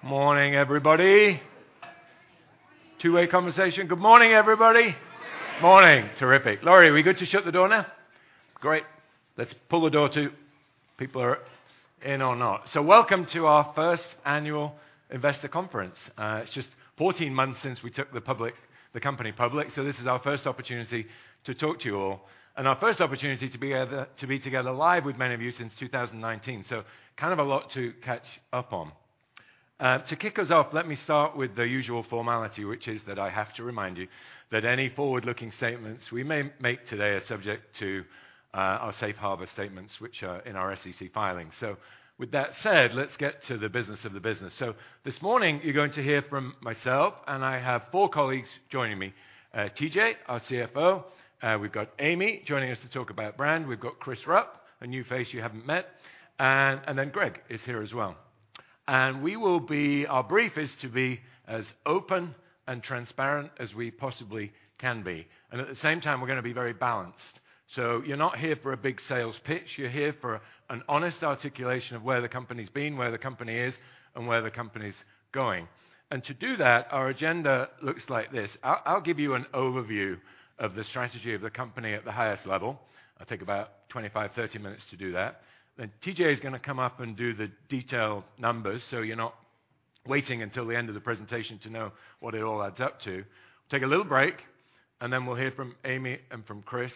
Morning, everybody. Two-way conversation. Good morning, everybody. Good morning. Morning. Terrific. Lori, are we good to shut the door now? Great. Let's pull the door to. People are in or not. Welcome to our first annual investor conference. It's just 14 months since we took the company public, so this is our first opportunity to talk to you all, and our first opportunity to be together live with many of you since 2019. Kind of a lot to catch up on. To kick us off, let me start with the usual formality, which is that I have to remind you that any forward-looking statements we may make today are subject to our safe harbor statements which are in our SEC filings. With that said, let's get to the business of the business. This morning you're going to hear from myself, and I have four colleagues joining me. TJ, our CFO. We've got Amy joining us to talk about brand. We've got Chris Rupp, a new face you haven't met, and then Greg is here as well. We will be. Our brief is to be as open and transparent as we possibly can be, and at the same time we're gonna be very balanced. You're not here for a big sales pitch. You're here for an honest articulation of where the company's been, where the company is, and where the company's going. To do that, our agenda looks like this. I'll give you an overview of the strategy of the company at the highest level. I'll take about 25, 30 minutes to do that. TJ is gonna come up and do the detailed numbers, so you're not waiting until the end of the presentation to know what it all adds up to. Take a little break, and then we'll hear from Amy and from Chris,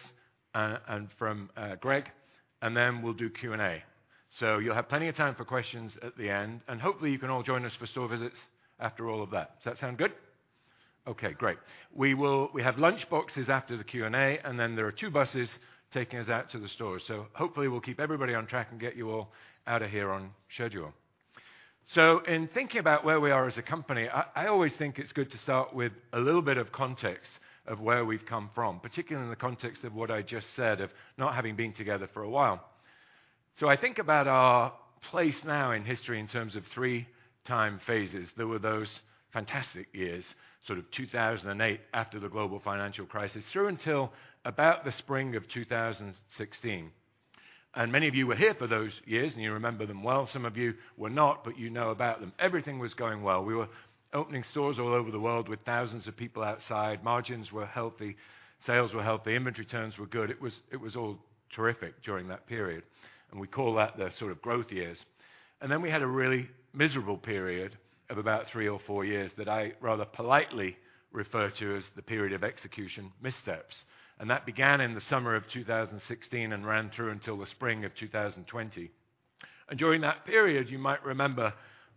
and from Greg, and then we'll do Q&A. You'll have plenty of time for questions at the end, and hopefully you can all join us for store visits after all of that. Does that sound good? Okay, great. We have lunch boxes after the Q&A, and then there are two buses taking us out to the stores. Hopefully we'll keep everybody on track and get you all out of here on schedule. In thinking about where we are as a company, I always think it's good to start with a little bit of context of where we've come from, particularly in the context of what I just said, of not having been together for a while. I think about our place now in history in terms of three time phases. There were those fantastic years, sort of 2008 after the global financial crisis through until about the spring of 2016. Many of you were here for those years, and you remember them well. Some of you were not, but you know about them. Everything was going well. We were opening stores all over the world with thousands of people outside. Margins were healthy. Sales were healthy. Inventory turns were good. It was all terrific during that period, and we call that the sort of growth years. Then we had a really miserable period of about three or four years that I rather politely refer to as the period of execution missteps, and that began in the summer of 2016 and ran through until the spring of 2020. During that period, you might remember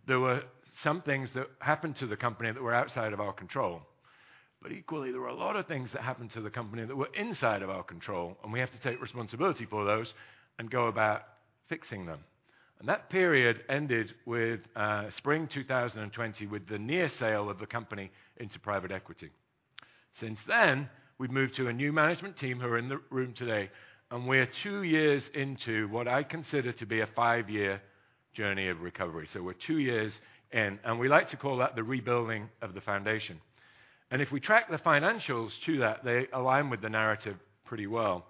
there were some things that happened to the company that were outside of our control. Equally, there were a lot of things that happened to the company that were inside of our control, and we have to take responsibility for those and go about fixing them. That period ended with spring 2020 with the near sale of the company into private equity. Since then, we've moved to a new management team who are in the room today, and we're two years into what I consider to be a five-year journey of recovery. We're two years in, and we like to call that the rebuilding of the foundation. If we track the financials to that, they align with the narrative pretty well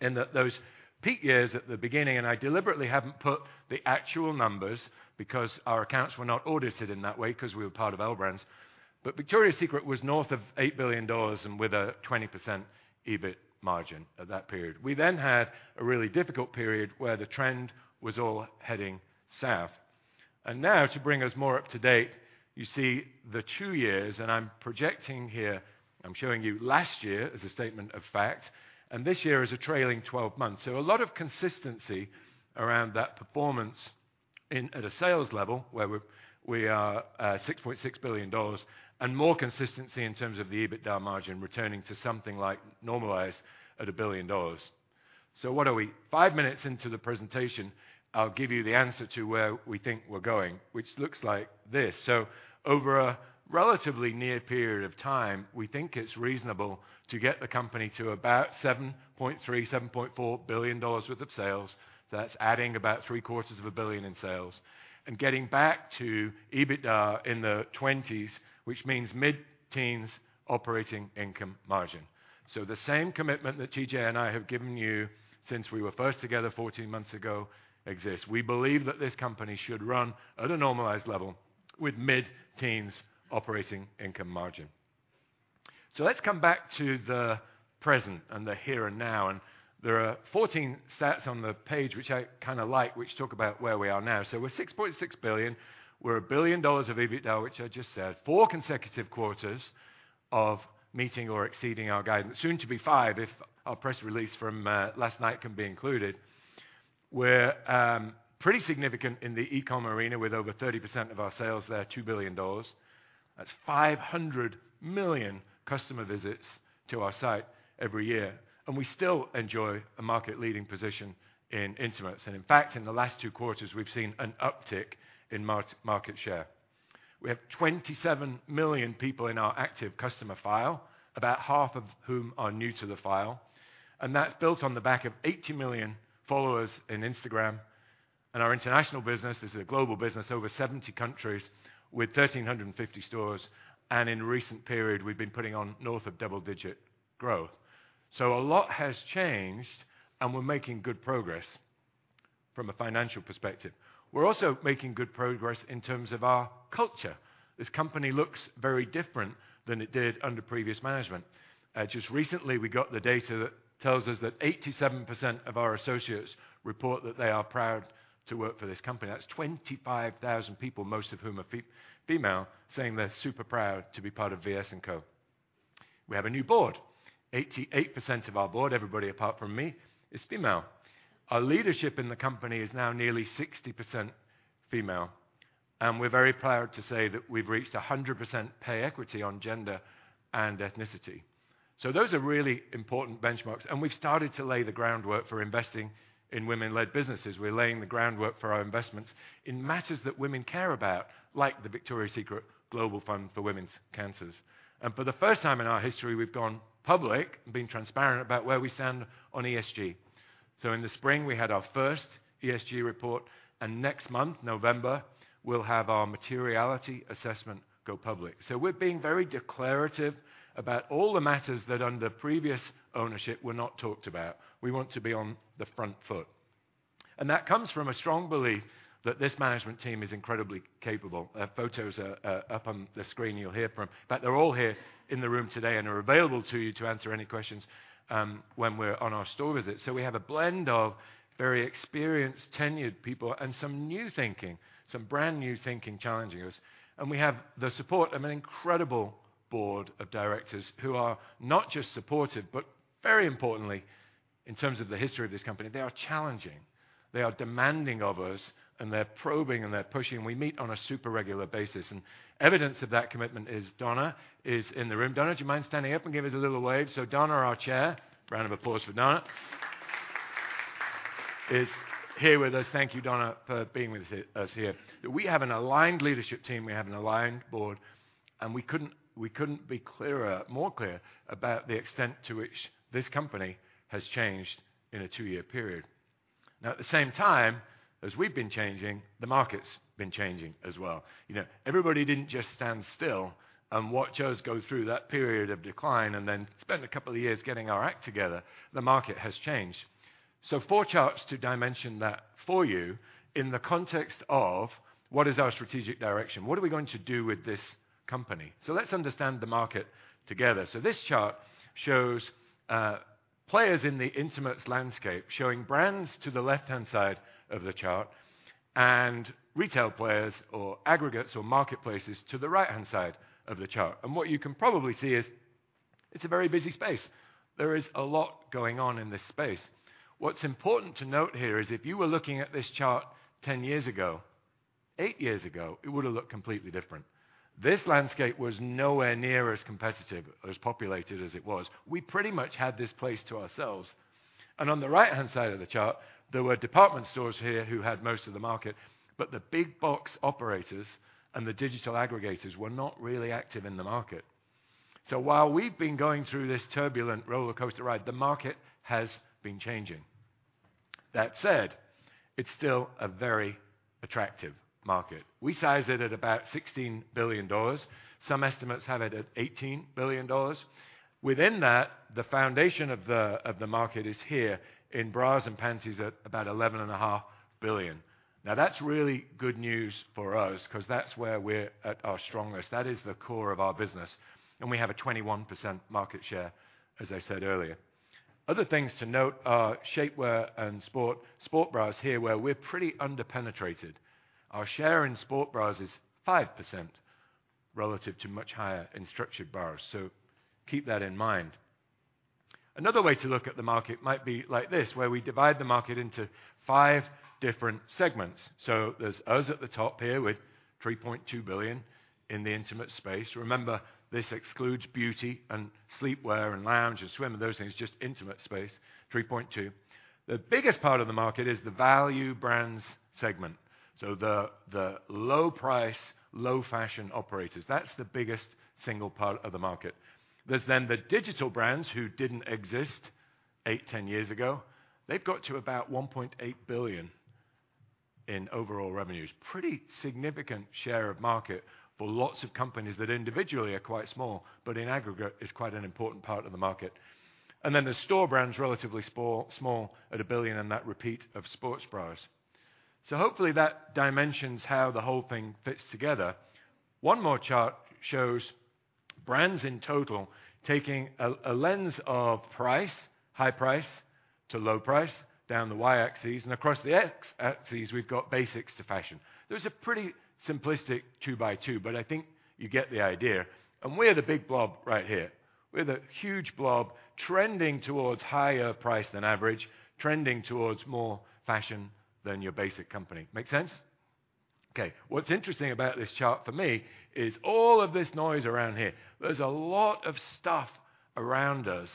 in that those peak years at the beginning, and I deliberately haven't put the actual numbers because our accounts were not audited in that way because we were part of L Brands. Victoria's Secret was north of $8 billion and with a 20% EBIT margin at that period. We then had a really difficult period where the trend was all heading south. Now to bring us more up-to-date, you see the two years, and I'm projecting here. I'm showing you last year as a statement of fact, and this year as a trailing twelve months. A lot of consistency around that performance in at a sales level where we are $6.6 billion, and more consistency in terms of the EBITDA margin returning to something like normalized at $1 billion. What are we? Five minutes into the presentation, I'll give you the answer to where we think we're going, which looks like this. Over a relatively near period of time, we think it's reasonable to get the company to about $7.3 billion-$7.4 billion worth of sales. That's adding about three-quarters of a billion in sales and getting back to EBITDA in the 20s, which means mid-teens operating income margin. The same commitment that TJ and I have given you since we were first together 14 months ago exists. We believe that this company should run at a normalized level with mid-teens operating income margin. Let's come back to the present and the here and now, and there are 14 stats on the page which I kinda like, which talk about where we are now. We're $6.6 billion. We're $1 billion of EBITDA, which I just said. Four consecutive quarters of meeting or exceeding our guidance. Soon to be five if our press release from last night can be included. We're pretty significant in the e-comm arena with over 30% of our sales there, $2 billion. That's 500 million customer visits to our site every year, and we still enjoy a market-leading position in intimates. In fact, in the last two quarters, we've seen an uptick in market share. We have 27 million people in our active customer file, about half of whom are new to the file, and that's built on the back of 80 million followers in Instagram. Our international business is a global business, over 70 countries with 1,350 stores, and in recent period, we've been putting on north of double-digit growth. A lot has changed, and we're making good progress. From a financial perspective. We're also making good progress in terms of our culture. This company looks very different than it did under previous management. Just recently, we got the data that tells us that 87% of our associates report that they are proud to work for this company. That's 25,000 people, most of whom are female, saying they're super proud to be part of VS & Co. We have a new board. 88% of our board, everybody apart from me, is female. Our leadership in the company is now nearly 60% female, and we're very proud to say that we've reached 100% pay equity on gender and ethnicity. Those are really important benchmarks, and we've started to lay the groundwork for investing in women-led businesses. We're laying the groundwork for our investments in matters that women care about, like the Victoria's Secret Global Fund for Women's Cancers. For the first time in our history, we've gone public and been transparent about where we stand on ESG. In the spring, we had our first ESG report, and next month, November, we'll have our materiality assessment go public. We're being very declarative about all the matters that under previous ownership were not talked about. We want to be on the front foot. That comes from a strong belief that this management team is incredibly capable. Their photos are up on the screen. You'll hear from. In fact, they're all here in the room today and are available to you to answer any questions when we're on our store visit. We have a blend of very experienced, tenured people and some new thinking, some brand-new thinking challenging us. We have the support of an incredible board of directors who are not just supportive, but very importantly, in terms of the history of this company, they are challenging. They are demanding of us, and they're probing, and they're pushing. We meet on a super regular basis, and evidence of that commitment is Donna is in the room. Donna, do you mind standing up and give us a little wave? Donna, our Chair, round of applause for Donna, is here with us. Thank you, Donna, for being with us here. We have an aligned leadership team. We have an aligned board, and we couldn't be clearer, more clear about the extent to which this company has changed in a two-year period. Now, at the same time as we've been changing, the market's been changing as well. You know, everybody didn't just stand still and watch us go through that period of decline and then spend a couple of years getting our act together. The market has changed. Four charts to dimension that for you in the context of what is our strategic direction? What are we going to do with this company? Let's understand the market together. This chart shows players in the intimates landscape, showing brands to the left-hand side of the chart and retail players or aggregates or marketplaces to the right-hand side of the chart. What you can probably see is it's a very busy space. There is a lot going on in this space. What's important to note here is if you were looking at this chart 10 years ago, eight years ago, it would've looked completely different. This landscape was nowhere near as competitive or as populated as it was. We pretty much had this place to ourselves. On the right-hand side of the chart, there were department stores here who had most of the market, but the big box operators and the digital aggregators were not really active in the market. While we've been going through this turbulent rollercoaster ride, the market has been changing. That said, it's still a very attractive market. We size it at about $16 billion. Some estimates have it at $18 billion. Within that, the foundation of the market is here in bras and panties at about $11.5 billion. Now, that's really good news for us 'cause that's where we're at our strongest. That is the core of our business, and we have a 21% market share, as I said earlier. Other things to note are shapewear and sport bras here, where we're pretty under-penetrated. Our share in sport bras is 5% relative to much higher in structured bras. Keep that in mind. Another way to look at the market might be like this, where we divide the market into five different segments. There's us at the top here with $3.2 billion in the intimate space. Remember, this excludes beauty and sleepwear and lounge and swim and those things, just intimate space, $3.2 billion. The biggest part of the market is the value brands segment. The low price, low fashion operators. That's the biggest single part of the market. There's then the digital brands who didn't exist eight, 10 years ago. They've got to about $1.8 billion in overall revenues. Pretty significant share of market for lots of companies that individually are quite small, but in aggregate is quite an important part of the market. The store brands, relatively small at $1 billion, and that repeat of sports bras. Hopefully, that dimensions how the whole thing fits together. One more chart shows brands in total taking a lens of price, high price to low price, down the Y-axis, and across the X-axis, we've got basics to fashion. There's a pretty simplistic two-by-two, but I think you get the idea. We're the big blob right here. We're the huge blob trending towards higher price than average, trending towards more fashion than your basic company. Make sense? Okay. What's interesting about this chart for me is all of this noise around here. There's a lot of stuff around us,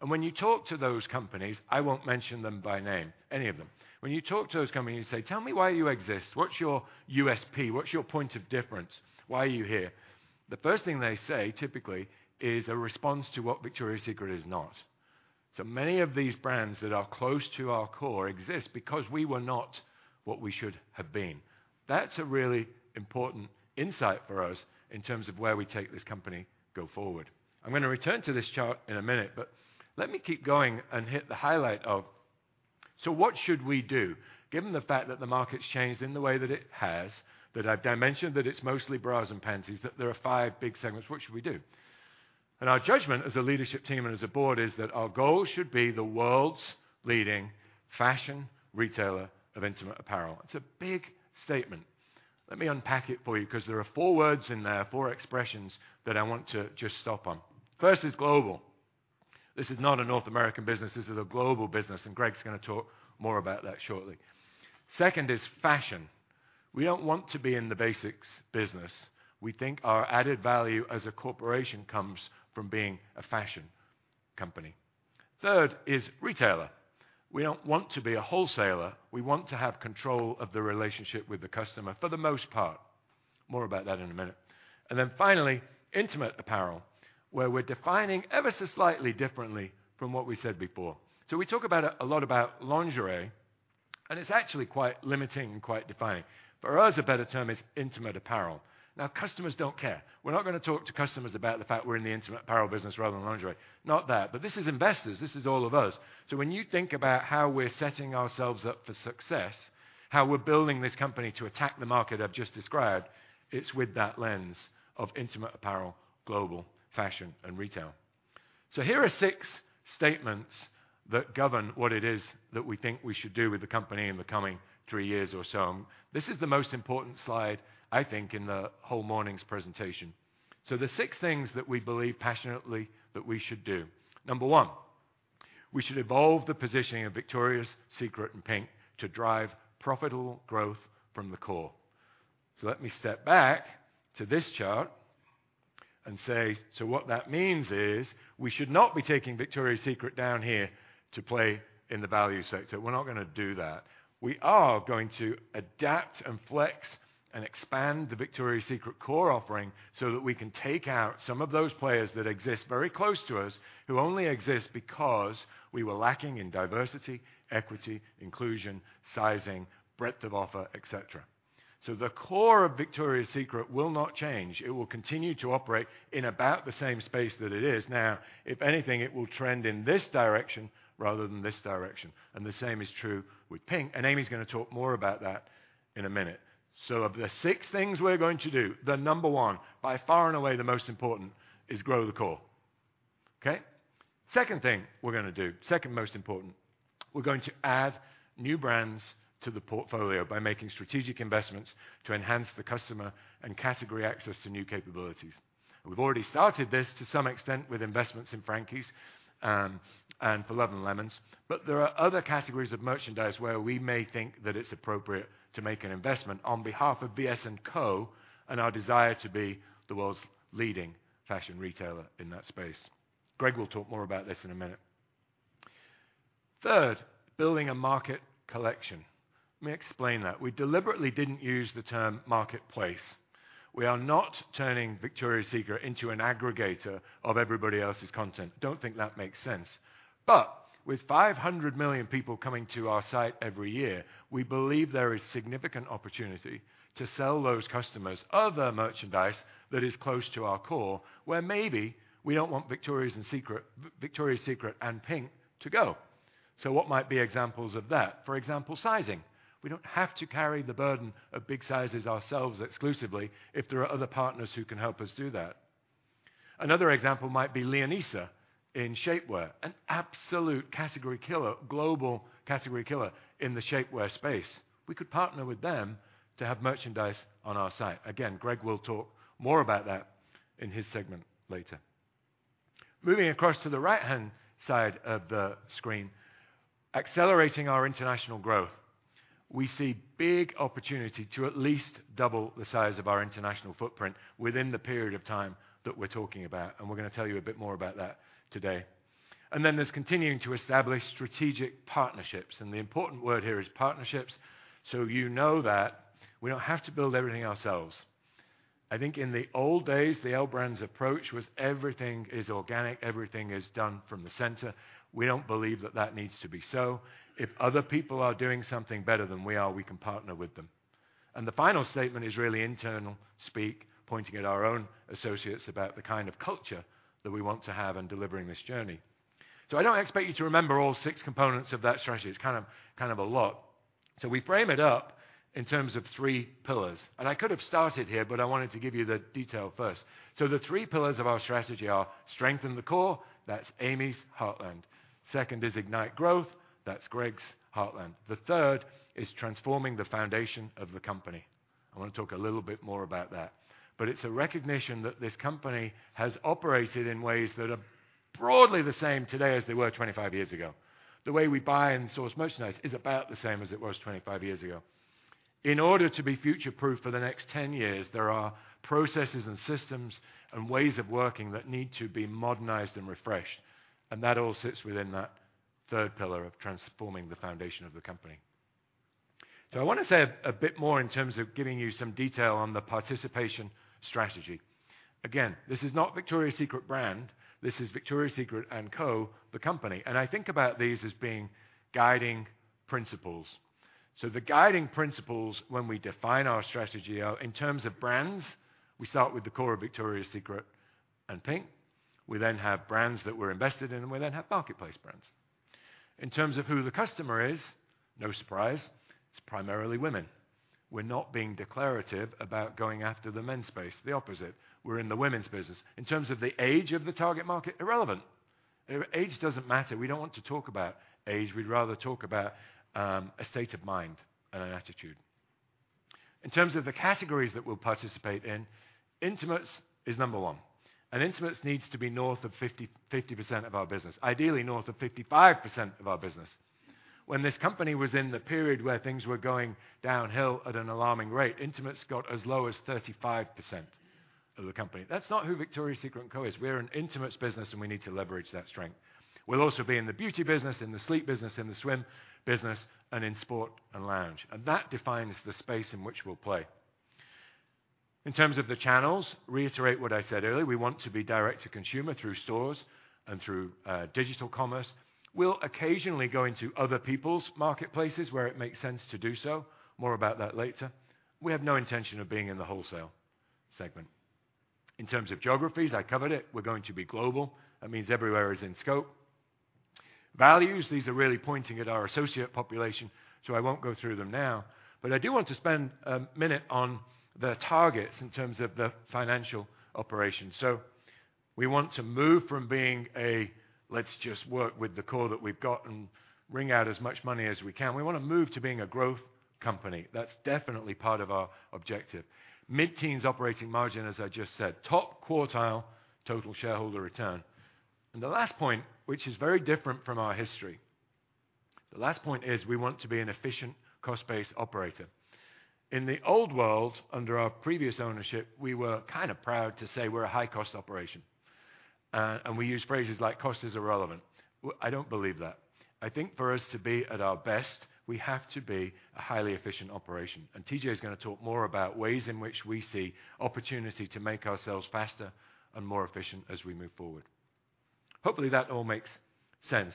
and when you talk to those companies, I won't mention them by name, any of them. When you talk to those companies and say, "Tell me why you exist. What's your USP? What's your point of difference? Why are you here?" The first thing they say, typically, is a response to what Victoria's Secret is not. Many of these brands that are close to our core exist because we were not what we should have been. That's a really important insight for us in terms of where we take this company go forward. I'm gonna return to this chart in a minute, but let me keep going and hit the highlight of, so what should we do? Given the fact that the market's changed in the way that it has, that I've dimensioned that it's mostly bras and panties, that there are five big segments, what should we do? Our judgment as a leadership team and as a board is that our goal should be the world's leading fashion retailer of intimate apparel. It's a big statement. Let me unpack it for you because there are four words in there, four expressions that I want to just stop on. First is global. This is not a North American business, this is a global business, and Greg's gonna talk more about that shortly. Second is fashion. We don't want to be in the basics business. We think our added value as a corporation comes from being a fashion company. Third is retailer. We don't want to be a wholesaler. We want to have control of the relationship with the customer for the most part. More about that in a minute. Then finally, intimate apparel, where we're defining ever so slightly differently from what we said before. We talk about it a lot about lingerie, and it's actually quite limiting and quite defining. For us, a better term is intimate apparel. Now customers don't care. We're not gonna talk to customers about the fact we're in the intimate apparel business rather than lingerie. Not that. This is investors, this is all of us. When you think about how we're setting ourselves up for success, how we're building this company to attack the market I've just described, it's with that lens of intimate apparel, global fashion, and retail. Here are six statements that govern what it is that we think we should do with the company in the coming three years or so. This is the most important slide, I think, in the whole morning's presentation. The six things that we believe passionately that we should do. Number one, we should evolve the positioning of Victoria's Secret and PINK to drive profitable growth from the core. Let me step back to this chart and say, so what that means is we should not be taking Victoria's Secret down here to play in the value sector. We're not gonna do that. We are going to adapt and flex and expand the Victoria's Secret core offering so that we can take out some of those players that exist very close to us who only exist because we were lacking in diversity, equity, inclusion, sizing, breadth of offer, et cetera. The core of Victoria's Secret will not change. It will continue to operate in about the same space that it is now. If anything, it will trend in this direction rather than this direction, and the same is true with PINK, and Amy's gonna talk more about that in a minute. Of the six things we're going to do, the number one by far and away the most important is grow the core. Okay? Second thing we're gonna do, second most important, we're going to add new brands to the portfolio by making strategic investments to enhance the customer and category access to new capabilities. We've already started this to some extent with investments in Frankies and For Love & Lemons. There are other categories of merchandise where we may think that it's appropriate to make an investment on behalf of VS & Co and our desire to be the world's leading fashion retailer in that space. Greg will talk more about this in a minute. Third, building a market collection. Let me explain that. We deliberately didn't use the term marketplace. We are not turning Victoria's Secret into an aggregator of everybody else's content. Don't think that makes sense. With 500 million people coming to our site every year, we believe there is significant opportunity to sell those customers other merchandise that is close to our core, where maybe we don't want Victoria's Secret and PINK to go. What might be examples of that? For example, sizing. We don't have to carry the burden of big sizes ourselves exclusively if there are other partners who can help us do that. Another example might be Leonisa in shapewear, an absolute category killer, global category killer in the shapewear space. We could partner with them to have merchandise on our site. Again, Greg will talk more about that in his segment later. Moving across to the right-hand side of the screen, accelerating our international growth. We see big opportunity to at least double the size of our international footprint within the period of time that we're talking about, and we're gonna tell you a bit more about that today. There's continuing to establish strategic partnerships, and the important word here is partnerships, so you know that we don't have to build everything ourselves. I think in the old days, the L Brands approach was everything is organic, everything is done from the center. We don't believe that needs to be so. If other people are doing something better than we are, we can partner with them. The final statement is really internal speak, pointing at our own associates about the kind of culture that we want to have in delivering this journey. I don't expect you to remember all six components of that strategy. It's kind of a lot. We frame it up in terms of three pillars. I could have started here, but I wanted to give you the detail first. The three pillars of our strategy are strengthen the core, that's Amy's heartland. Second is ignite growth, that's Greg's heartland. The third is transforming the foundation of the company. I wanna talk a little bit more about that. It's a recognition that this company has operated in ways that are broadly the same today as they were 25 years ago. The way we buy and source merchandise is about the same as it was 25 years ago. In order to be future-proof for the next 10 years, there are processes and systems and ways of working that need to be modernized and refreshed, and that all sits within that third pillar of transforming the foundation of the company. I wanna say a bit more in terms of giving you some detail on the partnership strategy. Again, this is not Victoria's Secret brand, this is Victoria's Secret & Co, the company. I think about these as being guiding principles. The guiding principles when we define our strategy are in terms of brands, we start with the core of Victoria's Secret and PINK. We then have brands that we're invested in, and we then have marketplace brands. In terms of who the customer is, no surprise, it's primarily women. We're not being declarative about going after the men's space. The opposite. We're in the women's business. In terms of the age of the target market, irrelevant. Age doesn't matter. We don't want to talk about age. We'd rather talk about a state of mind and an attitude. In terms of the categories that we'll participate in, intimates is number one, and intimates needs to be north of 50% of our business. Ideally, north of 55% of our business. When this company was in the period where things were going downhill at an alarming rate, intimates got as low as 35% of the company. That's not who Victoria's Secret & Co is. We're an intimates business, and we need to leverage that strength. We'll also be in the beauty business, in the sleep business, in the swim business, and in sport and lounge. That defines the space in which we'll play. In terms of the channels, reiterate what I said earlier, we want to be direct-to-consumer through stores and through digital commerce. We'll occasionally go into other people's marketplaces where it makes sense to do so. More about that later. We have no intention of being in the wholesale segment. In terms of geographies, I covered it. We're going to be global. That means everywhere is in scope. Values, these are really pointing at our associate population, so I won't go through them now. I do want to spend a minute on the targets in terms of the financial operations. We want to move from being a, "Let's just work with the core that we've got and wring out as much money as we can." We wanna move to being a growth company. That's definitely part of our objective. Mid-teens operating margin, as I just said. Top quartile total shareholder return. The last point, which is very different from our history, the last point is we want to be an efficient cost base operator. In the old world, under our previous ownership, we were kinda proud to say we're a high-cost operation. We use phrases like, "Cost is irrelevant." Well, I don't believe that. I think for us to be at our best, we have to be a highly efficient operation, and TJ is gonna talk more about ways in which we see opportunity to make ourselves faster and more efficient as we move forward. Hopefully, that all makes sense.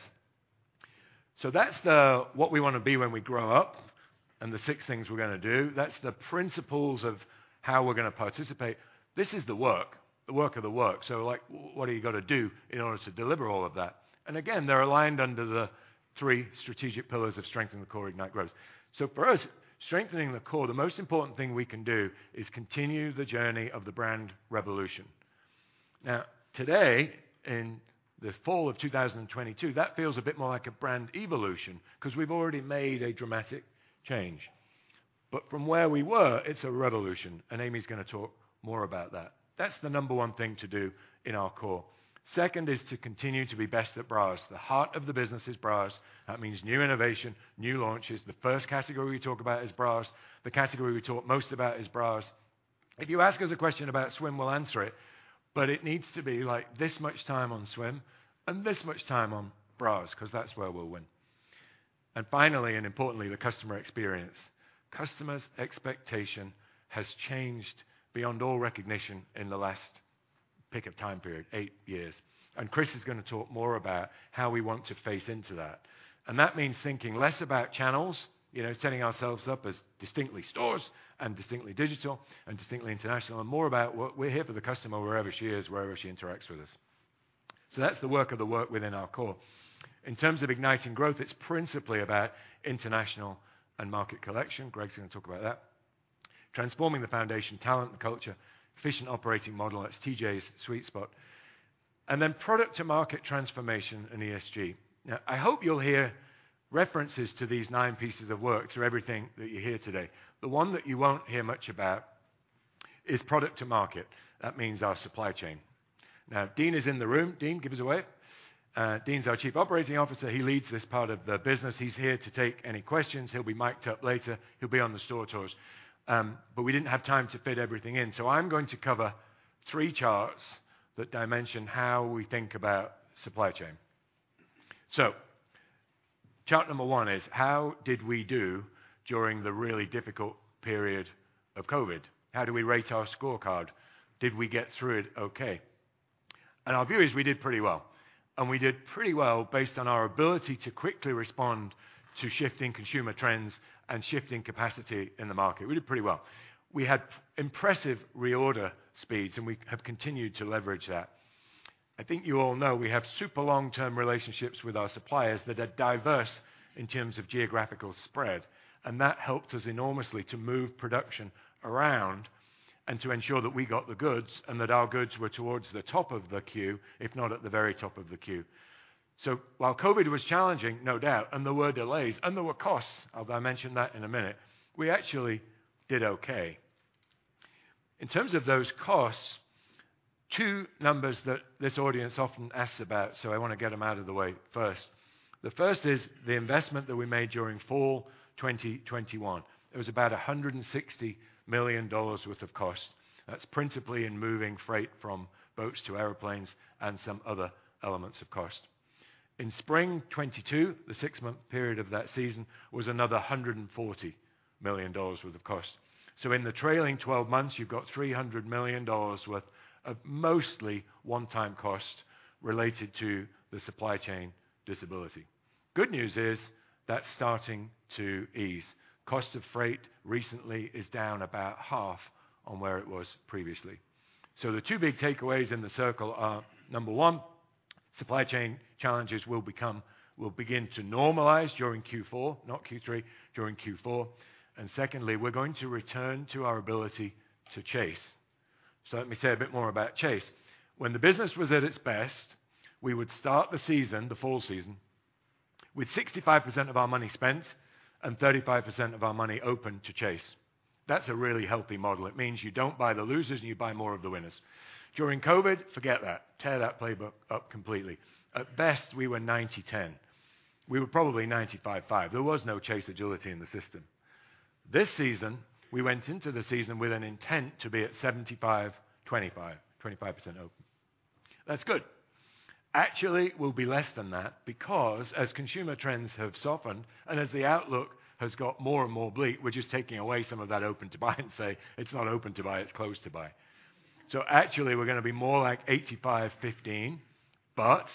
That's the what we wanna be when we grow up, and the six things we're gonna do. That's the principles of how we're gonna participate. This is the work, the work of the work. Like, what do you gotta do in order to deliver all of that? Again, they're aligned under the three strategic pillars of strengthen the core, ignite growth. For us, strengthening the core, the most important thing we can do is continue the journey of the brand revolution. Now, today, in the fall of 2022, that feels a bit more like a brand evolution 'cause we've already made a dramatic change. From where we were, it's a revolution, and Amy's gonna talk more about that. That's the number one thing to do in our core. Second is to continue to be best at bras. The heart of the business is bras. That means new innovation, new launches. The first category we talk about is bras. The category we talk most about is bras. If you ask us a question about swim, we'll answer it, but it needs to be, like, this much time on swim and this much time on bras, 'cause that's where we'll win. Finally, and importantly, the customer experience. Customer's expectation has changed beyond all recognition in the last eight years. Chris is gonna talk more about how we want to face into that. That means thinking less about channels, you know, setting ourselves up as distinctly stores and distinctly digital and distinctly international, and more about we're here for the customer wherever she is, wherever she interacts with us. That's the work of the work within our core. In terms of igniting growth, it's principally about international and market collection. Greg's gonna talk about that. Transforming the foundation, talent, and culture. Efficient operating model, that's TJ's sweet spot. Product to market transformation and ESG. Now, I hope you'll hear references to these nine pieces of work through everything that you hear today. The one that you won't hear much about is product to market. That means our supply chain. Now, Dein is in the room. Dein, give us a wave. Dein's our Chief Operating Officer. He leads this part of the business. He's here to take any questions. He'll be mic'd up later. He'll be on the store tours. But we didn't have time to fit everything in, so I'm going to cover three charts that dimension how we think about supply chain. Chart number one is, how did we do during the really difficult period of COVID? How do we rate our scorecard? Did we get through it okay? Our view is we did pretty well, and we did pretty well based on our ability to quickly respond to shifting consumer trends and shifting capacity in the market. We did pretty well. We had impressive reorder speeds, and we have continued to leverage that. I think you all know we have super long-term relationships with our suppliers that are diverse in terms of geographical spread, and that helped us enormously to move production around and to ensure that we got the goods and that our goods were towards the top of the queue, if not at the very top of the queue. While COVID was challenging, no doubt, and there were delays and there were costs, I'll mention that in a minute, we actually did okay. In terms of those costs, two numbers that this audience often asks about, so I wanna get them out of the way first. The first is the investment that we made during fall 2021. It was about $160 million worth of cost. That's principally in moving freight from boats to airplanes and some other elements of cost. In spring 2022, the six-month period of that season was another $140 million worth of cost. In the trailing 12 months, you've got $300 million worth of mostly one-time cost related to the supply chain disability. Good news is that's starting to ease. Cost of freight recently is down about half on where it was previously. The two big takeaways in the call are, number one, supply chain challenges will begin to normalize during Q4, not Q3, during Q4. Secondly, we're going to return to our ability to chase. Let me say a bit more about chase. When the business was at its best, we would start the season, the fall season, with 65% of our money spent and 35% of our money open to chase. That's a really healthy model. It means you don't buy the losers, and you buy more of the winners. During COVID, forget that. Tear that playbook up completely. At best, we were 90/10. We were probably 95/5. There was no chase agility in the system. This season, we went into the season with an intent to be at 75/25 open. That's good. Actually, we'll be less than that because as consumer trends have softened and as the outlook has got more and more bleak, we're just taking away some of that open to buy and say, it's not open to buy, it's closed to buy. Actually, we're gonna be more like 85/15, but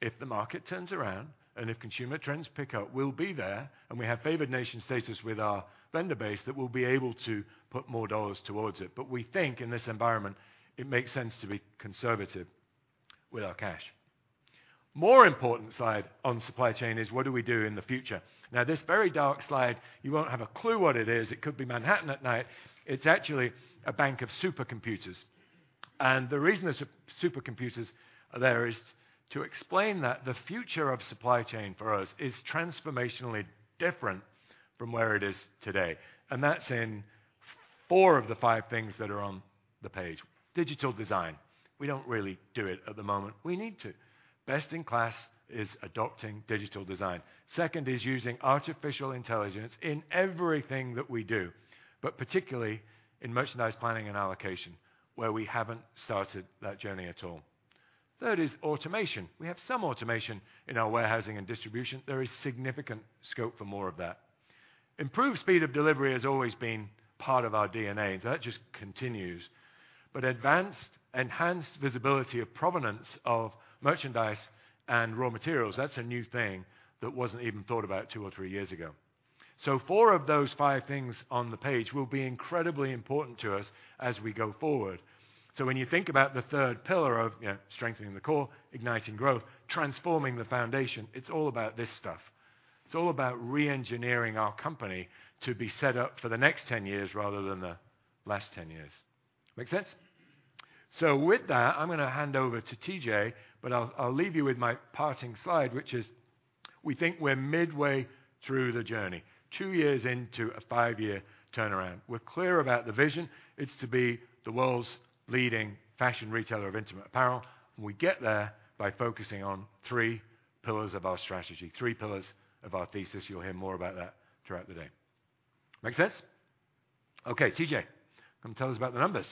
if the market turns around and if consumer trends pick up, we'll be there, and we have favored nation status with our vendor base that we'll be able to put more dollars towards it. We think in this environment it makes sense to be conservative with our cash. More important slide on supply chain is what do we do in the future? Now, this very dark slide, you won't have a clue what it is. It could be Manhattan at night. It's actually a bank of supercomputers. The reason the supercomputers are there is to explain that the future of supply chain for us is transformationally different from where it is today, and that's in four of the five things that are on the page. Digital design, we don't really do it at the moment. We need to. Best-in-class is adopting digital design. Second is using artificial intelligence in everything that we do, but particularly in merchandise planning and allocation, where we haven't started that journey at all. Third is automation. We have some automation in our warehousing and distribution. There is significant scope for more of that. Improved speed of delivery has always been part of our DNA, and that just continues. Advanced, enhanced visibility of provenance of merchandise and raw materials, that's a new thing that wasn't even thought about two or three years ago. Four of those five things on the page will be incredibly important to us as we go forward. When you think about the third pillar of, you know, strengthening the core, igniting growth, transforming the foundation, it's all about this stuff. It's all about re-engineering our company to be set up for the next 10 years rather than the last 10 years. Make sense? With that, I'm gonna hand over to TJ, but I'll leave you with my parting slide, which is, we think we're midway through the journey, two years into a five-year turnaround. We're clear about the vision. It's to be the world's leading fashion retailer of intimate apparel, and we get there by focusing on three pillars of our strategy, three pillars of our thesis. You'll hear more about that throughout the day. Make sense? Okay, TJ, come tell us about the numbers.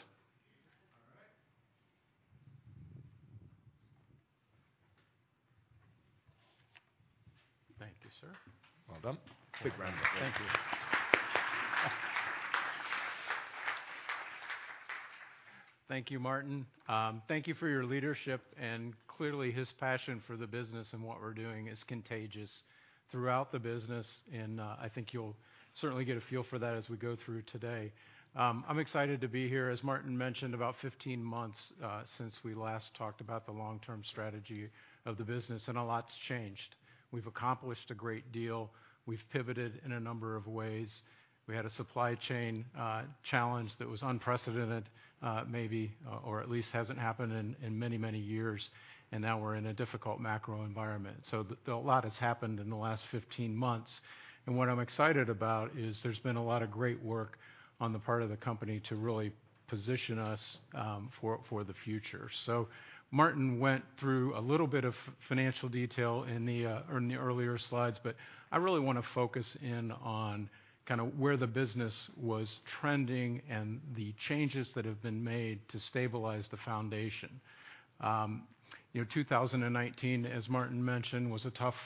All right. Thank you, sir. Well done. Big round of applause. Thank you. Thank you, Martin. Thank you for your leadership, and clearly his passion for the business and what we're doing is contagious throughout the business, and I think you'll certainly get a feel for that as we go through today. I'm excited to be here. As Martin mentioned, about 15 months since we last talked about the long-term strategy of the business, and a lot's changed. We've accomplished a great deal. We've pivoted in a number of ways. We had a supply chain challenge that was unprecedented, maybe or at least hasn't happened in many, many years, and now we're in a difficult macro environment. A lot has happened in the last 15 months, and what I'm excited about is there's been a lot of great work on the part of the company to really position us for the future. Martin went through a little bit of financial detail in the earlier slides, but I really wanna focus in on kinda where the business was trending and the changes that have been made to stabilize the foundation. You know, 2019, as Martin mentioned, was a tough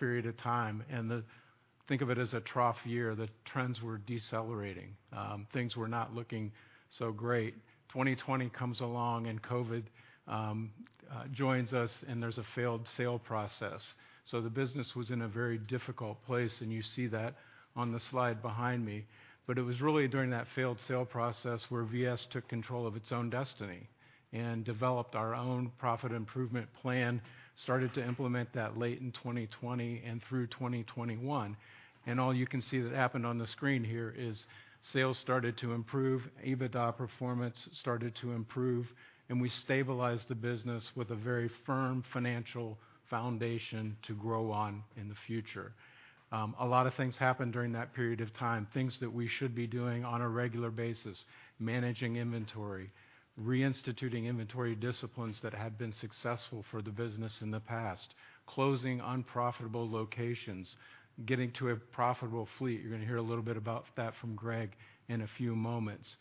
period of time, and think of it as a trough year. The trends were decelerating. Things were not looking so great. 2020 comes along and COVID joins us, and there's a failed sale process. The business was in a very difficult place, and you see that on the slide behind me. It was really during that failed sale process where VS took control of its own destiny and developed our own profit improvement plan, started to implement that late in 2020 and through 2021. All you can see that happened on the screen here is sales started to improve, EBITDA performance started to improve, and we stabilized the business with a very firm financial foundation to grow on in the future. A lot of things happened during that period of time, things that we should be doing on a regular basis, managing inventory, reinstituting inventory disciplines that had been successful for the business in the past, closing unprofitable locations, getting to a profitable fleet. You're gonna hear a little bit about that from Greg in a few moments.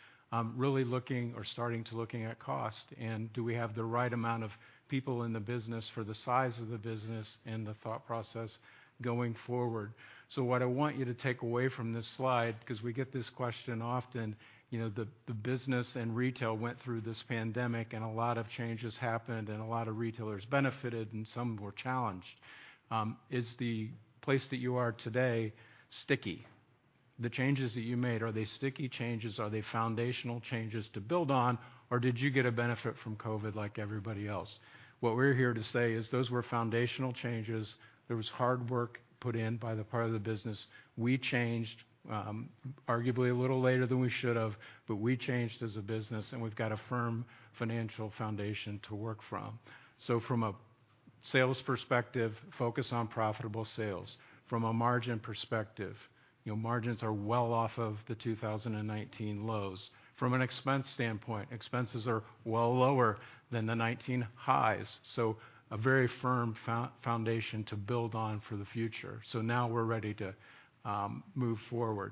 Really looking or starting to looking at cost and do we have the right amount of people in the business for the size of the business and the thought process going forward. What I want you to take away from this slide, 'cause we get this question often, you know, the business and retail went through this pandemic and a lot of changes happened and a lot of retailers benefited and some were challenged. Is the place that you are today sticky? The changes that you made, are they sticky changes? Are they foundational changes to build on? Or did you get a benefit from COVID like everybody else? What we're here to say is those were foundational changes. There was hard work put in by the part of the business. We changed, arguably a little later than we should have, but we changed as a business, and we've got a firm financial foundation to work from. From a sales perspective, focus on profitable sales. From a margin perspective, you know, margins are well off of the 2019 lows. From an expense standpoint, expenses are well lower than the 2019 highs. A very firm foundation to build on for the future. Now we're ready to move forward.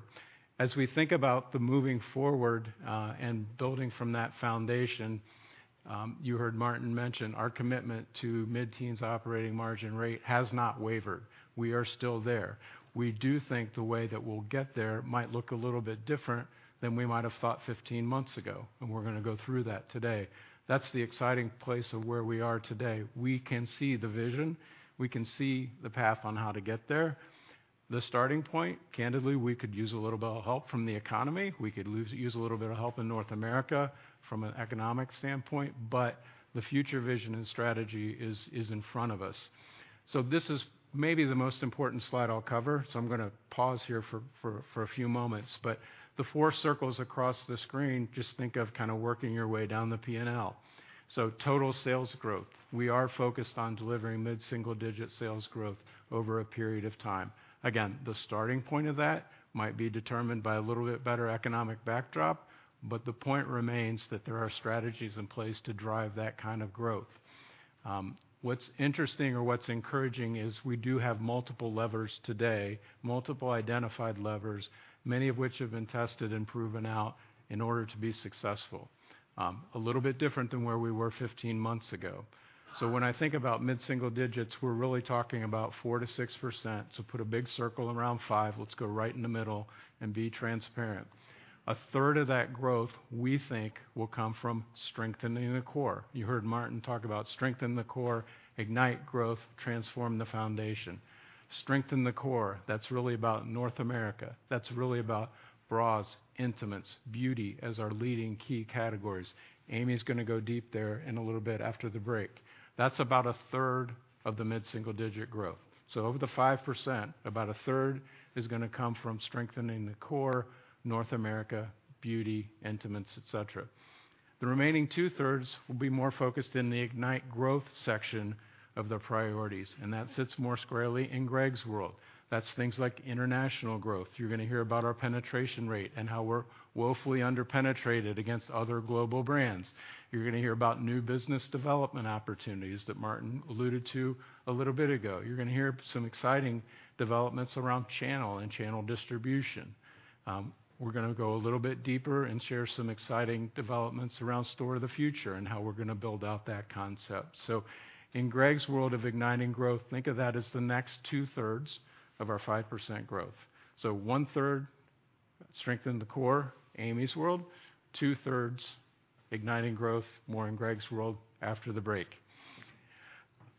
As we think about the moving forward, and building from that foundation, you heard Martin mention our commitment to mid-teens operating margin rate has not wavered. We are still there. We do think the way that we'll get there might look a little bit different than we might have thought 15 months ago, and we're gonna go through that today. That's the exciting place of where we are today. We can see the vision. We can see the path on how to get there. The starting point, candidly, we could use a little bit of help from the economy. We could use a little bit of help in North America from an economic standpoint, but the future vision and strategy is in front of us. This is maybe the most important slide I'll cover, so I'm gonna pause here for a few moments, but the four circles across the screen, just think of kind of working your way down the P&L. Total sales growth. We are focused on delivering mid-single-digit sales growth over a period of time. Again, the starting point of that might be determined by a little bit better economic backdrop, but the point remains that there are strategies in place to drive that kind of growth. What's interesting or what's encouraging is we do have multiple levers today, multiple identified levers, many of which have been tested and proven out in order to be successful. A little bit different than where we were 15 months ago. When I think about mid-single digits, we're really talking about 4%-6%. Put a big circle around five. Let's go right in the middle and be transparent. A third of that growth, we think, will come from strengthening the core. You heard Martin talk about strengthen the core, ignite growth, transform the foundation. Strengthen the core, that's really about North America. That's really about bras, intimates, beauty as our leading key categories. Amy's gonna go deep there in a little bit after the break. That's about 1/3 of the mid-single-digit growth. Of the 5%, about 1/3 is gonna come from strengthening the core, North America, beauty, intimates, et cetera. The remaining 2/3 will be more focused in the ignite growth section of the priorities, and that sits more squarely in Greg's world. That's things like international growth. You're gonna hear about our penetration rate and how we're woefully under-penetrated against other global brands. You're gonna hear about new business development opportunities that Martin alluded to a little bit ago. You're gonna hear some exciting developments around channel and channel distribution. We're gonna go a little bit deeper and share some exciting developments around store of the future and how we're gonna build out that concept. In Greg's world of igniting growth, think of that as the next 2/3 of our 5% growth. One-third, strengthen the core, Amy's world. Two-thirds, igniting growth, more in Greg's world after the break.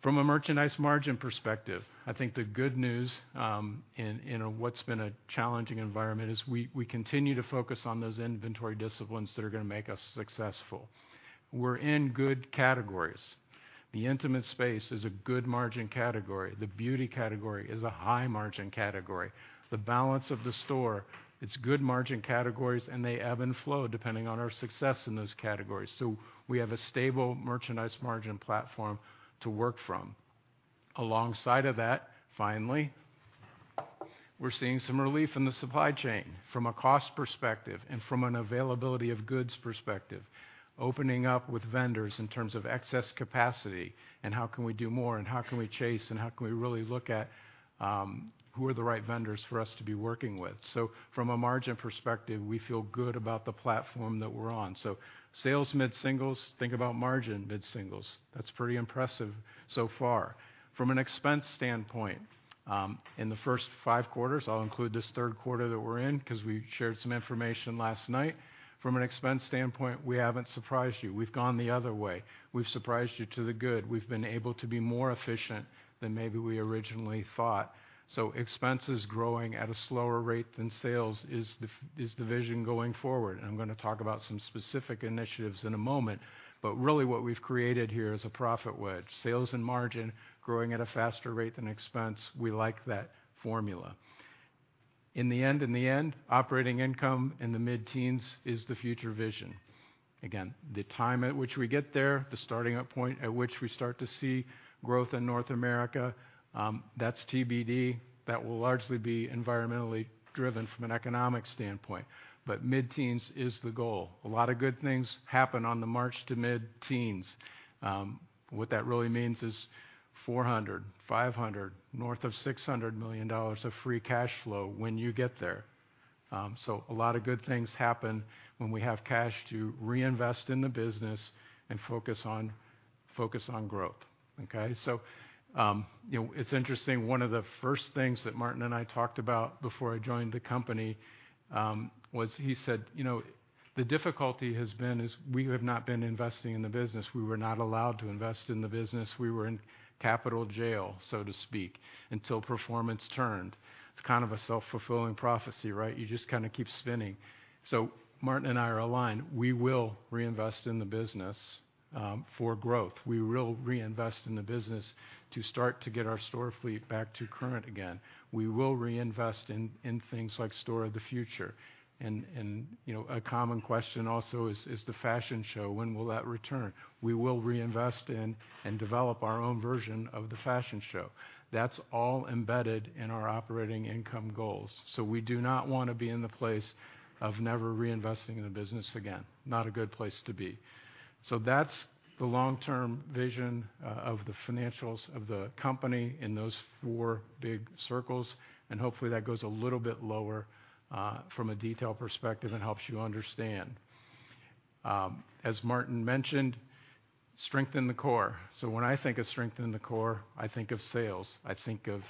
From a merchandise margin perspective, I think the good news, in what's been a challenging environment is we continue to focus on those inventory disciplines that are gonna make us successful. We're in good categories. The intimate space is a good margin category. The beauty category is a high-margin category. The balance of the store, it's good margin categories, and they ebb and flow depending on our success in those categories. We have a stable merchandise margin platform to work from. Alongside of that, finally, we're seeing some relief in the supply chain from a cost perspective and from an availability of goods perspective, opening up with vendors in terms of excess capacity and how can we do more and how can we chase and how can we really look at who are the right vendors for us to be working with. From a margin perspective, we feel good about the platform that we're on. Sales mid-singles, think about margin mid-singles. That's pretty impressive so far. From an expense standpoint, in the first five quarters, I'll include this third quarter that we're in because we shared some information last night. From an expense standpoint, we haven't surprised you. We've gone the other way. We've surprised you to the good. We've been able to be more efficient than maybe we originally thought. Expenses growing at a slower rate than sales is the vision going forward, and I'm gonna talk about some specific initiatives in a moment. Really what we've created here is a profit wedge, sales and margin growing at a faster rate than expense. We like that formula. In the end, operating income in the mid-teens is the future vision. Again, the time at which we get there, the starting up point at which we start to see growth in North America, that's TBD. That will largely be environmentally driven from an economic standpoint. Mid-teens is the goal. A lot of good things happen on the March to mid-teens. What that really means is $400 million, $500 million, north of $600 million of free cash flow when you get there. A lot of good things happen when we have cash to reinvest in the business and focus on growth, okay? You know, it's interesting, one of the first things that Martin and I talked about before I joined the company was he said, you know. The difficulty has been we have not been investing in the business. We were not allowed to invest in the business. We were in capital jail, so to speak, until performance turned. It's kind of a self-fulfilling prophecy, right? You just kind of keep spinning. Martin and I are aligned. We will reinvest in the business for growth. We will reinvest in the business to start to get our store fleet back to current again. We will reinvest in things like store of the future. You know, a common question also is the fashion show, when will that return? We will reinvest in and develop our own version of the fashion show. That's all embedded in our operating income goals. We do not wanna be in the place of never reinvesting in the business again. Not a good place to be. That's the long-term vision of the financials of the company in those four big circles, and hopefully that goes a little bit lower from a detail perspective and helps you understand. As Martin mentioned, strengthen the core. When I think of strengthening the core, I think of sales. I think of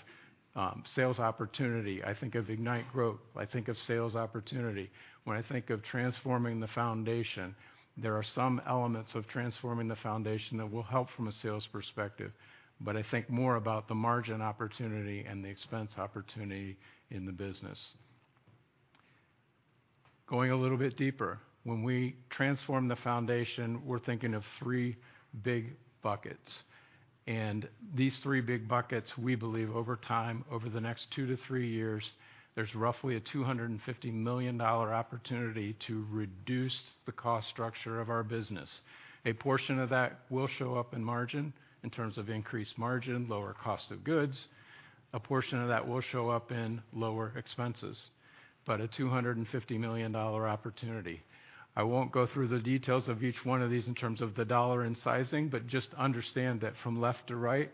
sales opportunity. I think of ignite growth. I think of sales opportunity. When I think of transforming the foundation, there are some elements of transforming the foundation that will help from a sales perspective, but I think more about the margin opportunity and the expense opportunity in the business. Going a little bit deeper, when we transform the foundation, we're thinking of three big buckets. These three big buckets, we believe over time, over the next two to three years, there's roughly a $250 million opportunity to reduce the cost structure of our business. A portion of that will show up in margin in terms of increased margin, lower cost of goods. A portion of that will show up in lower expenses, a $250 million opportunity. I won't go through the details of each one of these in terms of the dollar and sizing, but just understand that from left to right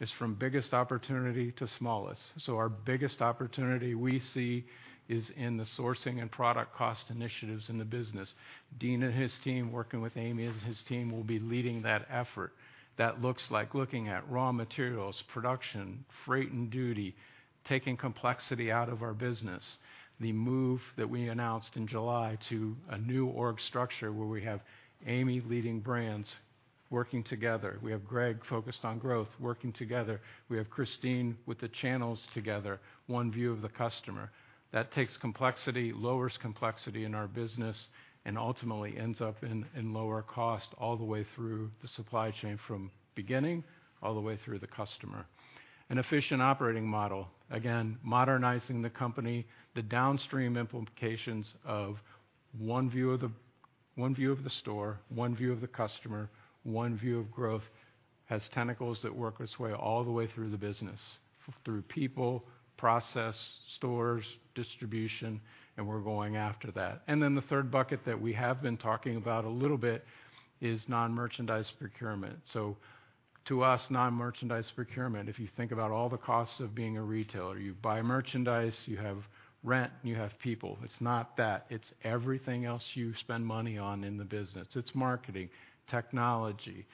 is from biggest opportunity to smallest. Our biggest opportunity we see is in the sourcing and product cost initiatives in the business. Dein and his team, working with Amy's team will be leading that effort. That looks like looking at raw materials, production, freight and duty, taking complexity out of our business. The move that we announced in July to a new org structure where we have Amy leading brands working together. We have Greg focused on growth working together. We have Christine with the channels together, one view of the customer. That takes complexity, lowers complexity in our business, and ultimately ends up in lower cost all the way through the supply chain from beginning all the way through the customer. An efficient operating model. Again, modernizing the company, the downstream implications of one view of the, one view of the store, one view of the customer, one view of growth has tentacles that work its way all the way through the business, through people, process, stores, distribution, and we're going after that. Then the third bucket that we have been talking about a little bit is non-merchandise procurement. To us, non-merchandise procurement, if you think about all the costs of being a retailer, you buy merchandise, you have rent, and you have people. It's not that. It's everything else you spend money on in the business. It's marketing, technology,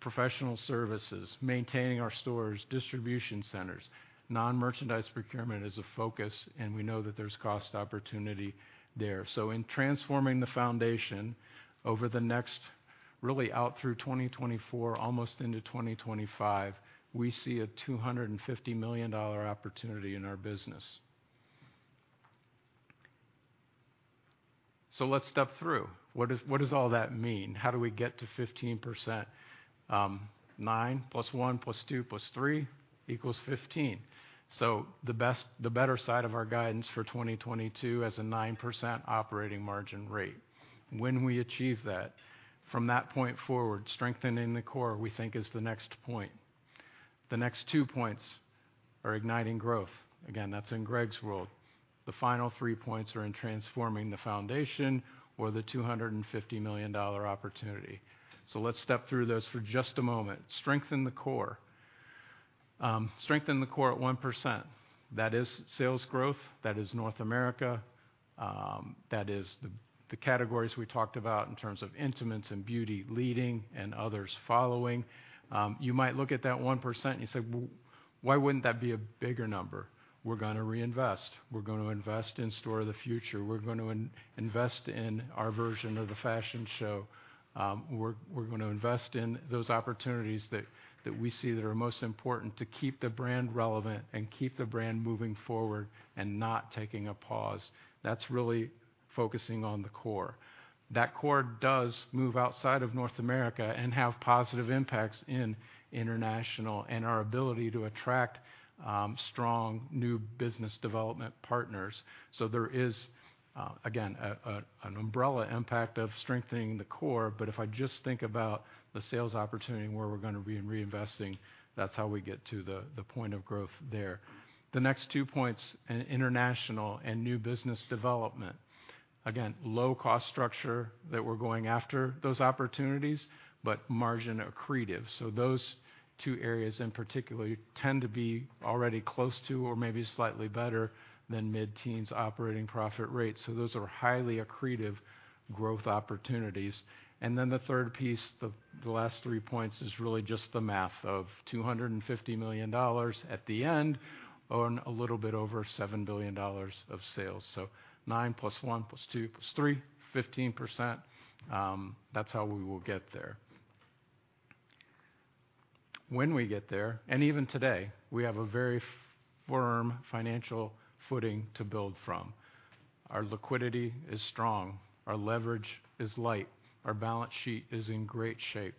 professional services, maintaining our stores, distribution centers. Non-merchandise procurement is a focus, and we know that there's cost opportunity there. In transforming the foundation over the next really out through 2024, almost into 2025, we see a $250 million opportunity in our business. Let's step through. What does all that mean? How do we get to 15%? 9 + 1 + 2 + 3 = 15. The better side of our guidance for 2022 as a 9% operating margin rate. When we achieve that, from that point forward, strengthening the core, we think, is the next point. The next two points are igniting growth. Again, that's in Greg's world. The final three points are in transforming the foundation or the $250 million opportunity. Let's step through those for just a moment. Strengthen the core. Strengthen the core at 1%. That is sales growth. That is North America. That is the categories we talked about in terms of intimates and beauty leading and others following. You might look at that 1% and you say, "Well, why wouldn't that be a bigger number?" We're gonna reinvest. We're going to invest in store of the future. We're going to invest in our version of the fashion show. We're gonna invest in those opportunities that we see that are most important to keep the brand relevant and keep the brand moving forward and not taking a pause. That's really focusing on the core. That core does move outside of North America and have positive impacts in international and our ability to attract strong new business development partners. There is again an umbrella impact of strengthening the core, but if I just think about the sales opportunity and where we're gonna be in reinvesting, that's how we get to the point of growth there. The next two points in international and new business development. Again, low cost structure that we're going after those opportunities, but margin accretive. Those two areas in particular tend to be already close to or maybe slightly better than mid-teens operating profit rates. Those are highly accretive growth opportunities. The third piece, the last three points, is really just the math of $250 million at the end on a little bit over $7 billion of sales. 9 + 1 + 2 + 3 = 15%, that's how we will get there. When we get there, even today, we have a very firm financial footing to build from. Our liquidity is strong. Our leverage is light. Our balance sheet is in great shape.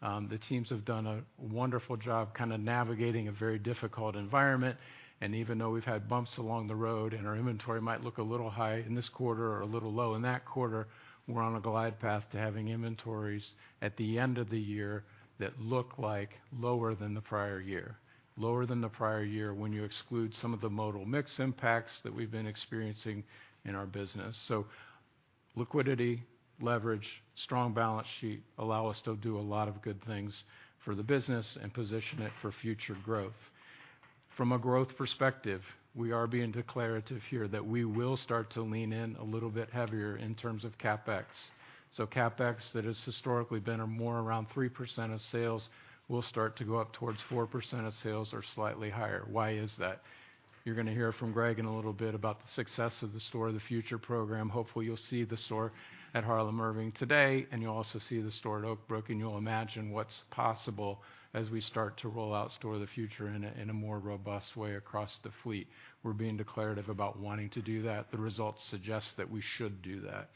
The teams have done a wonderful job kind of navigating a very difficult environment, and even though we've had bumps along the road, and our inventory might look a little high in this quarter or a little low in that quarter, we're on a glide path to having inventories at the end of the year that look like lower than the prior year. Lower than the prior year when you exclude some of the modal mix impacts that we've been experiencing in our business. Liquidity, leverage, strong balance sheet allow us to do a lot of good things for the business and position it for future growth. From a growth perspective, we are being declarative here that we will start to lean in a little bit heavier in terms of CapEx. CapEx that has historically been or more around 3% of sales will start to go up towards 4% of sales or slightly higher. Why is that? You're gonna hear from Greg in a little bit about the success of the store of the future program. Hopefully, you'll see the store at Harlem Irving Plaza today, and you'll also see the store at Oakbrook, and you'll imagine what's possible as we start to roll out Store of the Future in a more robust way across the fleet. We're being declarative about wanting to do that. The results suggest that we should do that.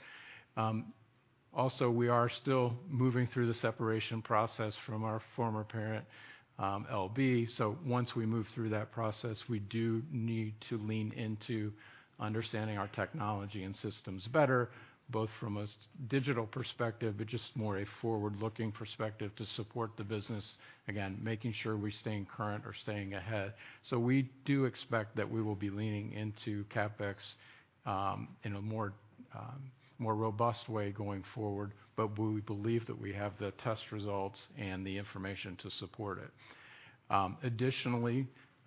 Also, we are still moving through the separation process from our former parent, L Brands. Once we move through that process, we do need to lean into understanding our technology and systems better, both from a digital perspective, but just more a forward-looking perspective to support the business. Again, making sure we're staying current or staying ahead. We do expect that we will be leaning into CapEx, in a more robust way going forward, but we believe that we have the test results and the information to support it. Additionally, you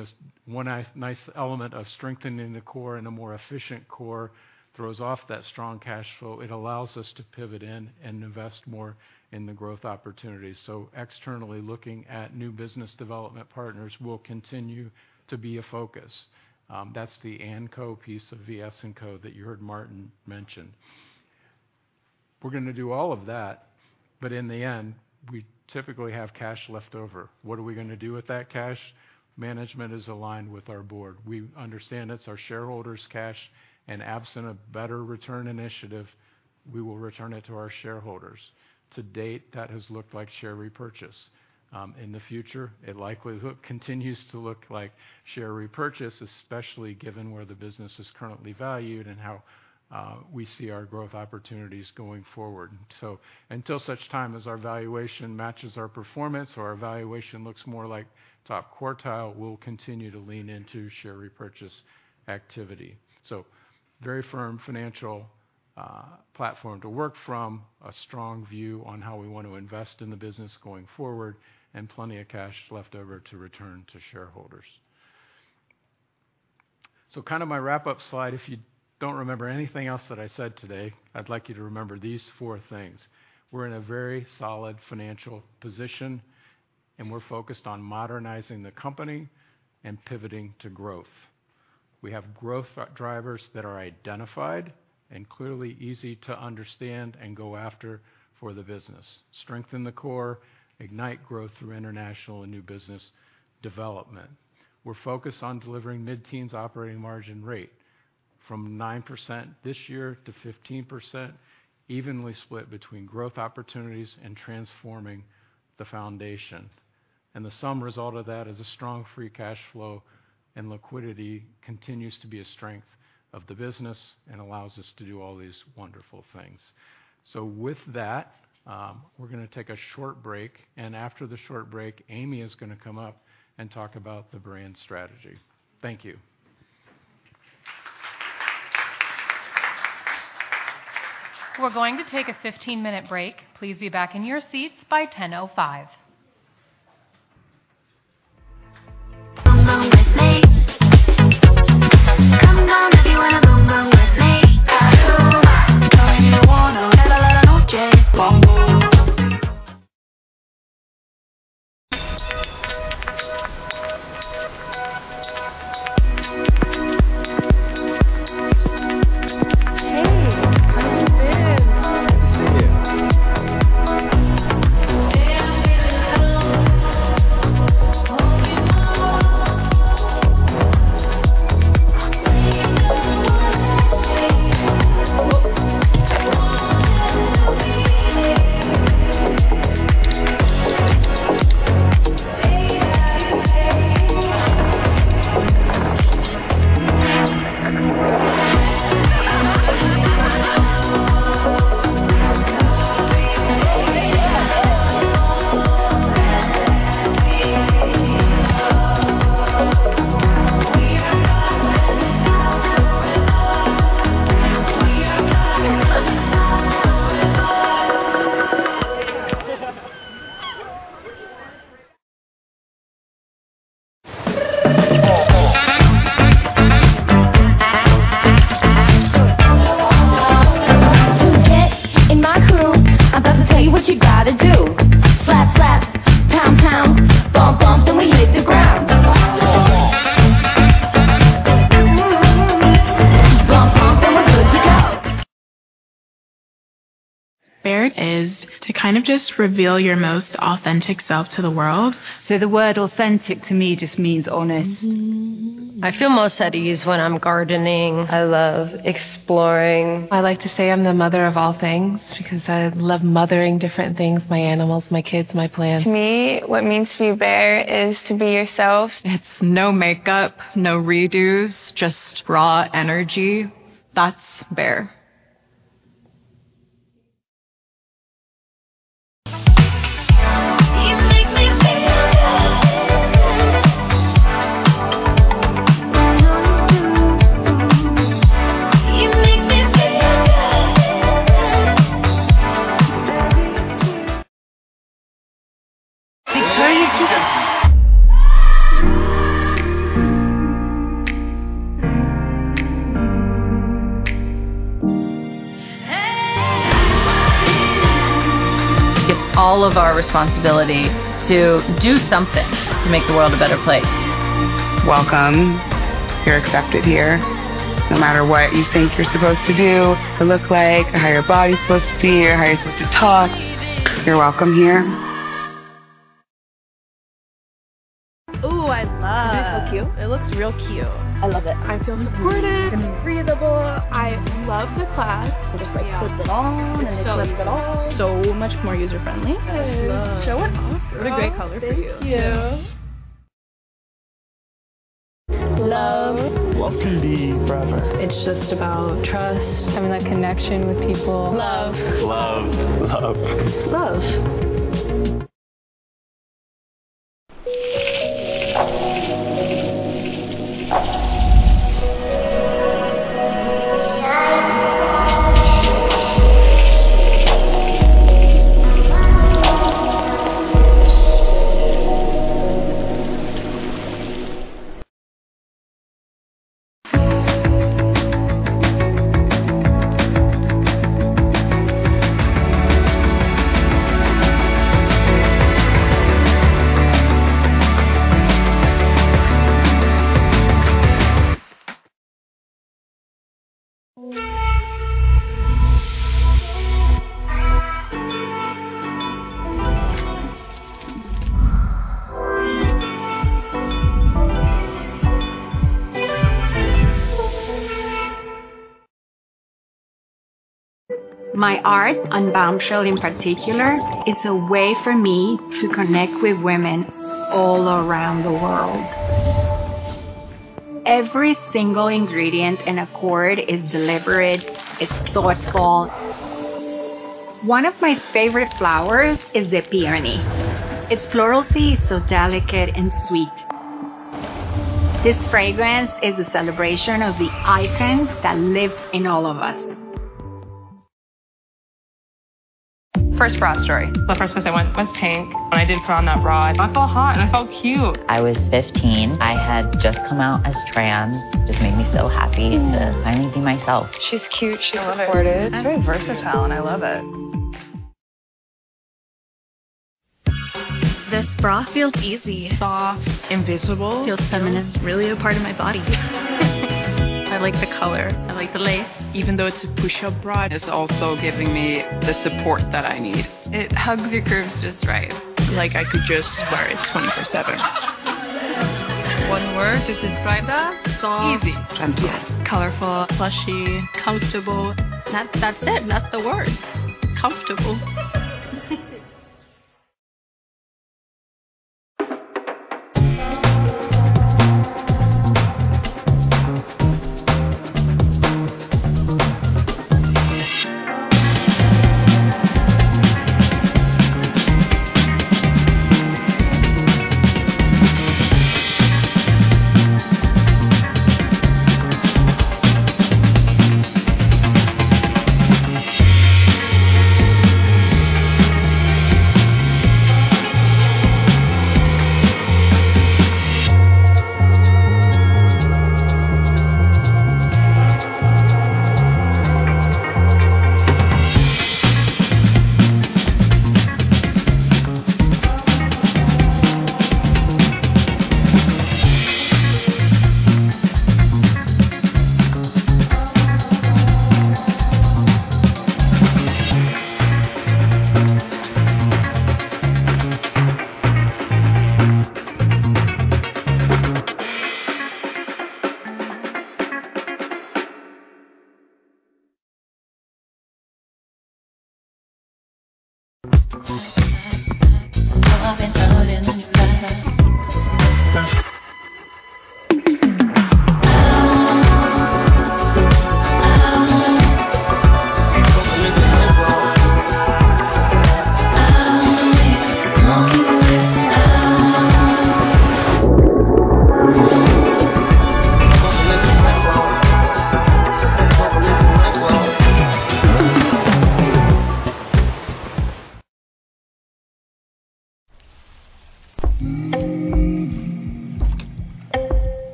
know, one nice element of strengthening the core and a more efficient core throws off that strong cash flow. It allows us to pivot in and invest more in the growth opportunities. Externally, looking at new business development partners will continue to be a focus. That's the & Co piece of VS & Co that you heard Martin mention. We're gonna do all of that, but in the end, we typically have cash left over. What are we gonna do with that cash? Management is aligned with our board. We understand it's our shareholders' cash, and absent a better return initiative, we will return it to our shareholders. To date, that has looked like share repurchase. In the future, it likely continues to look like share repurchase, especially given where the business is currently valued and how we see our growth opportunities going forward. Until such time as our valuation matches our performance or our valuation looks more like top quartile, we'll continue to lean into share repurchase activity. Very firm financial platform to work from, a strong view on how we want to invest in the business going forward, and plenty of cash left over to return to shareholders. Kind of my wrap-up slide. If you don't remember anything else that I said today, I'd like you to remember these four things. We're in a very solid financial position, and we're focused on modernizing the company and pivoting to growth. We have growth drivers that are identified and clearly easy to understand and go after for the business. Strengthen the core, ignite growth through international and new business development. We're focused on delivering mid-teens operating margin rate from 9% this year to 15%, evenly split between growth opportunities and transforming the foundation. The end result of that is a strong free cash flow, and liquidity continues to be a strength of the business and allows us to do all these wonderful things. With that, we're gonna take a short break, and after the short break, Amy is gonna come up and talk about the brand strategy. Thank you. We're going to take a 15-minute break. Please be back in your seats by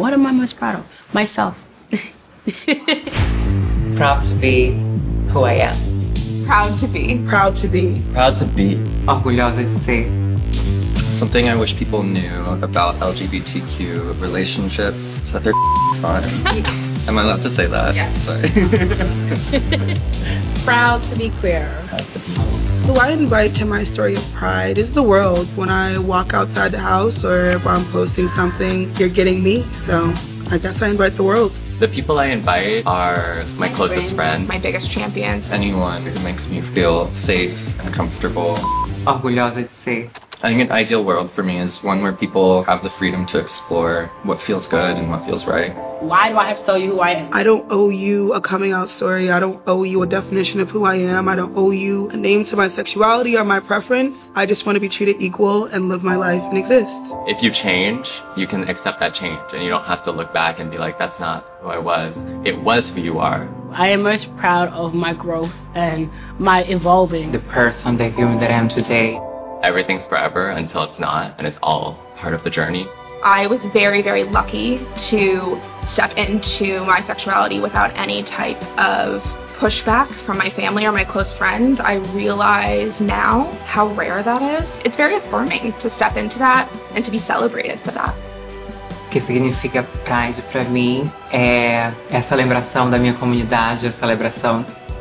A.M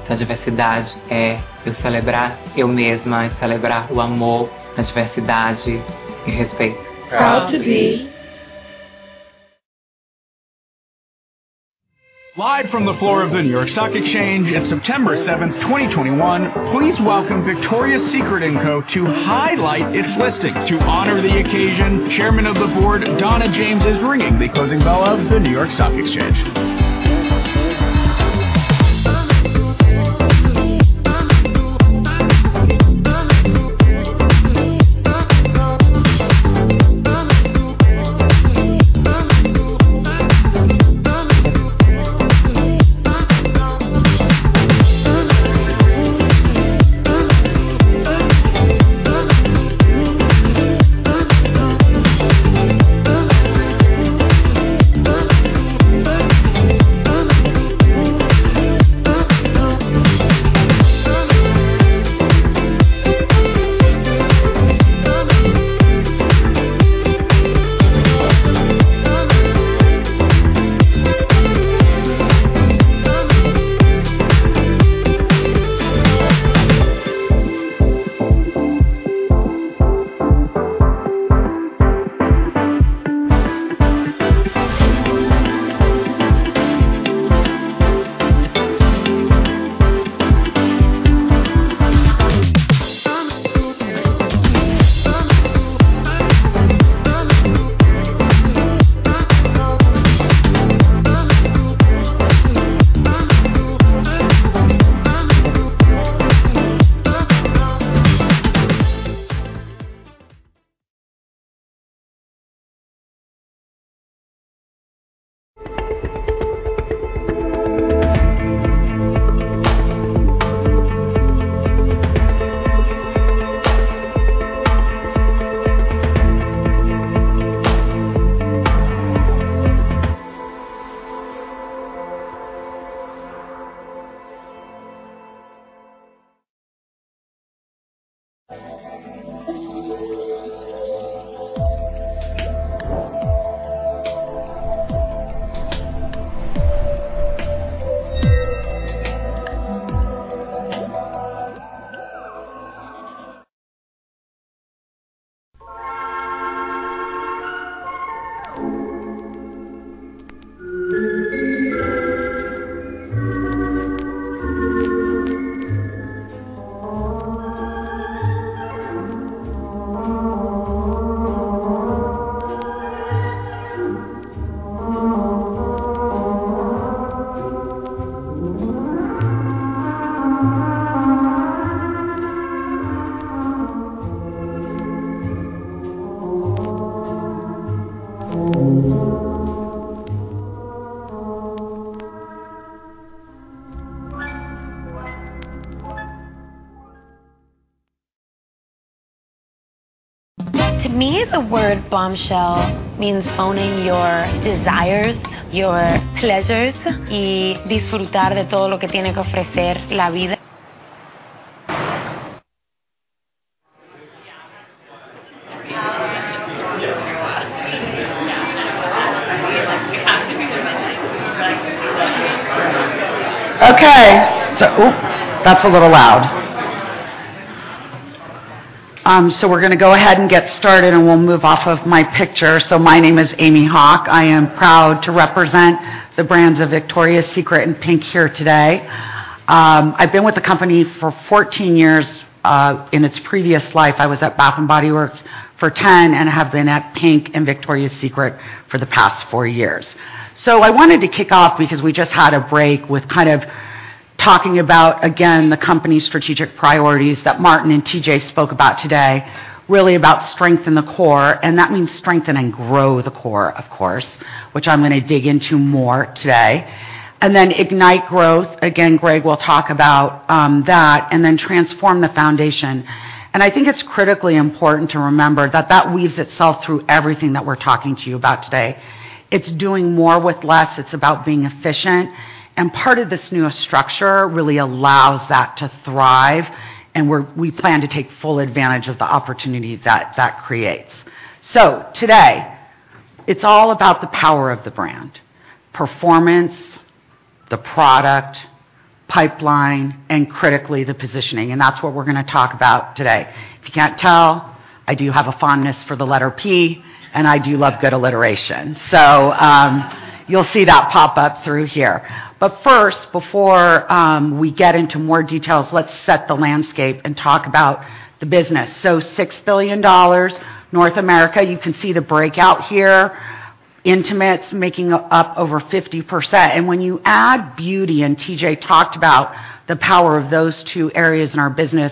Live from the floor of the New York Stock Exchange, it's September 7th, 2021. Please welcome Victoria's Secret & Co. to highlight its listing. To honor the occasion, Chairman of the Board, Donna James, is ringing the closing bell of the New York Stock Exchange. We're gonna go ahead and get started, and we'll move off of my picture. My name is Amy Hauk. I am proud to represent the brands of Victoria's Secret and PINK here today. I've been with the company for 14 years. In its previous life, I was at Bath & Body Works for 10 and have been at PINK and Victoria's Secret for the past four years. I wanted to kick off because we just had a break with kind of talking about, again, the company's strategic priorities that Martin and TJ spoke about today, really about strengthen the core, and that means strengthen and grow the core, of course, which I'm gonna dig into more today. Then ignite growth. Again, Greg will talk about that, and then transform the foundation. I think it's critically important to remember that that weaves itself through everything that we're talking to you about today. It's doing more with less. It's about being efficient, and part of this new structure really allows that to thrive, and we plan to take full advantage of the opportunity that that creates. Today, it's all about the power of the brand, performance, the product, pipeline, and critically, the positioning, and that's what we're gonna talk about today. If you can't tell, I do have a fondness for the letter P, and I do love good alliteration. You'll see that pop up through here. But first, before we get into more details, let's set the landscape and talk about the business. $6 billion North America, you can see the breakout here. Intimates making up over 50%. When you add beauty, and TJ talked about the power of those two areas in our business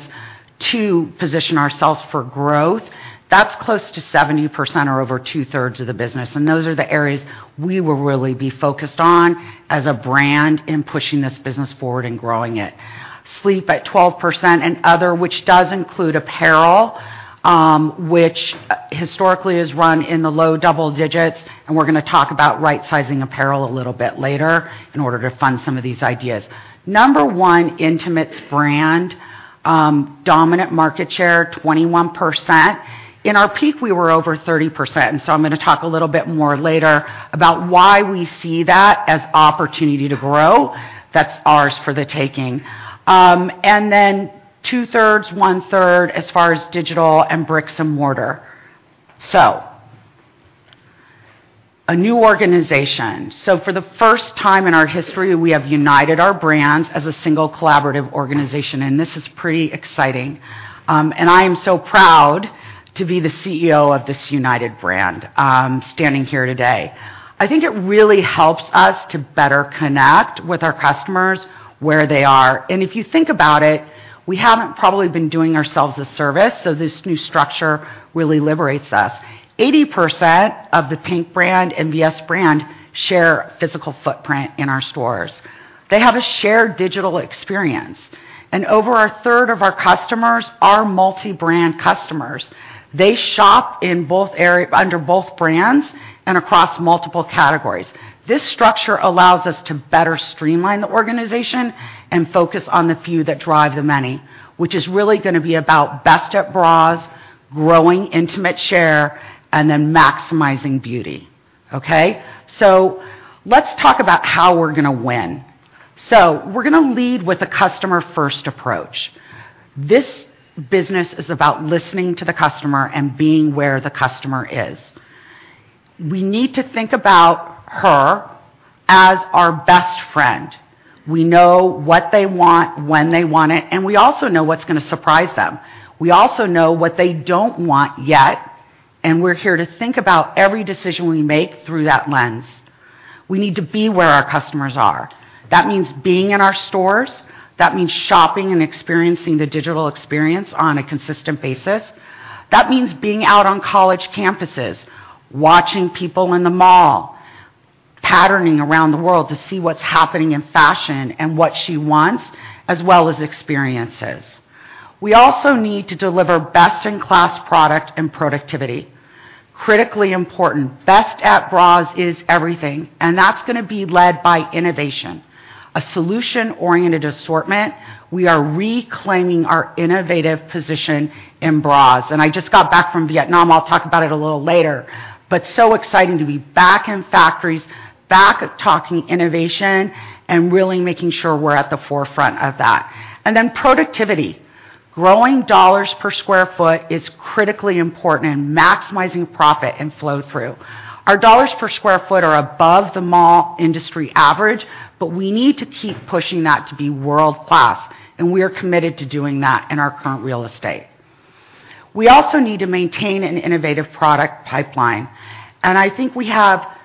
to position ourselves for growth, that's close to 70% or over 2/3 of the business, and those are the areas we will really be focused on as a brand in pushing this business forward and growing it. Sleep at 12% and other, which does include apparel, which historically has run in the low double digits, and we're gonna talk about right-sizing apparel a little bit later in order to fund some of these ideas. Number one intimates brand, dominant market share, 21%. In our peak, we were over 30%, I'm gonna talk a little bit more later about why we see that as opportunity to grow. That's ours for the taking. two-thirds, one-third as far as digital and brick and mortar. A new organization. For the first time in our history, we have united our brands as a single collaborative organization, and this is pretty exciting. I am so proud to be the CEO of this united brand, standing here today. I think it really helps us to better connect with our customers where they are. If you think about it, we haven't probably been doing ourselves a service, so this new structure really liberates us. 80% of the PINK brand and VS brand share physical footprint in our stores. They have a shared digital experience, and over a third of our customers are multi-brand customers. They shop under both brands and across multiple categories. This structure allows us to better streamline the organization and focus on the few that drive the many. Which is really gonna be about best at bras, growing intimate share, and then maximizing beauty. Okay. Let's talk about how we're gonna win. We're gonna lead with a customer-first approach. This business is about listening to the customer and being where the customer is. We need to think about her as our best friend. We know what they want, when they want it, and we also know what's gonna surprise them. We also know what they don't want yet, and we're here to think about every decision we make through that lens. We need to be where our customers are. That means being in our stores. That means shopping and experiencing the digital experience on a consistent basis. That means being out on college campuses, watching people in the mall, patterning around the world to see what's happening in fashion and what she wants, as well as experiences. We also need to deliver best-in-class product and productivity. Critically important, best at bras is everything, and that's gonna be led by innovation. A solution-oriented assortment, we are reclaiming our innovative position in bras. I just got back from Vietnam, I'll talk about it a little later, but so exciting to be back in factories, back talking innovation and really making sure we're at the forefront of that. Productivity. Growing dollars per square foot is critically important in maximizing profit and flow-through. Our dollars per square foot are above the mall industry average, but we need to keep pushing that to be world-class, and we are committed to doing that in our current real estate. We also need to maintain an innovative product pipeline, and I think we have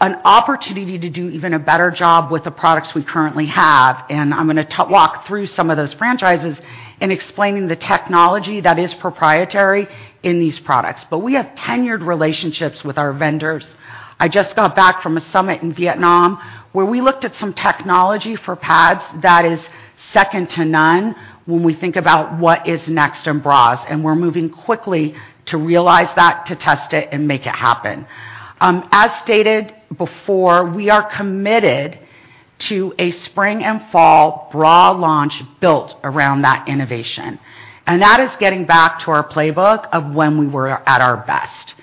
an opportunity to do even a better job with the products we currently have, and I'm gonna walk through some of those franchises in explaining the technology that is proprietary in these products. We have tenured relationships with our vendors. I just got back from a summit in Vietnam where we looked at some technology for pads that is second to none when we think about what is next in bras, and we're moving quickly to realize that, to test it and make it happen. As stated before, we are committed to a spring and fall bra launch built around that innovation. That is getting back to our playbook of when we were at our best.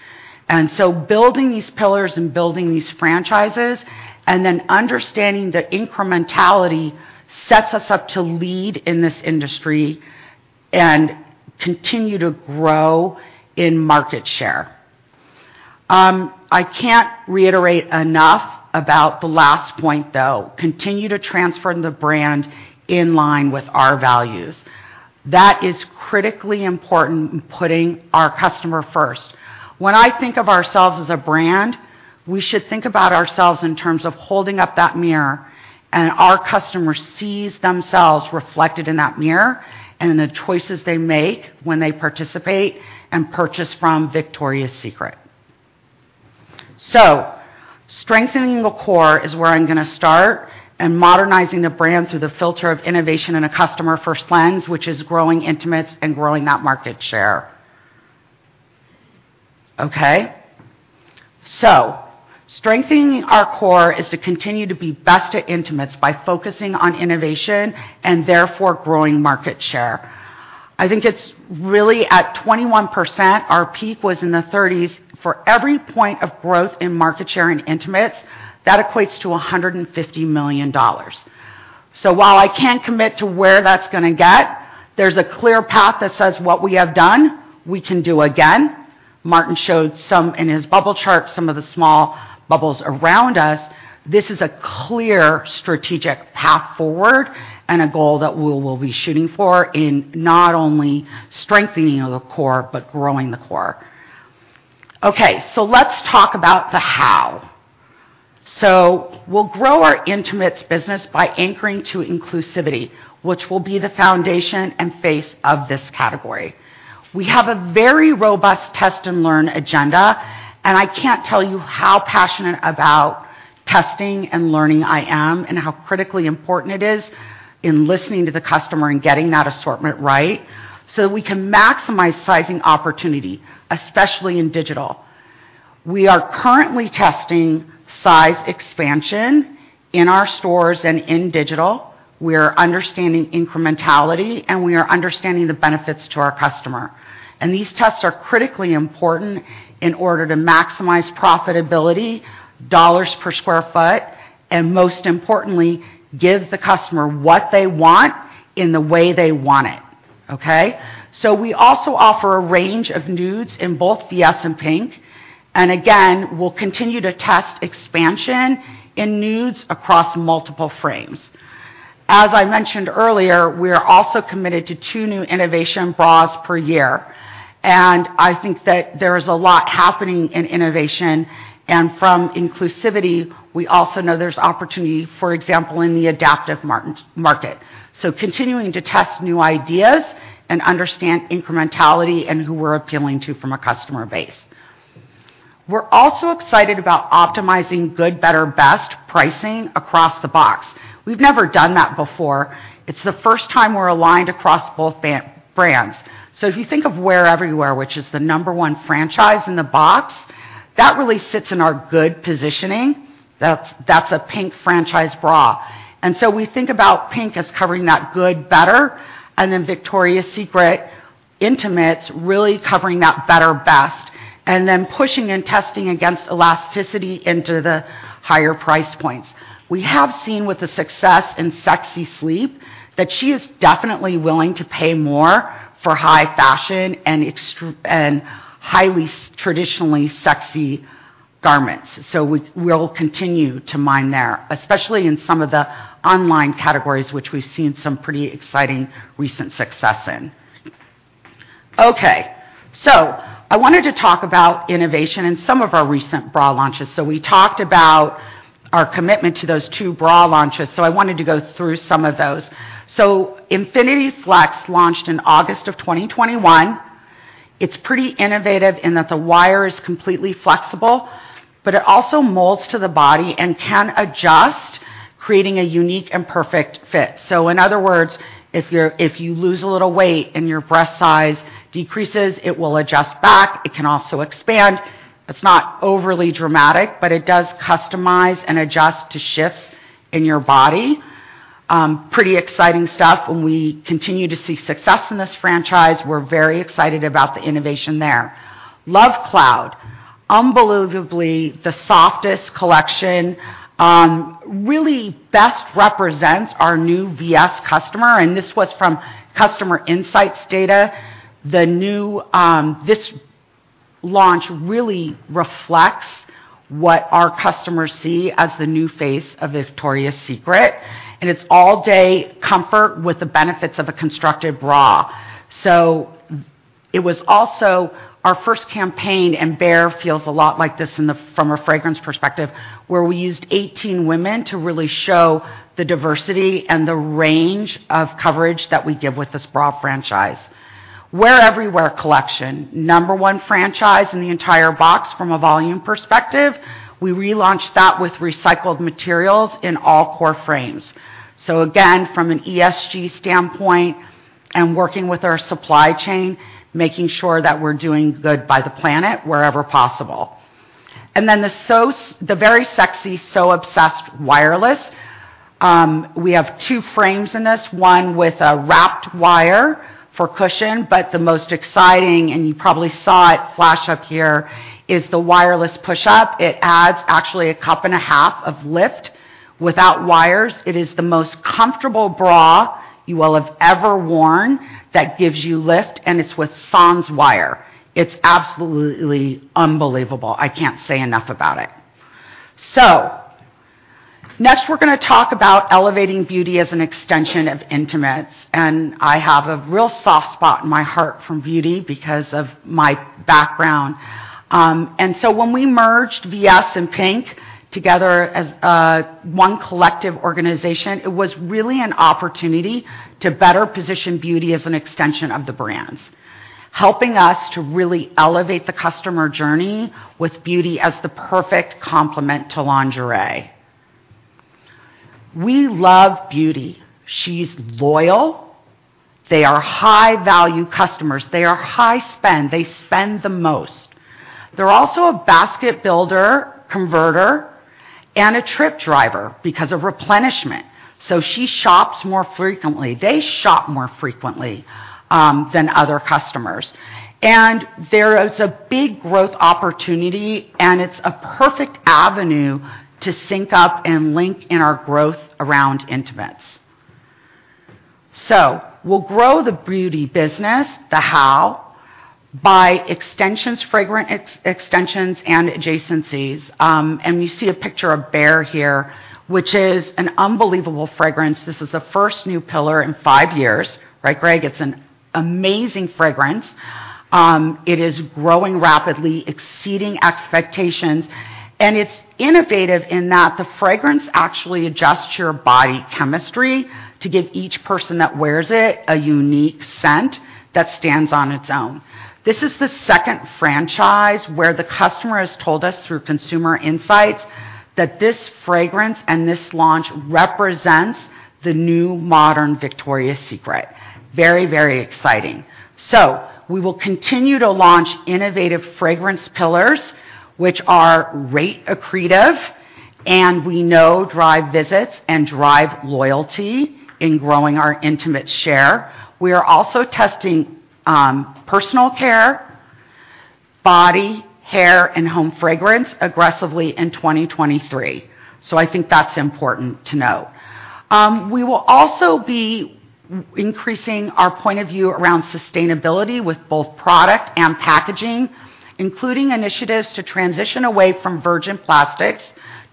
Building these pillars and building these franchises and then understanding the incrementality sets us up to lead in this industry and continue to grow in market share. I can't reiterate enough about the last point, though. Continue to transfer the brand in line with our values. That is critically important in putting our customer first. When I think of ourselves as a brand, we should think about ourselves in terms of holding up that mirror and our customer sees themselves reflected in that mirror and in the choices they make when they participate and purchase from Victoria's Secret. Strengthening the core is where I'm gonna start, and modernizing the brand through the filter of innovation in a customer-first lens, which is growing intimates and growing that market share. Okay. Strengthening our core is to continue to be best at intimates by focusing on innovation and therefore growing market share. I think it's really at 21%, our peak was in the 30s. For every point of growth in market share in intimates, that equates to $150 million. While I can't commit to where that's gonna get, there's a clear path that says what we have done, we can do again. Martin showed some in his bubble chart, some of the small bubbles around us. This is a clear strategic path forward and a goal that we will be shooting for in not only strengthening the core, but growing the core. Okay, let's talk about the how. We'll grow our intimates business by anchoring to inclusivity, which will be the foundation and face of this category. We have a very robust test-and-learn agenda, and I can't tell you how passionate about testing and learning I am and how critically important it is in listening to the customer and getting that assortment right so we can maximize sizing opportunity, especially in digital. We are currently testing size expansion in our stores and in digital. We are understanding incrementality, and we are understanding the benefits to our customer. These tests are critically important in order to maximize profitability, dollars per square foot, and most importantly, give the customer what they want in the way they want it. Okay. We also offer a range of nudes in both VS and PINK. Again, we'll continue to test expansion in nudes across multiple frames. As I mentioned earlier, we are also committed to two new innovation bras per year. I think that there is a lot happening in innovation and inclusivity. We also know there's opportunity, for example, in the adaptive market. Continuing to test new ideas and understand incrementality and who we're appealing to from a customer base. We're also excited about optimizing good, better, best pricing across the box. We've never done that before. It's the first time we're aligned across both brands. If you think of Wear Everywhere, which is the number one franchise in the box. That really sits in our good positioning. That's a PINK franchise bra. We think about PINK as covering that good, better, and then Victoria's Secret intimates really covering that better, best, and then pushing and testing against elasticity into the higher price points. We have seen with the success in sexy sleep that she is definitely willing to pay more for high fashion and highly traditionally sexy garments. We will continue to mine there, especially in some of the online categories which we've seen some pretty exciting recent success in. Okay. I wanted to talk about innovation in some of our recent bra launches. We talked about our commitment to those two bra launches, so I wanted to go through some of those. Infinity Flex launched in August 2021. It's pretty innovative in that the wire is completely flexible, but it also molds to the body and can adjust, creating a unique and perfect fit. In other words, if you lose a little weight and your breast size decreases, it will adjust back. It can also expand. It's not overly dramatic, but it does customize and adjust to shifts in your body. Pretty exciting stuff, and we continue to see success in this franchise. We're very excited about the innovation there. Love Cloud, unbelievably the softest collection, really best represents our new VS customer, and this was from customer insights data. This launch really reflects what our customers see as the new face of Victoria's Secret, and it's all-day comfort with the benefits of a constructed bra. It was also our first campaign, and Bare feels a lot like this from a fragrance perspective, where we used 18 women to really show the diversity and the range of coverage that we give with this bra franchise. Wear Everywhere collection, number one franchise in the entire box from a volume perspective. We relaunched that with recycled materials in all core frames. Again, from an ESG standpoint and working with our supply chain, making sure that we're doing good by the planet wherever possible. The Very Sexy So Obsessed wireless. We have two frames in this, one with a wrapped wire for cushion, but the most exciting, and you probably saw it flash up here, is the wireless push-up. It adds actually a cup and a half of lift without wires. It is the most comfortable bra you will have ever worn that gives you lift, and it's with sans wire. It's absolutely unbelievable. I can't say enough about it. Next, we're gonna talk about elevating beauty as an extension of intimates, and I have a real soft spot in my heart for beauty because of my background. When we merged VS and PINK together as a one collective organization, it was really an opportunity to better position beauty as an extension of the brands, helping us to really elevate the customer journey with beauty as the perfect complement to lingerie. We love beauty. She's loyal. They are high-value customers. They are high spend. They spend the most. They're also a basket builder, converter, and a trip driver because of replenishment. She shops more frequently. They shop more frequently than other customers. There is a big growth opportunity, and it's a perfect avenue to sync up and link in our growth around intimates. We'll grow the beauty business, how, by extensions, fragrance extensions, and adjacencies. You see a picture of Bare here, which is an unbelievable fragrance. This is the first new pillar in five years, right, Greg? It's an amazing fragrance. It is growing rapidly, exceeding expectations, and it's innovative in that the fragrance actually adjusts your body chemistry to give each person that wears it a unique scent that stands on its own. This is the second franchise where the customer has told us through consumer insights that this fragrance and this launch represents the new modern Victoria's Secret. Very, very exciting. We will continue to launch innovative fragrance pillars, which are rate accretive, and we know drive visits and drive loyalty in growing our intimate share. We are also testing personal care, body, hair, and home fragrance aggressively in 2023. I think that's important to know. We will also be increasing our point of view around sustainability with both product and packaging, including initiatives to transition away from virgin plastics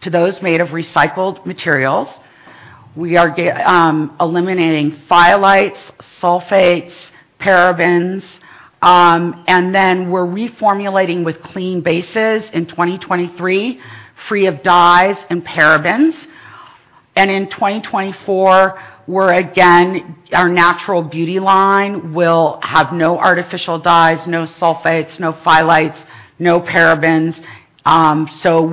to those made of recycled materials. We are eliminating phthalates, sulfates, parabens, and then we're reformulating with clean bases in 2023, free of dyes and parabens. In 2024, our natural beauty line will have no artificial dyes, no sulfates, no phthalates, no parabens.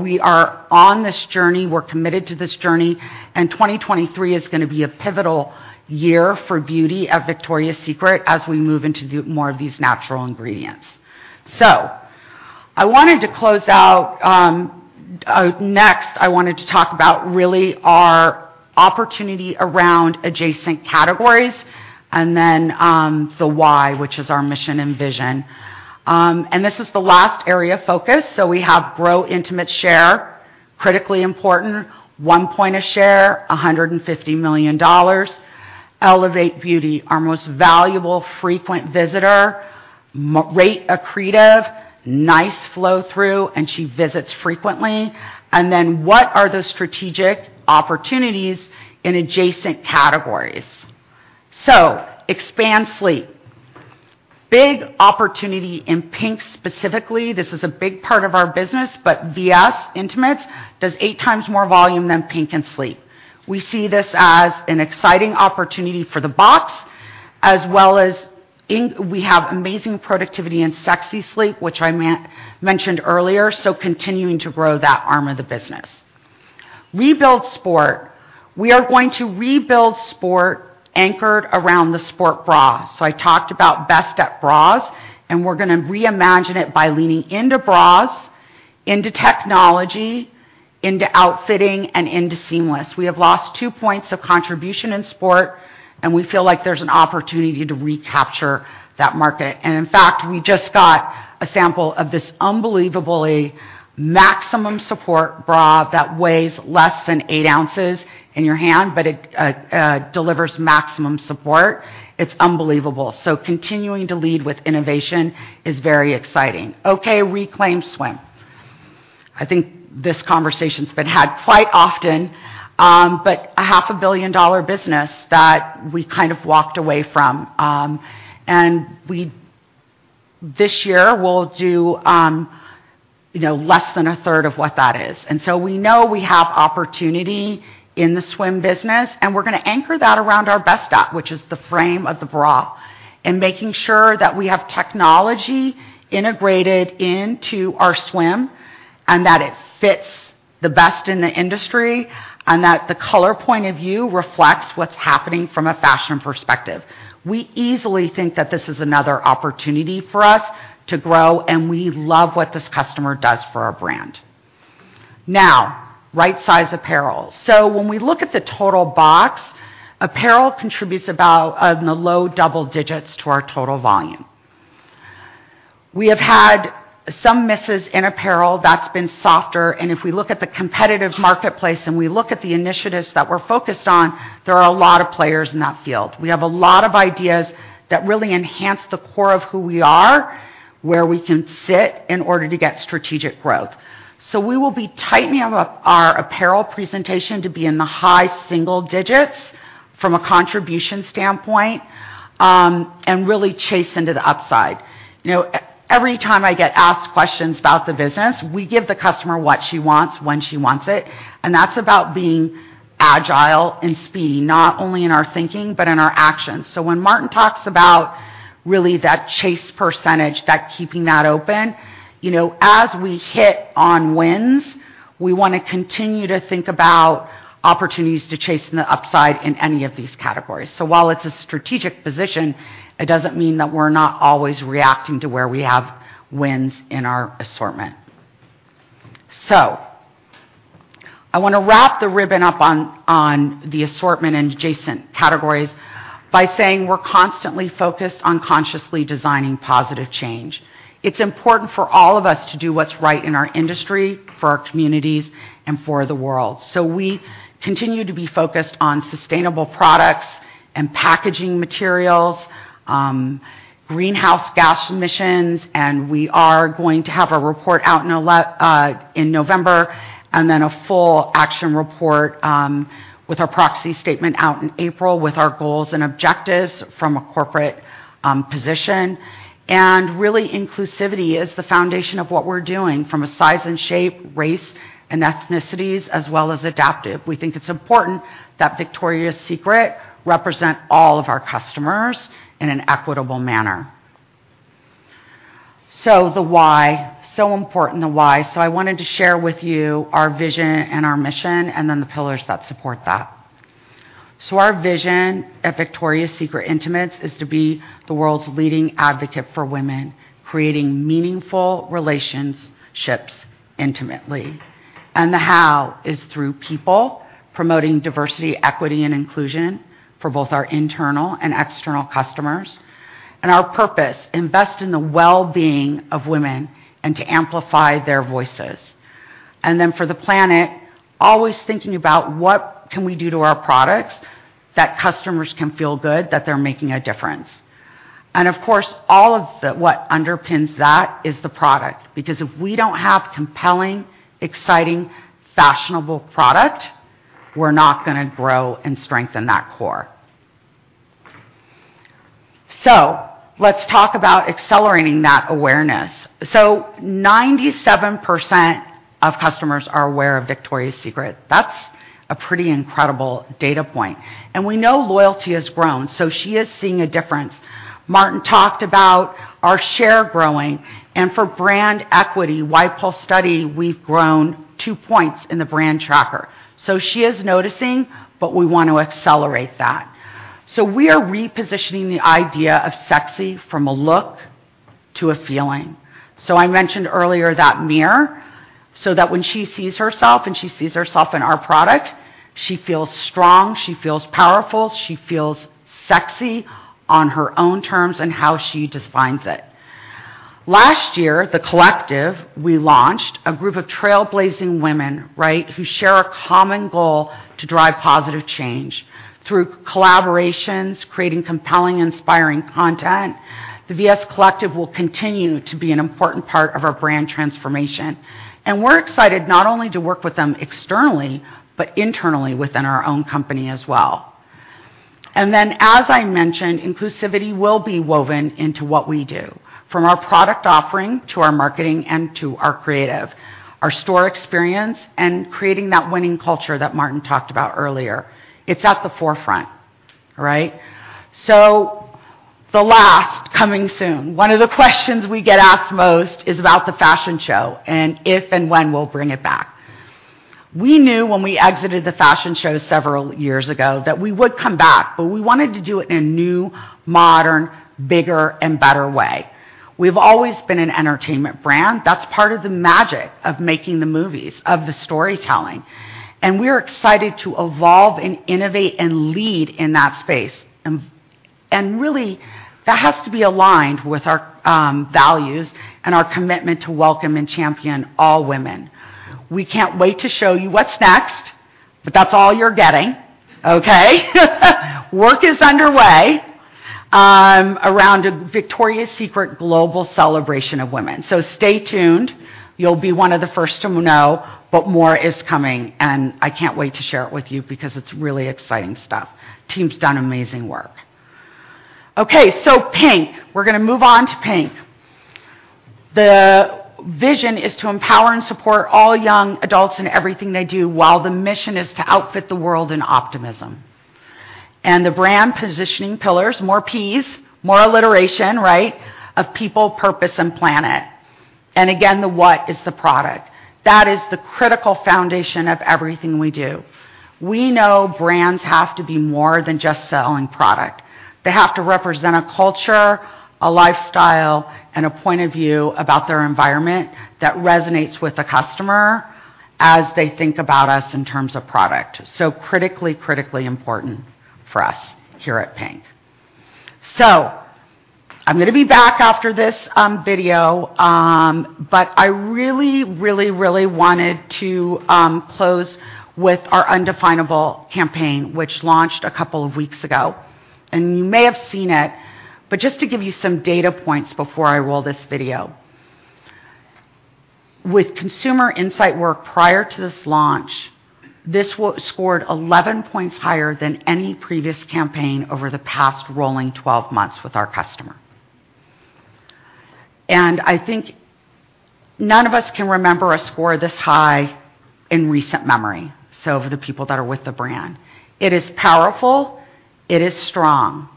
We are on this journey. We're committed to this journey, and 2023 is gonna be a pivotal year for beauty at Victoria's Secret as we move into the more of these natural ingredients. I wanted to close out next. I wanted to talk about really our opportunity around adjacent categories and then, the why, which is our mission and vision. This is the last area of focus. We have to grow intimates share, critically important, 1 point of share, $150 million. Elevate beauty, our most valuable frequent visitor, margin rate accretive, nice flow through, and she visits frequently. What are those strategic opportunities in adjacent categories? Expand sleep. Big opportunity in PINK specifically. This is a big part of our business, but VS Intimates does 8x more volume than PINK in sleep. We see this as an exciting opportunity for the box as well as in, we have amazing productivity in sexy sleep, which I mentioned earlier, so continuing to grow that arm of the business. Rebuild sport. We are going to rebuild sport anchored around the sport bra. I talked about best-in bras, and we're gonna reimagine it by leaning into bras, into technology, into outfitting, and into seamless. We have lost 2 points of contribution in sport, and we feel like there's an opportunity to recapture that market. In fact, we just got a sample of this unbelievably maximum support bra that weighs less than eight ounces in your hand, but it delivers maximum support. It's unbelievable. Continuing to lead with innovation is very exciting. Okay, reclaim swim. I think this conversation's been had quite often, but a half a billion-dollar business that we kind of walked away from. This year, we'll do, you know, less than a third of what that is. We know we have opportunity in the swim business, and we're gonna anchor that around our best asset, which is the frame of the bra, and making sure that we have technology integrated into our swim and that it fits the best in the industry and that the color point of view reflects what's happening from a fashion perspective. We easily think that this is another opportunity for us to grow, and we love what this customer does for our brand. Now, right-size apparel. When we look at the total mix, apparel contributes about in the low double digits to our total volume. We have had some misses in apparel that's been softer, and if we look at the competitive marketplace, and we look at the initiatives that we're focused on, there are a lot of players in that field. We have a lot of ideas that really enhance the core of who we are, where we can sit in order to get strategic growth. We will be tightening up our apparel presentation to be in the high single digits from a contribution standpoint, and really chase into the upside. You know, every time I get asked questions about the business, we give the customer what she wants when she wants it, and that's about being agile and speedy, not only in our thinking but in our actions. When Martin talks about really that chase percentage, that keeping that open, you know, as we hit on wins, we wanna continue to think about opportunities to chase in the upside in any of these categories. While it's a strategic position, it doesn't mean that we're not always reacting to where we have wins in our assortment. I wanna wrap the ribbon up on the assortment and adjacent categories by saying we're constantly focused on consciously designing positive change. It's important for all of us to do what's right in our industry, for our communities, and for the world. We continue to be focused on sustainable products and packaging materials, greenhouse gas emissions, and we are going to have a report out in November, and then a full action report with our proxy statement out in April with our goals and objectives from a corporate position. Really inclusivity is the foundation of what we're doing from a size and shape, race, and ethnicities, as well as adaptive. We think it's important that Victoria's Secret represent all of our customers in an equitable manner. The why, so important, the why. I wanted to share with you our vision and our mission and then the pillars that support that. Our vision at Victoria's Secret Intimates is to be the world's leading advocate for women, creating meaningful relationships intimately. The how is through people, promoting diversity, equity, and inclusion for both our internal and external customers. Our purpose, invest in the well-being of women and to amplify their voices. For the planet, always thinking about what can we do to our products that customers can feel good that they're making a difference. Of course, all of what underpins that is the product because if we don't have compelling, exciting, fashionable product, we're not gonna grow and strengthen that core. Let's talk about accelerating that awareness. 97% of customers are aware of Victoria's Secret. That's a pretty incredible data point. We know loyalty has grown, so she is seeing a difference. Martin talked about our share growing and for brand equity, YPulse study, we've grown two points in the brand tracker. She is noticing, but we want to accelerate that. We are repositioning the idea of sexy from a look to a feeling. I mentioned earlier that mirror, so that when she sees herself, and she sees herself in our product, she feels strong, she feels powerful, she feels sexy on her own terms and how she defines it. Last year, the VS Collective, we launched a group of trailblazing women, right? Who share a common goal to drive positive change through collaborations, creating compelling, inspiring content. The VS Collective will continue to be an important part of our brand transformation, and we're excited not only to work with them externally, but internally within our own company as well. As I mentioned, inclusivity will be woven into what we do, from our product offering to our marketing and to our creative, our store experience, and creating that winning culture that Martin talked about earlier. It's at the forefront, right? That's coming soon. One of the questions we get asked most is about the fashion show and if and when we'll bring it back. We knew when we exited the fashion show several years ago that we would come back, but we wanted to do it in a new, modern, bigger and better way. We've always been an entertainment brand. That's part of the magic of making the movies, of the storytelling, and we're excited to evolve and innovate and lead in that space. Really that has to be aligned with our values and our commitment to welcome and champion all women. We can't wait to show you what's next, but that's all you're getting, okay. Work is underway around a Victoria's Secret global celebration of women, so stay tuned. You'll be one of the first to know, but more is coming, and I can't wait to share it with you because it's really exciting stuff. Team's done amazing work. Okay, PINK. We're gonna move on to PINK. The vision is to empower and support all young adults in everything they do, while the mission is to outfit the world in optimism. The brand positioning pillars, more P's, more alliteration, right, of people, purpose, and planet. Again, the what is the product. That is the critical foundation of everything we do. We know brands have to be more than just selling product. They have to represent a culture, a lifestyle, and a point of view about their environment that resonates with the customer as they think about us in terms of product. Critically important for us here at PINK. I'm gonna be back after this video, but I really wanted to close with our undefinable campaign, which launched a couple of weeks ago. You may have seen it, but just to give you some data points before I roll this video. With consumer insight work prior to this launch, this scored 11 points higher than any previous campaign over the past rolling 12 months with our customer. I think none of us can remember a score this high in recent memory, so for the people that are with the brand. It is powerful. It is strong.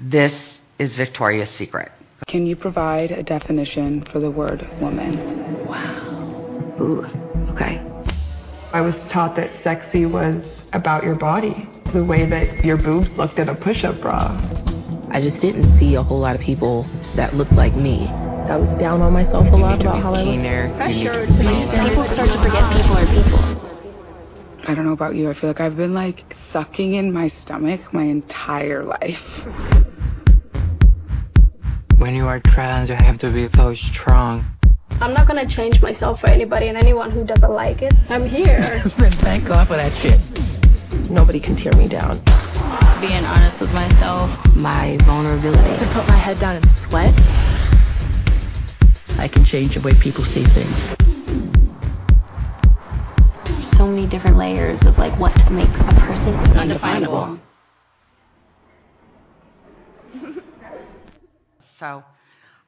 This is Victoria's Secret. Can you provide a definition for the word woman? Wow. Ooh. Okay. I was taught that sexy was about your body, the way that your boobs looked in a push-up bra. I just didn't see a whole lot of people that looked like me. I was down on myself a lot about how I looked. You need to be cleaner. Pressure to be skinny. People start to forget people are people. I don't know about you, I feel like I've been, like, sucking in my stomach my entire life. When you are trans, you have to be so strong. I'm not gonna change myself for anybody, and anyone who doesn't like it, I'm here. Back off of that... Nobody can tear me down. Being honest with myself, my vulnerability. To put my head down and sweat. I can change the way people see things. There's so many different layers of, like, what makes a person undefinable.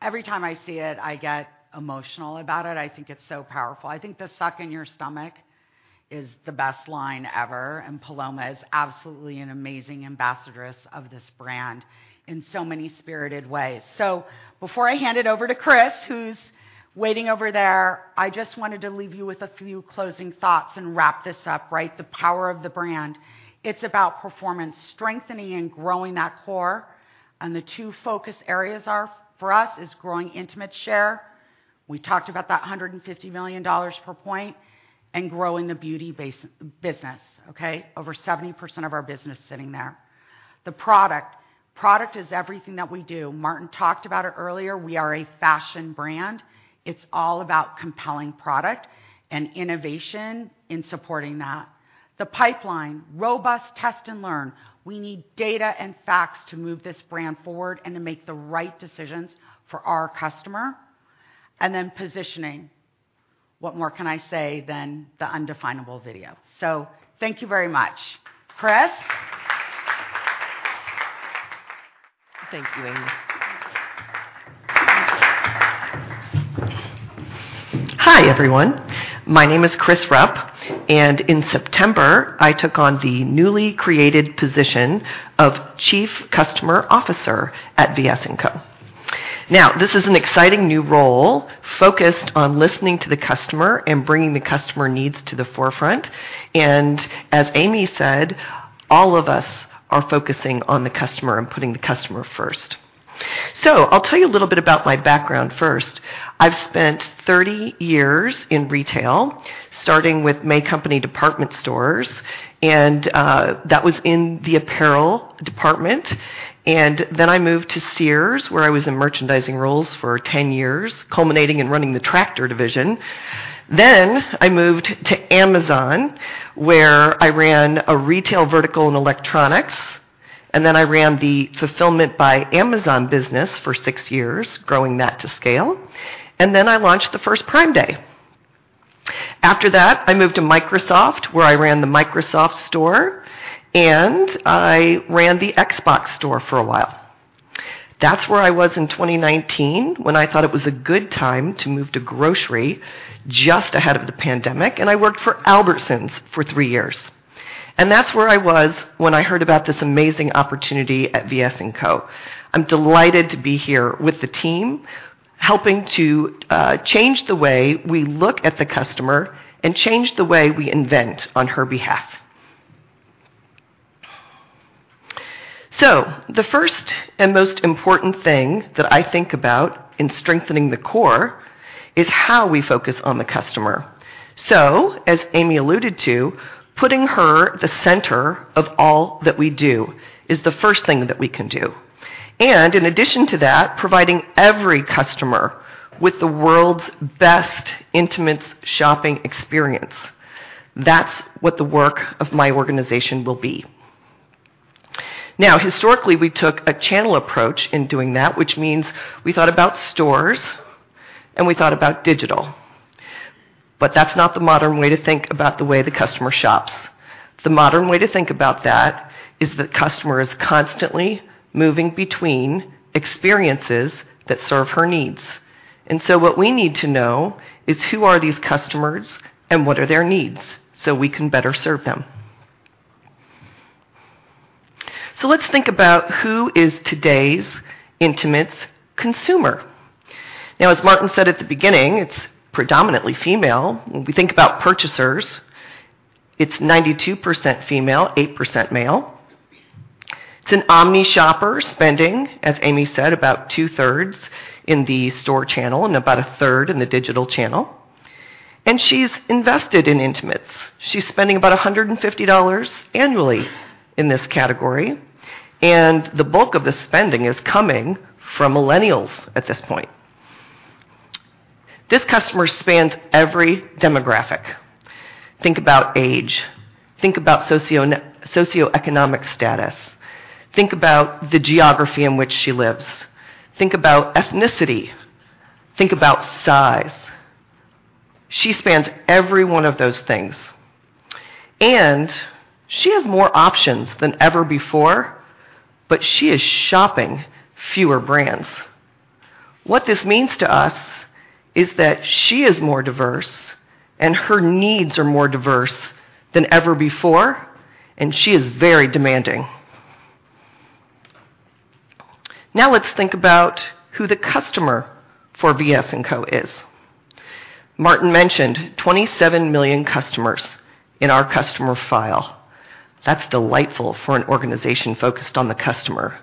Every time I see it, I get emotional about it. I think it's so powerful. I think the suck in your stomach is the best line ever, and Paloma is absolutely an amazing ambassadoress of this brand in so many spirited ways. Before I hand it over to Chris, who's waiting over there, I just wanted to leave you with a few closing thoughts and wrap this up, right? The power of the brand, it's about performance, strengthening and growing that core. The two focus areas are, for us, is growing intimate share. We talked about that $150 million per point and growing the beauty business. Okay? Over 70% of our business sitting there. The product. Product is everything that we do. Martin talked about it earlier. We are a fashion brand. It's all about compelling product and innovation in supporting that. The pipeline, robust test and learn. We need data and facts to move this brand forward and to make the right decisions for our customer. Positioning. What more can I say than the undefinable video? Thank you very much. Chris? Thank you, Amy. Thank you. Hi, everyone. My name is Chris Rupp, and in September, I took on the newly created position of Chief Customer Officer at VS & Co. Now, this is an exciting new role focused on listening to the customer and bringing the customer needs to the forefront. As Amy said, all of us are focusing on the customer and putting the customer first. I'll tell you a little bit about my background first. I've spent 30 years in retail, starting with May Company Department Stores, and that was in the apparel department. Then I moved to Sears, where I was in merchandising roles for 10 years, culminating in running the tractor division. I moved to Amazon, where I ran a retail vertical in electronics, and then I ran the Fulfilled by Amazon business for six years, growing that to scale. I launched the first Prime Day. After that, I moved to Microsoft, where I ran the Microsoft Store, and I ran the Xbox Store for a while. That's where I was in 2019 when I thought it was a good time to move to grocery just ahead of the pandemic, and I worked for Albertsons for three years. That's where I was when I heard about this amazing opportunity at VS & Co. I'm delighted to be here with the team, helping to change the way we look at the customer and change the way we invent on her behalf. The first and most important thing that I think about in strengthening the core is how we focus on the customer. As Amy alluded to, putting her at the center of all that we do is the first thing that we can do. In addition to that, providing every customer with the world's best intimates shopping experience, that's what the work of my organization will be. Now, historically, we took a channel approach in doing that, which means we thought about stores and we thought about digital. But that's not the modern way to think about the way the customer shops. The modern way to think about that is the customer is constantly moving between experiences that serve her needs. What we need to know is who are these customers and what are their needs so we can better serve them. Let's think about who is today's intimates consumer. Now, as Martin said at the beginning, it's predominantly female. When we think about purchasers, it's 92% female, 8% male. It's an omni-channel shopper spending, as Amy said, about 2/3 in the store channel and about 1/3 in the digital channel. She's invested in intimates. She's spending about $150 annually in this category, and the bulk of the spending is coming from millennials at this point. This customer spans every demographic. Think about age, think about socioeconomic status, think about the geography in which she lives, think about ethnicity, think about size. She spans every one of those things. She has more options than ever before, but she is shopping fewer brands. What this means to us is that she is more diverse and her needs are more diverse than ever before, and she is very demanding. Now, let's think about who the customer for VS & Co is. Martin mentioned 27 million customers in our customer file. That's delightful for an organization focused on the customer.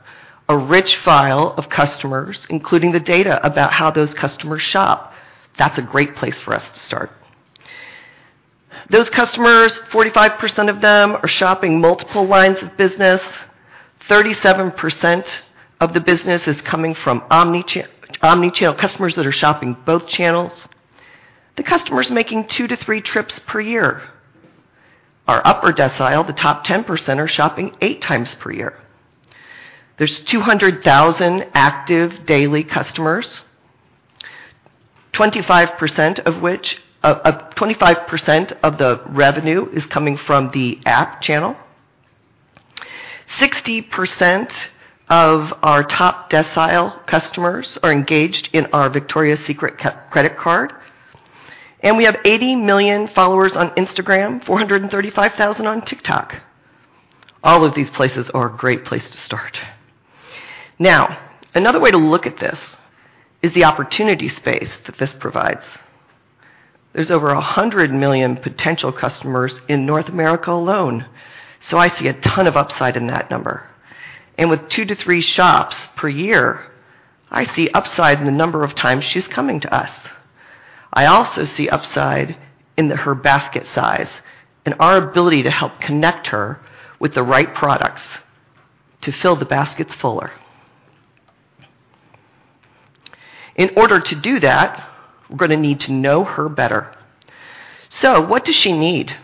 A rich file of customers, including the data about how those customers shop. That's a great place for us to start. Those customers, 45% of them are shopping multiple lines of business. 37% of the business is coming from omni-channel customers that are shopping both channels. The customer is making two to three trips per year. Our upper decile, the top 10% are shopping 8x per year. There's 200,000 active daily customers, 25% of which, 25% of the revenue is coming from the app channel. 60% of our top decile customers are engaged in our Victoria's Secret credit card, and we have 80 million followers on Instagram, 435,000 on TikTok. All of these places are a great place to start. Now, another way to look at this is the opportunity space that this provides. There's over 100 million potential customers in North America alone. I see a ton of upside in that number. With two to three shops per year, I see upside in the number of times she's coming to us. I also see upside in her basket size and our ability to help connect her with the right products to fill the baskets fuller. In order to do that, we're gonna need to know her better. What does she need?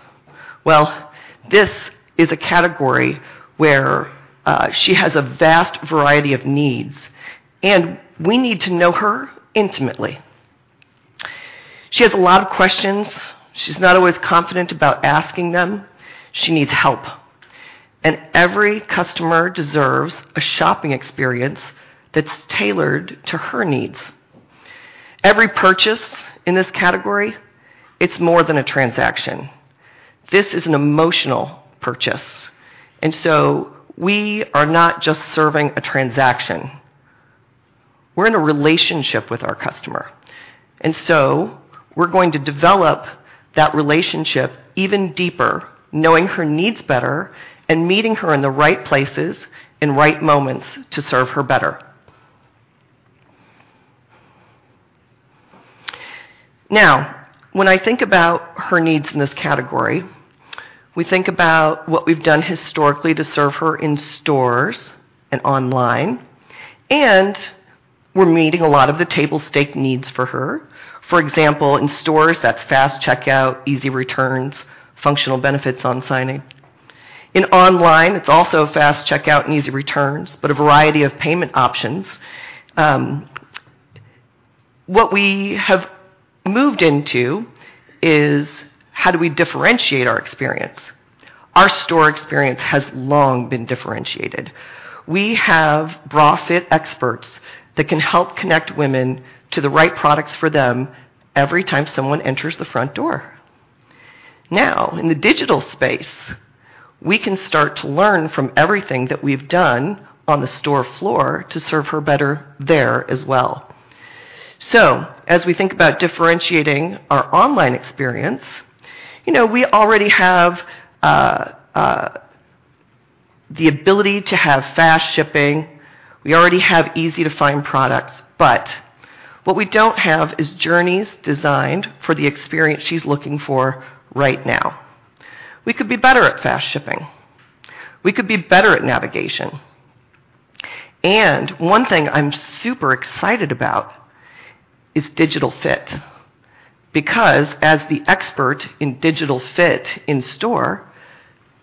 Well, this is a category where she has a vast variety of needs, and we need to know her intimately. She has a lot of questions. She's not always confident about asking them. She needs help. Every customer deserves a shopping experience that's tailored to her needs. Every purchase in this category, it's more than a transaction. This is an emotional purchase. We are not just serving a transaction. We're in a relationship with our customer. We're going to develop that relationship even deeper, knowing her needs better and meeting her in the right places and right moments to serve her better. Now, when I think about her needs in this category, we think about what we've done historically to serve her in stores and online. We're meeting a lot of the table stakes needs for her. For example, in stores, that's fast checkout, easy returns, functional benefits on signage. Online, it's also fast checkout and easy returns, but a variety of payment options. What we have moved into is how do we differentiate our experience? Our store experience has long been differentiated. We have bra fit experts that can help connect women to the right products for them every time someone enters the front door. Now, in the digital space, we can start to learn from everything that we've done on the store floor to serve her better there as well. As we think about differentiating our online experience, you know, we already have the ability to have fast shipping. We already have easy-to-find products. What we don't have is journeys designed for the experience she's looking for right now. We could be better at fast shipping. We could be better at navigation. One thing I'm super excited about is digital fit. Because as the expert in digital fit in store,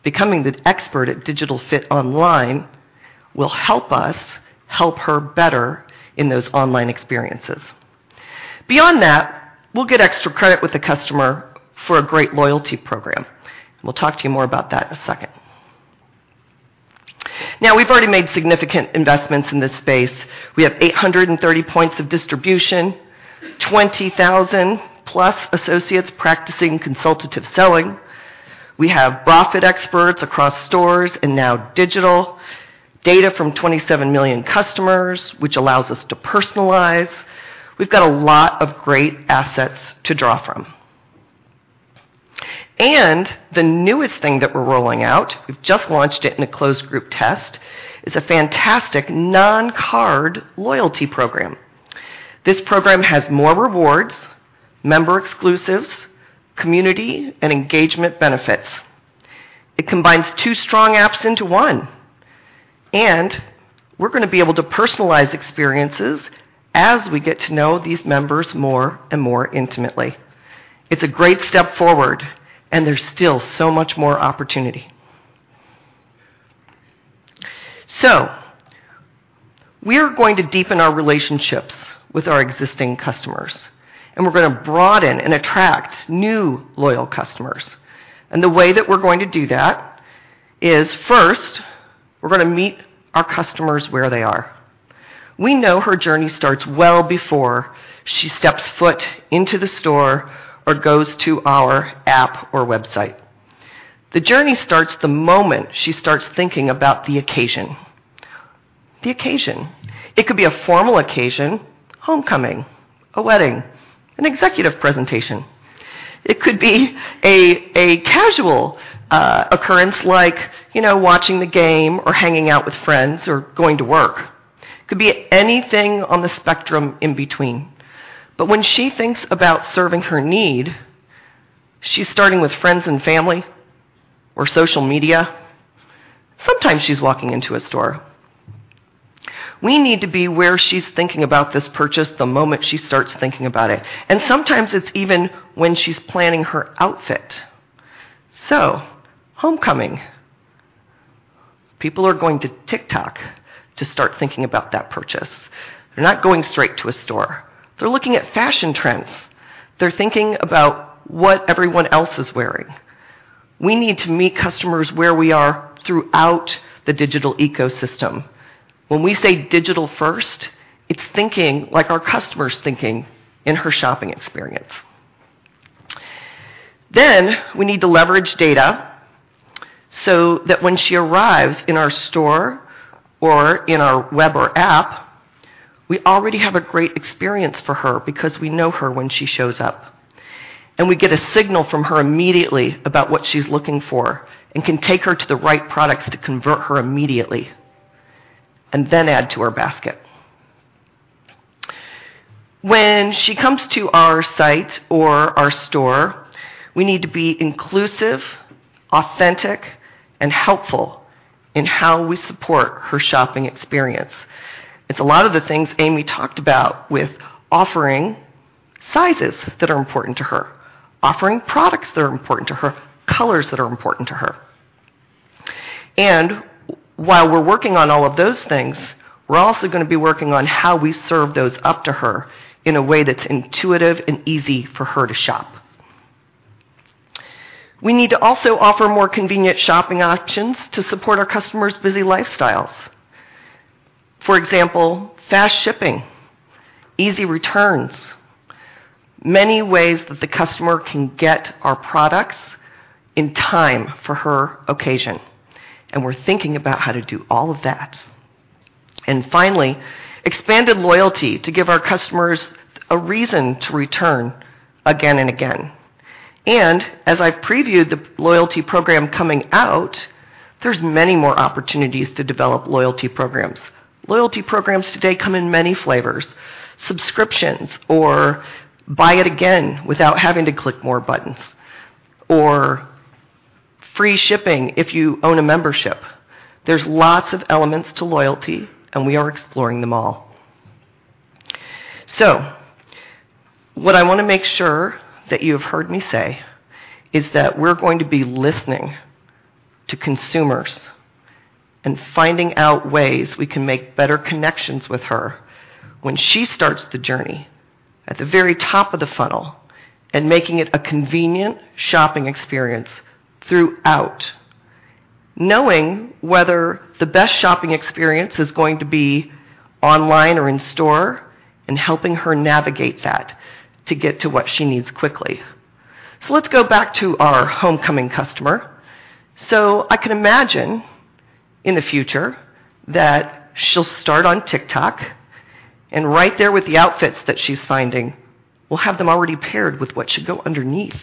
becoming the expert at digital fit online will help us help her better in those online experiences. Beyond that, we'll get extra credit with the customer for a great loyalty program. We'll talk to you more about that in a second. Now, we've already made significant investments in this space. We have 830 points of distribution, 20,000+ associates practicing consultative selling. We have bra fit experts across stores and now digital, data from 27 million customers, which allows us to personalize. We've got a lot of great assets to draw from. The newest thing that we're rolling out, we've just launched it in a closed group test, is a fantastic non-card loyalty program. This program has more rewards, member exclusives, community, and engagement benefits. It combines two strong apps into one. We're gonna be able to personalize experiences as we get to know these members more and more intimately. It's a great step forward, and there's still so much more opportunity. We are going to deepen our relationships with our existing customers, and we're gonna broaden and attract new loyal customers. The way that we're going to do that is, first, we're gonna meet our customers where they are. We know her journey starts well before she steps foot into the store or goes to our app or website. The journey starts the moment she starts thinking about the occasion. The occasion. It could be a formal occasion, homecoming, a wedding, an executive presentation. It could be a casual occasion like, you know, watching the game or hanging out with friends or going to work. It could be anything on the spectrum in between. When she thinks about serving her need, she's starting with friends and family or social media. Sometimes she's walking into a store. We need to be where she's thinking about this purchase the moment she starts thinking about it, and sometimes it's even when she's planning her outfit. Homecoming. People are going to TikTok to start thinking about that purchase. They're not going straight to a store. They're looking at fashion trends. They're thinking about what everyone else is wearing. We need to meet customers where they are throughout the digital ecosystem. When we say digital first, it's thinking like our customer's thinking in her shopping experience. We need to leverage data so that when she arrives in our store or in our web or app, we already have a great experience for her because we know her when she shows up. We get a signal from her immediately about what she's looking for and can take her to the right products to convert her immediately and then add to her basket. When she comes to our site or our store, we need to be inclusive, authentic, and helpful in how we support her shopping experience. It's a lot of the things Amy talked about with offering sizes that are important to her, offering products that are important to her, colors that are important to her. While we're working on all of those things, we're also gonna be working on how we serve those up to her in a way that's intuitive and easy for her to shop. We need to also offer more convenient shopping options to support our customers' busy lifestyles. For example, fast shipping, easy returns, many ways that the customer can get our products in time for her occasion, and we're thinking about how to do all of that. Finally, expanded loyalty to give our customers a reason to return again and again. As I previewed the loyalty program coming out, there's many more opportunities to develop loyalty programs. Loyalty programs today come in many flavors, subscriptions or buy it again without having to click more buttons, or free shipping if you own a membership. There's lots of elements to loyalty, and we are exploring them all. What I wanna make sure that you have heard me say is that we're going to be listening to consumers and finding out ways we can make better connections with her when she starts the journey at the very top of the funnel, and making it a convenient shopping experience throughout. Knowing whether the best shopping experience is going to be online or in store, and helping her navigate that to get to what she needs quickly. Let's go back to our homecoming customer. I can imagine in the future that she'll start on TikTok, and right there with the outfits that she's finding, we'll have them already paired with what should go underneath.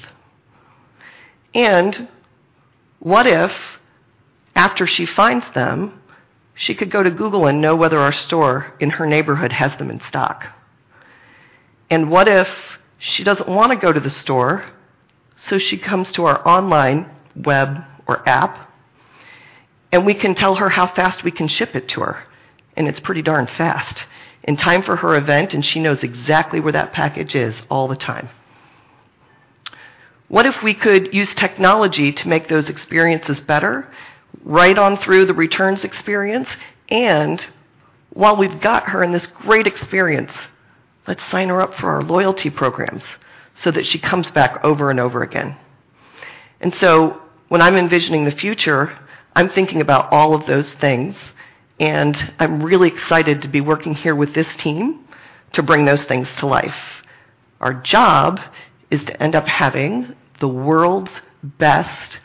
What if after she finds them, she could go to Google and know whether our store in her neighborhood has them in stock? What if she doesn't wanna go to the store, so she comes to our online web or app, and we can tell her how fast we can ship it to her, and it's pretty darn fast, in time for her event, and she knows exactly where that package is all the time. What if we could use technology to make those experiences better right on through the returns experience? While we've got her in this great experience, let's sign her up for our loyalty programs so that she comes back over and over again. When I'm envisioning the future, I'm thinking about all of those things, and I'm really excited to be working here with this team to bring those things to life. Our job is to end up having the world's best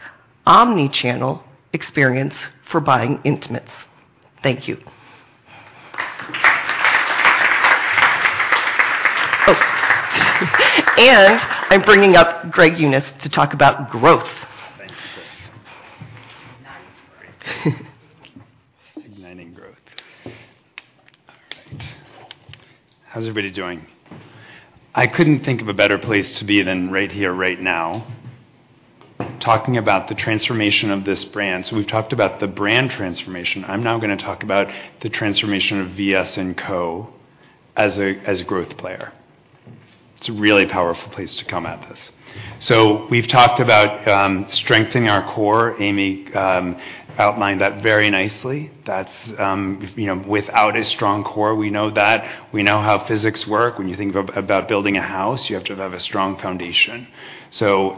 omni-channel experience for buying intimates. Thank you. Oh, I'm bringing up Greg Unis to talk about growth. Thank you. Igniting growth. All right. How's everybody doing? I couldn't think of a better place to be than right here, right now, talking about the transformation of this brand. We've talked about the brand transformation. I'm now gonna talk about the transformation of VS & Co as a growth player. It's a really powerful place to come at this. We've talked about strengthening our core. Amy outlined that very nicely. That's, you know, without a strong core, we know that. We know how physics work. When you think about building a house, you have to have a strong foundation.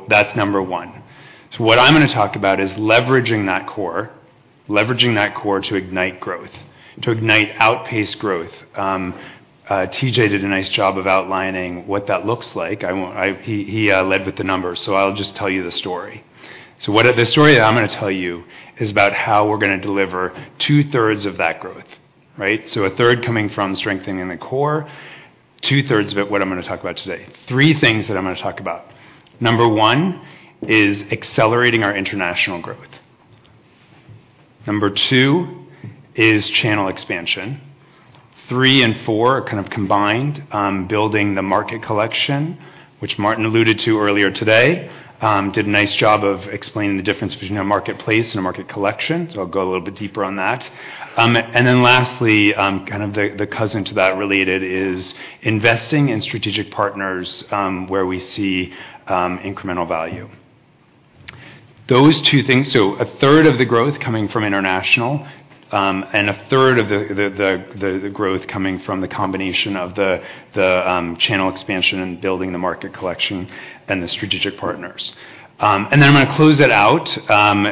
That's number one. What I'm gonna talk about is leveraging that core to ignite growth, to ignite outpaced growth. TJ did a nice job of outlining what that looks like. He led with the numbers, so I'll just tell you the story. The story I'm gonna tell you is about how we're gonna deliver 2/3 of that growth, right? A third coming from strengthening the core. Two-thirds of it, what I'm gonna talk about today. Three things that I'm gonna talk about. Number one is accelerating our international growth. Number two is channel expansion. Three and four are kind of combined, building the market collection, which Martin alluded to earlier today and did a nice job of explaining the difference between a marketplace and a market collection, so I'll go a little bit deeper on that. Then lastly, kind of the cousin to that related is investing in strategic partners, where we see incremental value. Those two things, so 1/3 of the growth coming from international, and 1/3 of the growth coming from the combination of the channel expansion and building the market collection and the strategic partners. I'm gonna close it out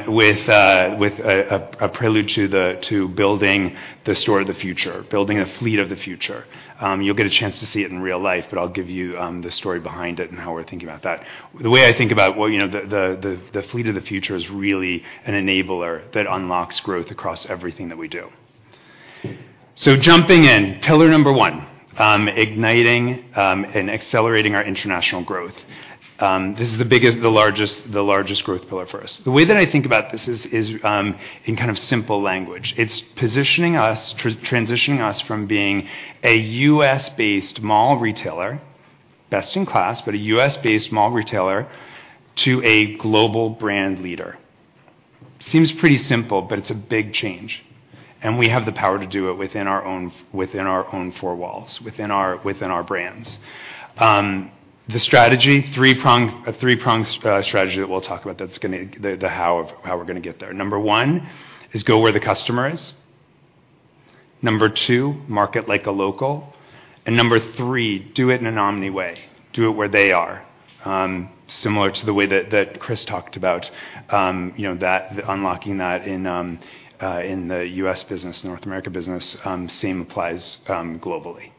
with a prelude to building the store of the future, building the fleet of the future. You'll get a chance to see it in real life, but I'll give you the story behind it and how we're thinking about that. The way I think about, well, you know, the fleet of the future is really an enabler that unlocks growth across everything that we do. Jumping in, pillar number one, igniting and accelerating our international growth. This is the biggest, the largest growth pillar for us. The way that I think about this is, in kind of simple language. It's positioning us, transitioning us from being a U.S.-based mall retailer, best-in-class, but a U.S.-based mall retailer to a global brand leader. Seems pretty simple, but it's a big change, and we have the power to do it within our own four walls, within our brands. The strategy, a three-pronged strategy that we'll talk about that's the how of how we're gonna get there. Number one is go where the customer is. Number two, market like a local. Number three, do it in an omni-channel way. Do it where they are. Similar to the way that Chris talked about, you know, that unlocking that in the U.S. business, North America business, same applies globally.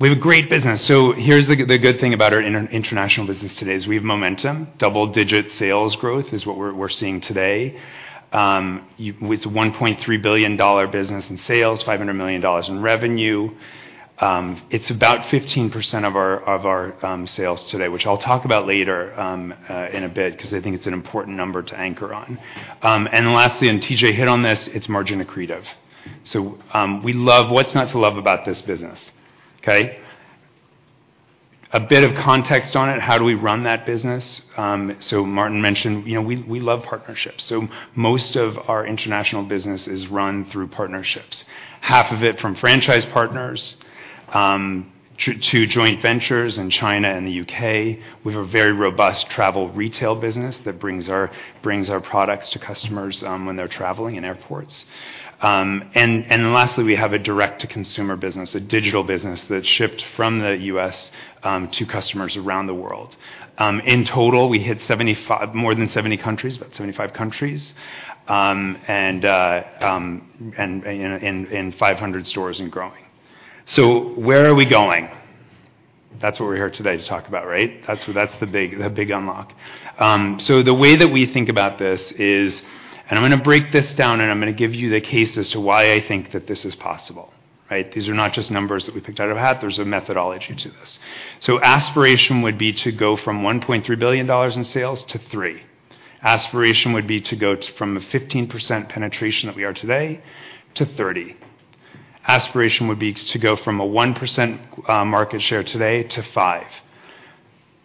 We have a great business. Here's the good thing about our international business today is we have momentum. Double-digit sales growth is what we're seeing today. With $1.3 billion business in sales, $500 million in revenue. It's about 15% of our sales today, which I'll talk about later in a bit 'cause I think it's an important number to anchor on. Lastly, TJ hit on this, it's margin accretive. What's not to love about this business? Okay. A bit of context on it. How do we run that business? Martin mentioned, you know, we love partnerships. Most of our international business is run through partnerships. Half of it from franchise partners to joint ventures in China and the U.K. We have a very robust travel retail business that brings our products to customers when they're traveling in airports. We have a direct-to-consumer business, a digital business that's shipped from the U.S. to customers around the world. In total, we hit more than 70 countries, about 75 countries, you know, in 500 stores and growing. Where are we going? That's what we're here today to talk about, right? That's the big unlock. The way that we think about this is. I'm gonna break this down, and I'm gonna give you the case as to why I think that this is possible, right? These are not just numbers that we picked out of a hat. There's a methodology to this. Aspiration would be to go from $1.3 billion in sales to $3 billion. Aspiration would be to go from a 1% market share today to 5%.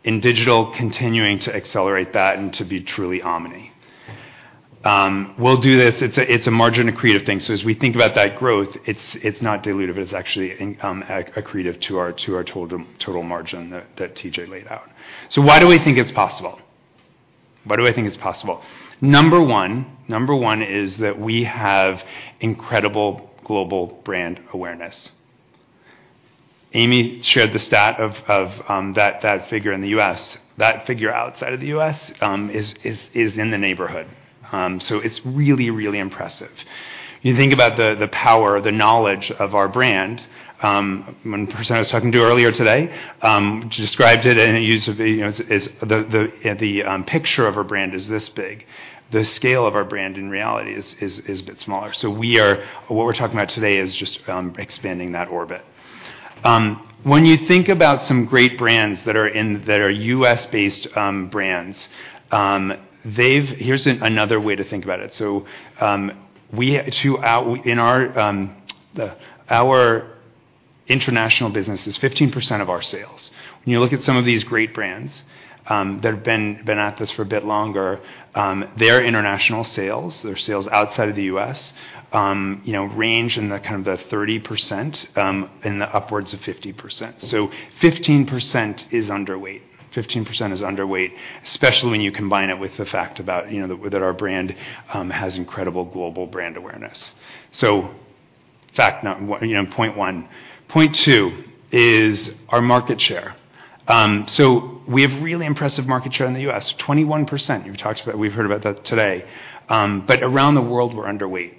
In digital, continuing to accelerate that and to be truly omni. We'll do this. It's a margin accretive thing. As we think about that growth, it's not dilutive, it's actually accretive to our total margin that TJ laid out. Why do we think it's possible? Why do I think it's possible? Number one is that we have incredible global brand awareness. Amy shared the stat of that figure in the U.S. That figure outside of the U.S. is in the neighborhood. It's really impressive. You think about the power, the knowledge of our brand. One person I was talking to earlier today, she described it and used the picture of our brand is this big. The scale of our brand in reality is a bit smaller. What we're talking about today is just expanding that orbit. When you think about some great brands that are U.S.-based, they've. Here's another way to think about it. Our international business is 15% of our sales. When you look at some of these great brands that have been at this for a bit longer, their international sales, their sales outside of the U.S., you know, range in the kind of the 30%, in the upwards of 50%. 15% is underweight. 15% is underweight, especially when you combine it with the fact about, you know, that that our brand has incredible global brand awareness. Point one. Point two is our market share. We have really impressive market share in the U.S. 21%. We've heard about that today. Around the world, we're underweight.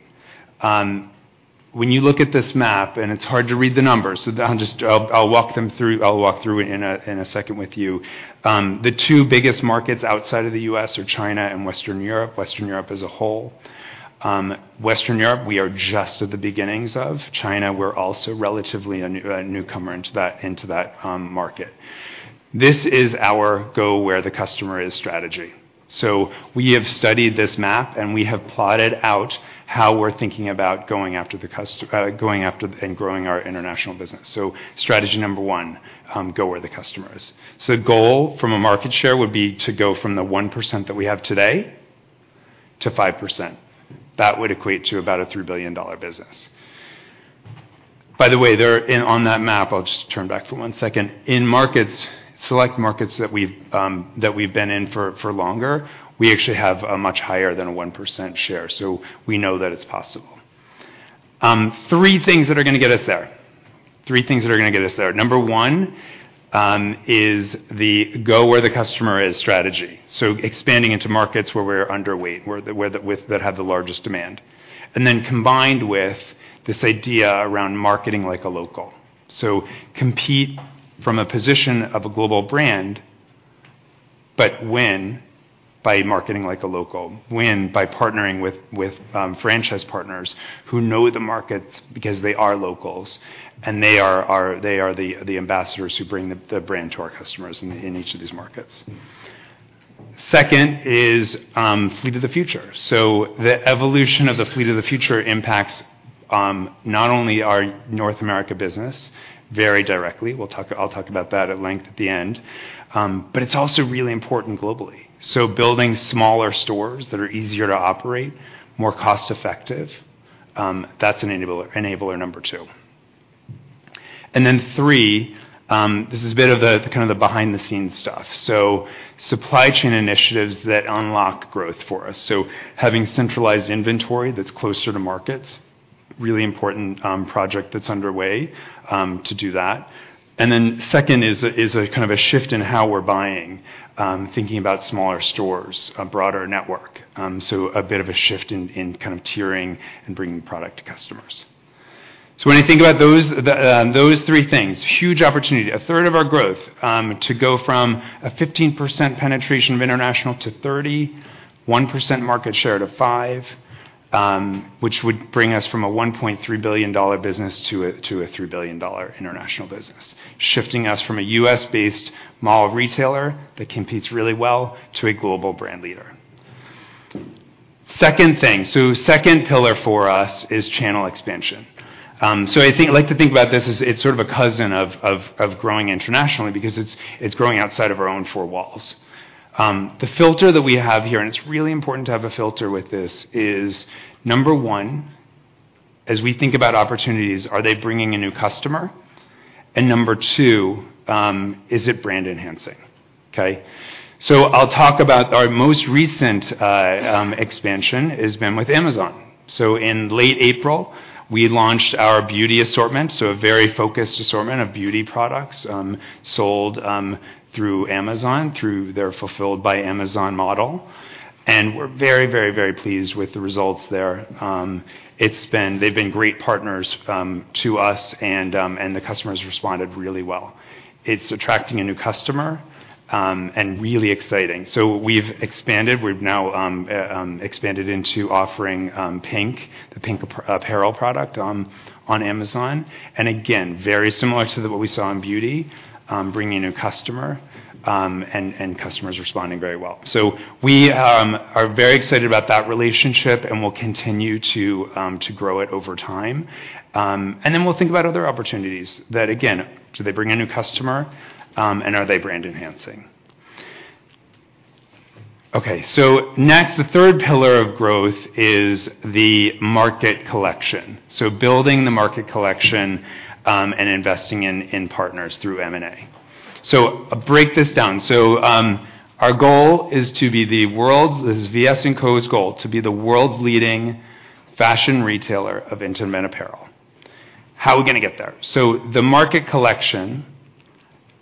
When you look at this map, and it's hard to read the numbers, I'll walk through in a second with you. The two biggest markets outside of the U.S. are China and Western Europe as a whole. Western Europe, we are just at the beginnings of. China, we're also relatively a newcomer into that market. This is our go-where-the-customer-is strategy. We have studied this map, and we have plotted out how we're thinking about going after and growing our international business. Strategy number one, go where the customer is. Goal from a market share would be to go from the 1% that we have today to 5%. That would equate to about a $3 billion business. By the way, on that map, I'll just turn back for one second. In select markets that we've been in for longer, we actually have a much higher than 1% share. We know that it's possible. Three things that are gonna get us there. Number one is the go-where-the-customer-is strategy. Expanding into markets where we're underweight that have the largest demand. Then combined with this idea around marketing like a local. Compete from a position of a global brand, but win by marketing like a local. Win by partnering with franchise partners who know the markets because they are locals, and they are our ambassadors who bring the brand to our customers in each of these markets. Second is fleet of the future. The evolution of the fleet of the future impacts not only our North America business very directly. I'll talk about that at length at the end. But it's also really important globally. Building smaller stores that are easier to operate, more cost-effective, that's enabler number two. Then three, this is a bit of the behind-the-scenes stuff. Supply chain initiatives that unlock growth for us. Having centralized inventory that's closer to markets, really important project that's underway to do that. Second is kind of a shift in how we're buying, thinking about smaller stores, a broader network. A bit of a shift in kind of tiering and bringing product to customers. When you think about those three things, huge opportunity. A third of our growth to go from a 15% penetration of international to 30%, 1% market share to 5%, which would bring us from a $1.3 billion business to a $3 billion international business. Shifting us from a U.S.-based mall retailer that competes really well to a global brand leader. Second pillar for us is channel expansion. I like to think about this as it's sort of a cousin of growing internationally because it's growing outside of our own four walls. The filter that we have here, and it's really important to have a filter with this, is number one, as we think about opportunities, are they bringing a new customer? Number two, is it brand enhancing? I'll talk about our most recent expansion has been with Amazon. In late April, we launched our beauty assortment, so a very focused assortment of beauty products, sold through Amazon, through their Fulfilled by Amazon model. We're very pleased with the results there. It's been. They've been great partners to us and the customers responded really well. It's attracting a new customer and really exciting. We've expanded. We've now expanded into offering PINK, the PINK apparel product on Amazon. And again, very similar to what we saw in beauty, bringing a new customer and customers responding very well. We are very excited about that relationship, and we'll continue to grow it over time. And then we'll think about other opportunities that again, do they bring a new customer and are they brand enhancing? Okay, next, the third pillar of growth is the market collection. Building the market collection and investing in partners through M&A. Break this down. Our goal is to be the world's leading fashion retailer of intimate apparel. This is VS & Co's goal, to be the world's leading fashion retailer of intimate apparel. How are we gonna get there? The market collection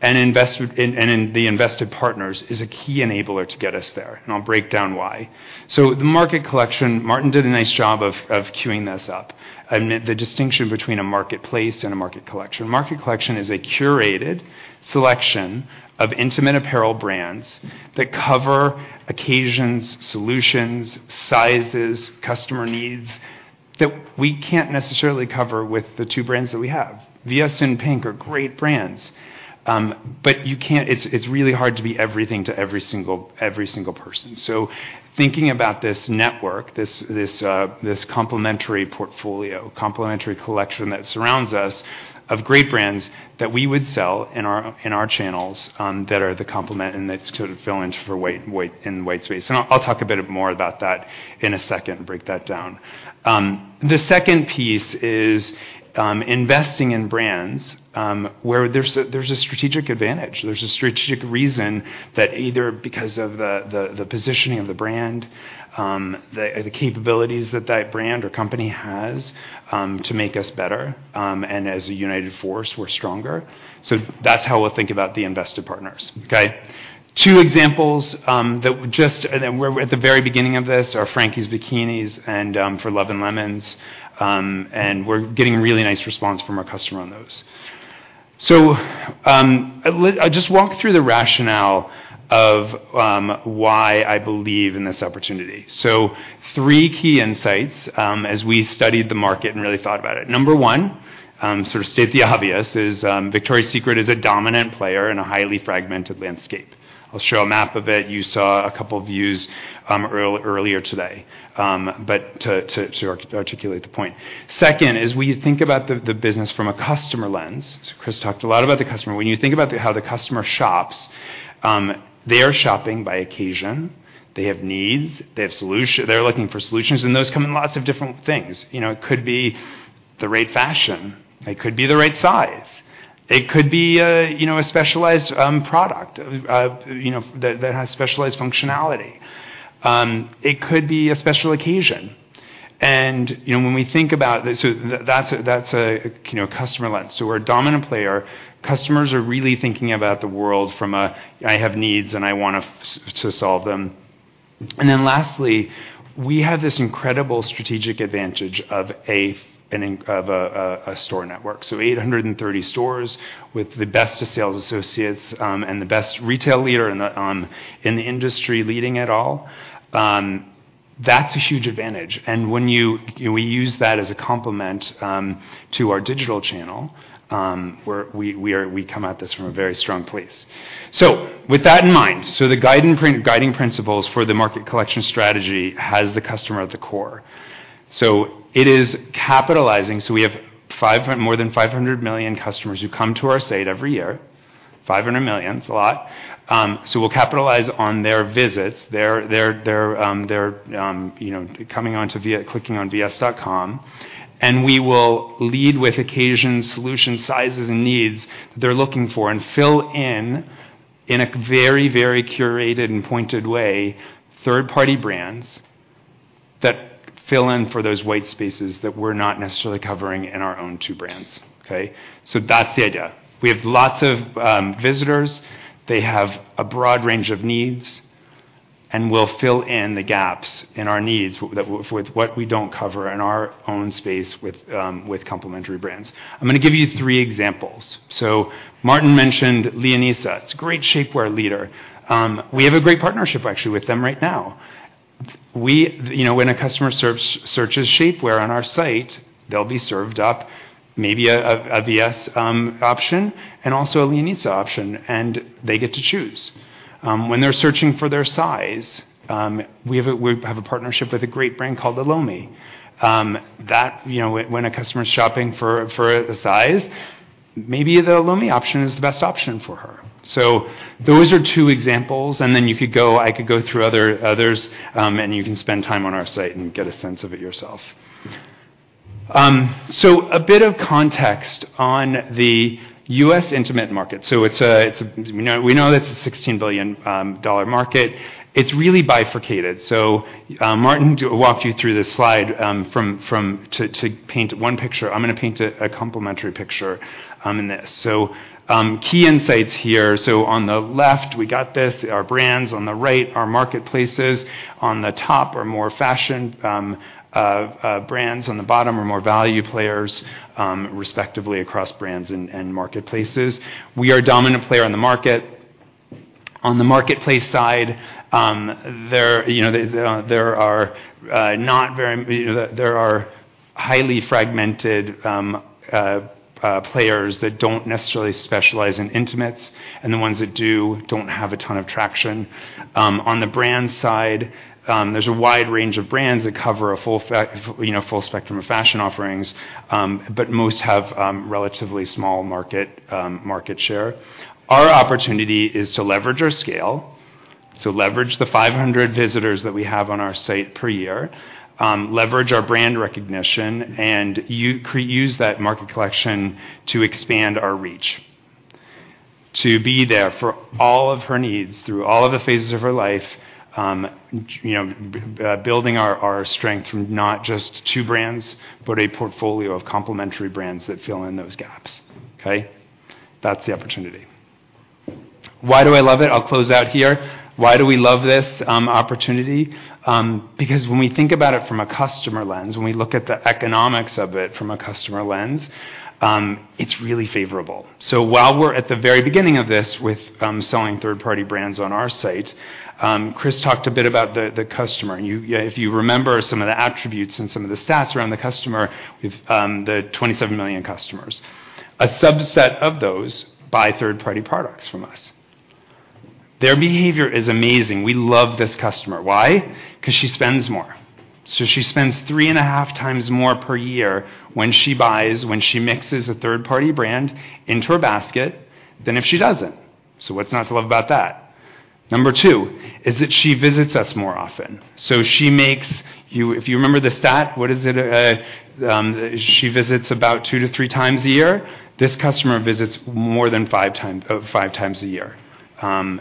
and invested partners is a key enabler to get us there, and I'll break down why. The market collection, Martin did a nice job of cueing this up. The distinction between a marketplace and a market collection. Market collection is a curated selection of intimate apparel brands that cover occasions, solutions, sizes, customer needs that we can't necessarily cover with the two brands that we have. VS and PINK are great brands, but you can't. It's really hard to be everything to every single person. Thinking about this network, this complementary portfolio, complementary collection that surrounds us of great brands that we would sell in our channels, that are the complement and that sort of fill in for white space. I'll talk a bit more about that in a second and break that down. The second piece is investing in brands where there's a strategic advantage. There's a strategic reason, either because of the positioning of the brand, the capabilities that that brand or company has to make us better, and as a united force, we're stronger. That's how we'll think about the invested partners, okay? Two examples, and we're at the very beginning of this, are Frankies Bikinis and For Love & Lemons. We're getting a really nice response from our customer on those. I'll just walk through the rationale of why I believe in this opportunity. Three key insights as we studied the market and really thought about it. Number one, sort of state the obvious is, Victoria's Secret is a dominant player in a highly fragmented landscape. I'll show a map of it. You saw a couple of views, earlier today, but to articulate the point. Second is we think about the business from a customer lens. Chris talked a lot about the customer. When you think about how the customer shops, they are shopping by occasion. They have needs, they're looking for solutions, and those come in lots of different things. You know, it could be the right fashion, it could be the right size, it could be a, you know, a specialized product, you know, that has specialized functionality. It could be a special occasion. You know, when we think about this, that's a customer lens. We're a dominant player. Customers are really thinking about the world from a, "I have needs, and I want to solve them." Lastly, we have this incredible strategic advantage of a store network. 830 stores with the best sales associates and the best retail leader in the industry leading it all. That's a huge advantage and when you know, we use that as a complement to our digital channel, we come at this from a very strong place. With that in mind, the guiding principles for the market collection strategy has the customer at the core. It is capitalizing, we have more than 500 million customers who come to our site every year. 500 million. It's a lot. We'll capitalize on their visits, their, you know, coming on to clicking on vs.com, and we will lead with occasion solution sizes and needs they're looking for and fill in a very, very curated and pointed way, third-party brands that fill in for those white spaces that we're not necessarily covering in our own two brands. Okay. That's the idea. We have lots of visitors. They have a broad range of needs, and we'll fill in the gaps in our needs with what we don't cover in our own space with complementary brands. I'm gonna give you three examples. Martin mentioned Leonisa. It's a great shapewear leader. We have a great partnership actually with them right now. You know, when a customer searches shapewear on our site, they'll be served up maybe a VS option and also a Leonisa option, and they get to choose. When they're searching for their size, we have a partnership with a great brand called Elomi. You know, when a customer is shopping for a size, maybe the Elomi option is the best option for her. Those are two examples, and then I could go through others, and you can spend time on our site and get a sense of it yourself. A bit of context on the U.S. intimate market. It's a. You know, we know that it's a $16 billion market. It's really bifurcated. Martin walked you through this slide to paint one picture. I'm gonna paint a complementary picture in this. Key insights here. On the left, we got this, our brands. On the right, our marketplaces. On the top are more fashion brands. On the bottom are more value players, respectively across brands and marketplaces. We are a dominant player on the market. On the marketplace side, there you know there are not very you know. There are highly fragmented players that don't necessarily specialize in intimates, and the ones that do don't have a ton of traction. On the brand side, there's a wide range of brands that cover a full spectrum of fashion offerings, but most have relatively small market share. Our opportunity is to leverage our scale, to leverage the 500 visitors that we have on our site per year, leverage our brand recognition, and use that market collection to expand our reach. To be there for all of her needs through all of the phases of her life, you know, building our strength from not just two brands, but a portfolio of complementary brands that fill in those gaps. Okay. That's the opportunity. Why do I love it? I'll close out here. Why do we love this opportunity? Because when we think about it from a customer lens, when we look at the economics of it from a customer lens, it's really favorable. While we're at the very beginning of this with selling third-party brands on our site, Chris talked a bit about the customer. If you remember some of the attributes and some of the stats around the customer, we've the 27 million customers. A subset of those buy third-party products from us. Their behavior is amazing. We love this customer. Why? 'Cause she spends more. She spends 3.5x more per year when she buys, when she mixes a third-party brand into her basket than if she doesn't. What's not to love about that? Number two is that she visits us more often. She makes... If you remember the stat, what is it? She visits about 2x-3x a year. This customer visits more than 5x a year. Lastly,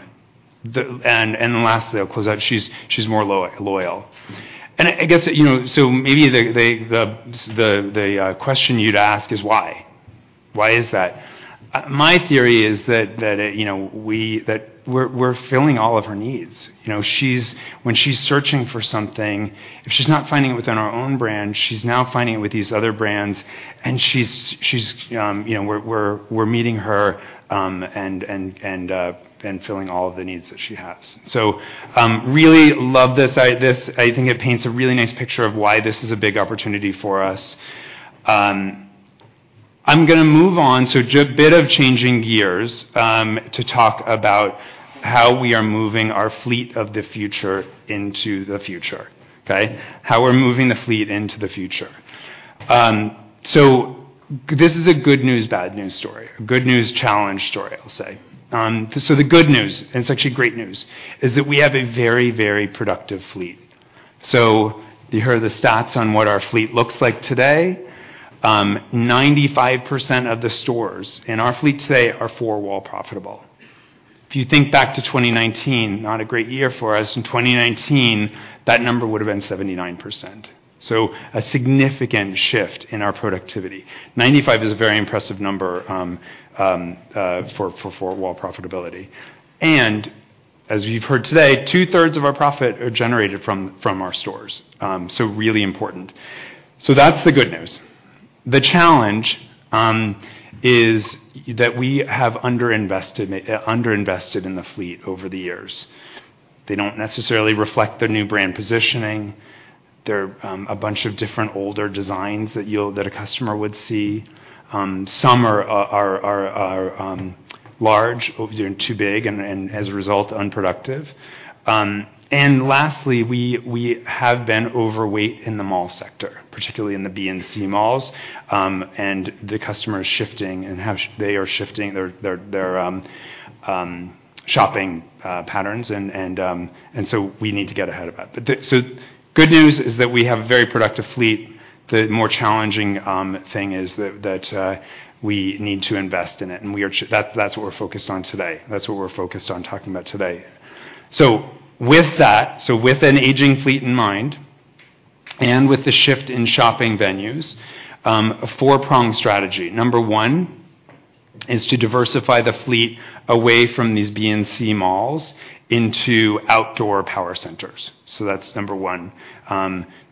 I'll close out. She's more loyal. I guess, you know, maybe the question you'd ask is why. Why is that? My theory is that, you know, we're filling all of her needs. You know, when she's searching for something, if she's not finding it within our own brand, she's now finding it with these other brands, and we're meeting her and filling all of the needs that she has. Really love this. I think it paints a really nice picture of why this is a big opportunity for us. I'm gonna move on, so just a bit of changing gears, to talk about how we are moving our fleet of the future into the future, okay? How we're moving the fleet into the future. This is a good news, bad news story. A good news, challenge story, I'll say. The good news, and it's actually great news, is that we have a very, very productive fleet. You heard the stats on what our fleet looks like today. 95% of the stores in our fleet today are four-wall profitable. If you think back to 2019, not a great year for us. In 2019, that number would have been 79%. A significant shift in our productivity. 95% is a very impressive number for four-wall profitability. As you've heard today, 2/3 of our profit are generated from our stores, so really important. That's the good news. The challenge is that we have underinvested in the fleet over the years. They don't necessarily reflect the new brand positioning. They're a bunch of different older designs that a customer would see. Some are large, too big, and as a result, unproductive. Lastly, we have been overweight in the mall sector, particularly in the B and C malls, and the customer is shifting. They are shifting their shopping patterns, and so we need to get ahead of that. Good news is that we have a very productive fleet. The more challenging thing is that we need to invest in it, that's what we're focused on today. That's what we're focused on talking about today. With that, with an aging fleet in mind, and with the shift in shopping venues, a four-pronged strategy. Number one is to diversify the fleet away from these B and C malls into outdoor power centers. That's number one.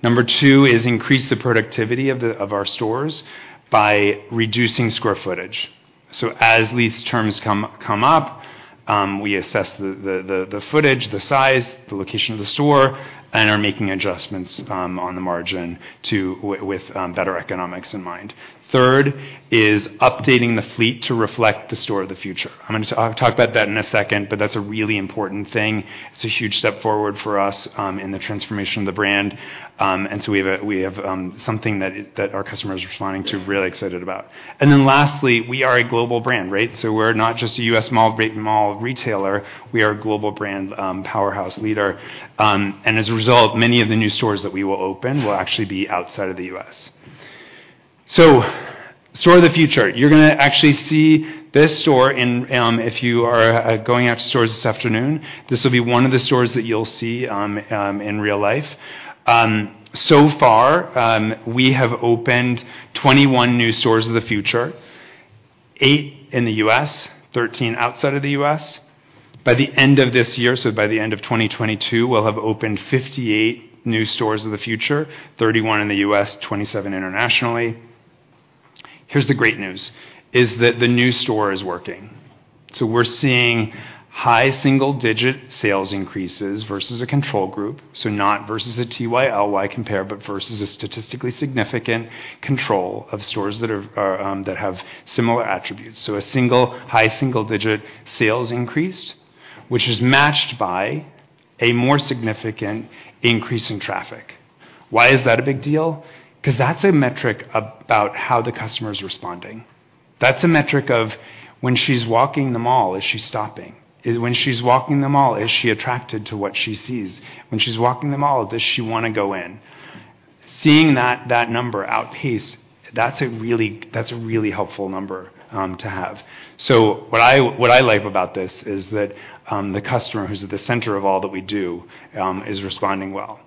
Number two is increase the productivity of our stores by reducing square footage. As lease terms come up, we assess the footage, the size, the location of the store, and are making adjustments on the margin with better economics in mind. Third is updating the fleet to reflect the store of the future. I'm gonna talk about that in a second, but that's a really important thing. It's a huge step forward for us in the transformation of the brand. So we have something that our customer is responding to, really excited about. Then lastly, we are a global brand, right? We're not just a U.S. mall, big mall retailer. We are a global brand powerhouse leader. As a result, many of the new stores that we will open will actually be outside of the U.S. store of the future. You're gonna actually see this store if you are going out to stores this afternoon. This will be one of the stores that you'll see in real life. So far, we have opened 21 new stores of the future, eight in the U.S., 13 outside of the U.S. By the end of this year, so by the end of 2022, we'll have opened 58 new stores of the future, 31 in the U.S., 27 internationally. Here's the great news, is that the new store is working. We're seeing high-single-digit sales increases versus a control group, so not versus a TYLY compare, but versus a statistically significant control of stores that are, that have similar attributes. A single, high-single-digit sales increase, which is matched by a more significant increase in traffic. Why is that a big deal? Because that's a metric about how the customer is responding. That's a metric of when she's walking the mall, is she stopping? It's when she's walking the mall, is she attracted to what she sees? When she's walking the mall, does she wanna go in? Seeing that that number outpaces, that's a really helpful number to have. What I like about this is that the customer who's at the center of all that we do is responding well.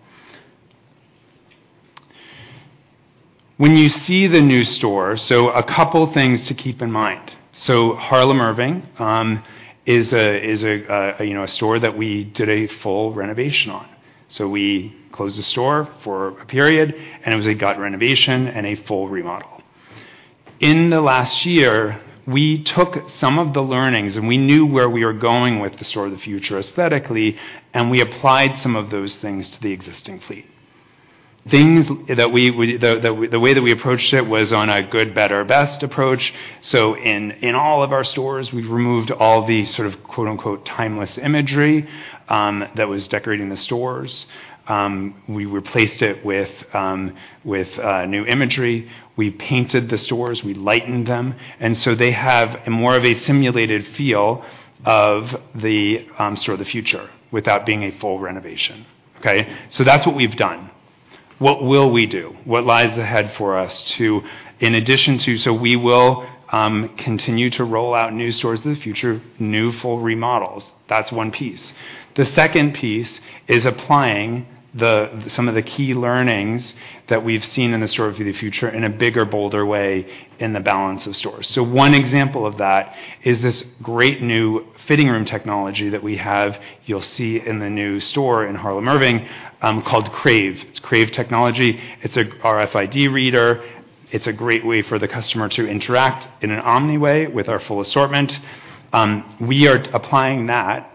When you see the new store, a couple things to keep in mind. Harlem Irving is a store that we did a full renovation on. We closed the store for a period, and it was a gut renovation and a full remodel. In the last year, we took some of the learnings, and we knew where we were going with the store of the future aesthetically, and we applied some of those things to the existing fleet. Things that we. The way that we approached it was on a good, better, best approach. In all of our stores, we've removed all the sort of quote-unquote timeless imagery that was decorating the stores. We replaced it with new imagery. We painted the stores. We lightened them. They have more of a simulated feel of the store of the future without being a full renovation. Okay. That's what we've done. What will we do? What lies ahead for us. In addition to, we will continue to roll out new stores in the future, new full remodels. That's one piece. The second piece is applying some of the key learnings that we've seen in the store of the future in a bigger, bolder way in the balance of stores. One example of that is this great new fitting room technology that we have, you'll see in the new store in Harlem Irving called Crave Retail. It's Crave Retail. It's an RFID reader. It's a great way for the customer to interact in an omni-channel way with our full assortment. We are applying that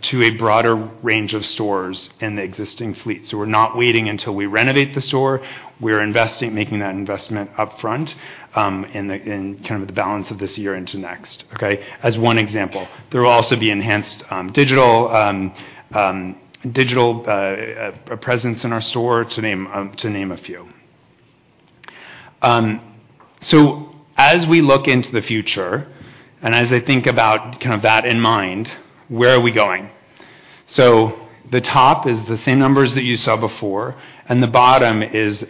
to a broader range of stores in the existing fleet. We're not waiting until we renovate the store. We're investing, making that investment upfront, in kind of the balance of this year into next, okay? As one example. There will also be enhanced digital presence in our store to name a few. As we look into the future, and as I think about kind of that in mind, where are we going? The top is the same numbers that you saw before, and the bottom is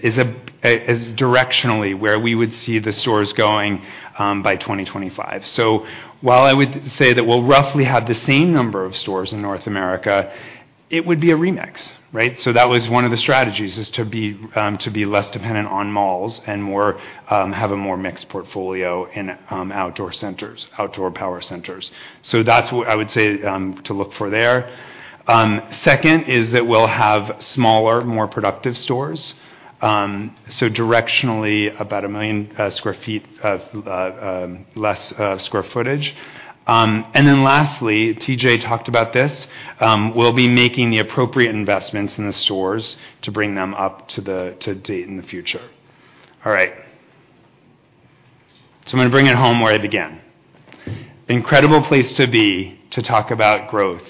directionally where we would see the stores going by 2025. While I would say that we'll roughly have the same number of stores in North America, it would be a remix, right? That was one of the strategies, is to be less dependent on malls and more have a more mixed portfolio in outdoor centers, outdoor power centers. That's what I would say to look for there. Second is that we'll have smaller, more productive stores, so directionally about 1 million sq ft of less square footage. Then lastly, TJ talked about this, we'll be making the appropriate investments in the stores to bring them up to the Store of the Future. I'm gonna bring it home where I began. Incredible place to be to talk about growth.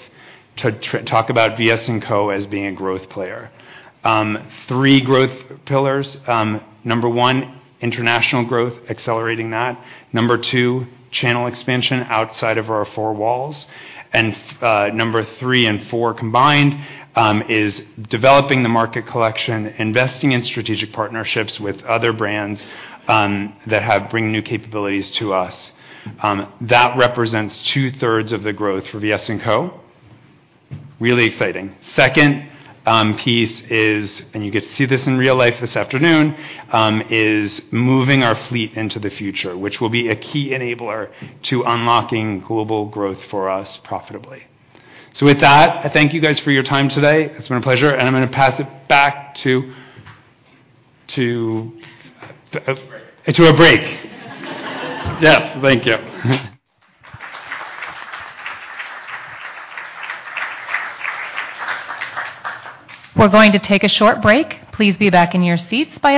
Talk about VS & Co as being a growth player. Three growth pillars. Number one, international growth, accelerating that. Number two, channel expansion outside of our four walls. Number three and four combined is developing the market collection, investing in strategic partnerships with other brands that bring new capabilities to us. That represents 2/3 of the growth for VS & Co. Really exciting. Second piece, and you get to see this in real life this afternoon, is moving our fleet of the future, which will be a key enabler to unlocking global growth for us profitably. With that, I thank you guys for your time today. It's been a pleasure, and I'm gonna pass it back to... A break. To a break. Yes. Thank you. We're going to take a short break. Please be back in your seats by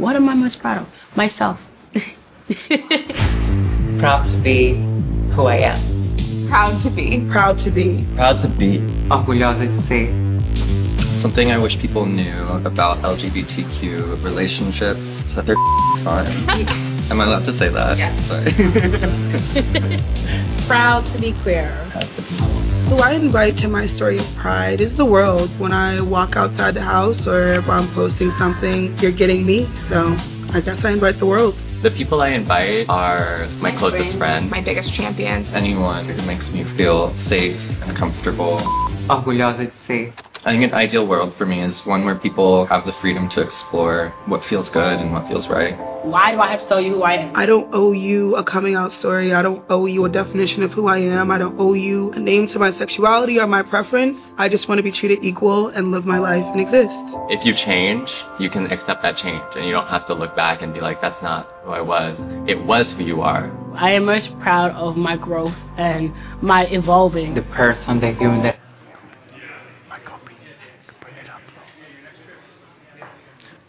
A.M.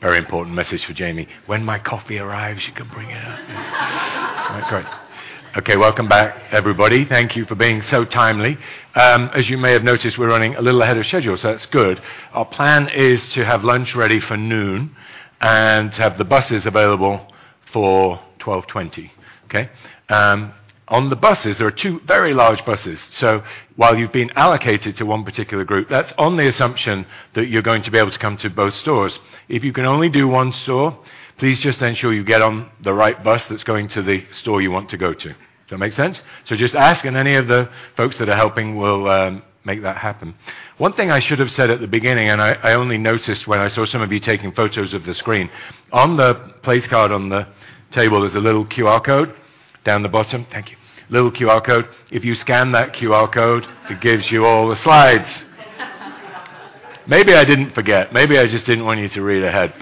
Very important message for Jamie. When my coffee arrives, you could bring it up. Okay. Okay, welcome back, everybody. Thank you for being so timely. As you may have noticed, we're running a little ahead of schedule, so that's good. Our plan is to have lunch ready for noon and have the buses available for 12:20 P.M. Okay? On the buses, there are two very large buses. While you've been allocated to one particular group, that's on the assumption that you're going to be able to come to both stores. If you can only do one store, please just ensure you get on the right bus that's going to the store you want to go to. Does that make sense? Just ask, and any of the folks that are helping will make that happen. One thing I should have said at the beginning, and I only noticed when I saw some of you taking photos of the screen. On the place card on the table, there's a little QR code down the bottom. Thank you. Little QR code. If you scan that QR code, it gives you all the slides. Maybe I didn't forget. Maybe I just didn't want you to read ahead.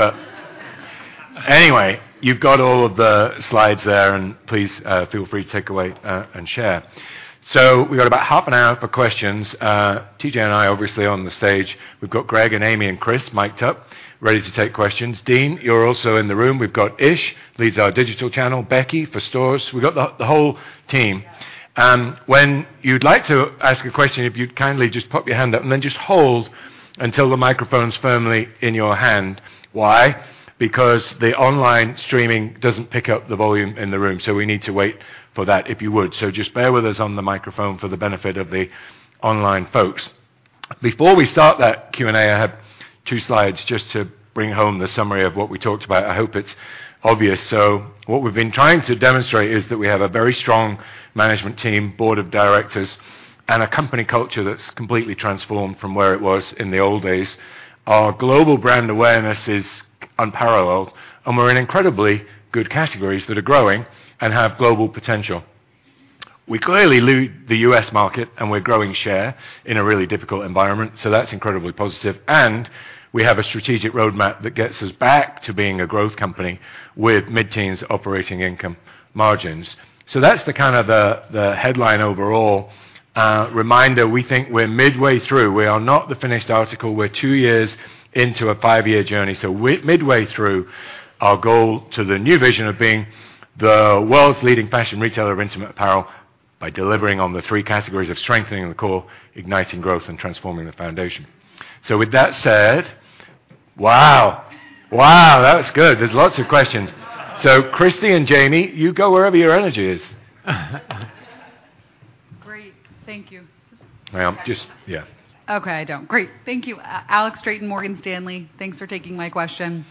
Anyway, you've got all of the slides there, and please, feel free to take away, and share. We've got about half an hour for questions. TJ and I obviously on the stage. We've got Greg and Amy and Chris mic'd up, ready to take questions. Dein, you're also in the room. We've got Ish, leads our digital channel, Becky for stores. We've got the whole team. When you'd like to ask a question, if you'd kindly just pop your hand up and then just hold until the microphone's firmly in your hand. Why? Because the online streaming doesn't pick up the volume in the room, so we need to wait for that, if you would. Just bear with us on the microphone for the benefit of the online folks. Before we start that Q&A, I have two slides just to bring home the summary of what we talked about. I hope it's obvious. What we've been trying to demonstrate is that we have a very strong management team, board of directors, and a company culture that's completely transformed from where it was in the old days. Our global brand awareness is unparalleled, and we're in incredibly good categories that are growing and have global potential. We clearly lead the U.S. market, and we're growing share in a really difficult environment, so that's incredibly positive. We have a strategic roadmap that gets us back to being a growth company with mid-teens operating income margins. That's the kind of headline overall. Reminder, we think we're midway through. We are not the finished article. We're two years into a five-year journey, so we're midway through our goal to the new vision of being the world's leading fashion retailer of intimate apparel by delivering on the three categories of strengthening the core, igniting growth, and transforming the foundation. With that said. Wow. Wow, that was good. There's lots of questions. Christy and Jamie, you go wherever your energy is. Great. Thank you. Hang on. Just. Yeah. Great. Thank you. Alex Straton, Morgan Stanley. Thanks for taking my question.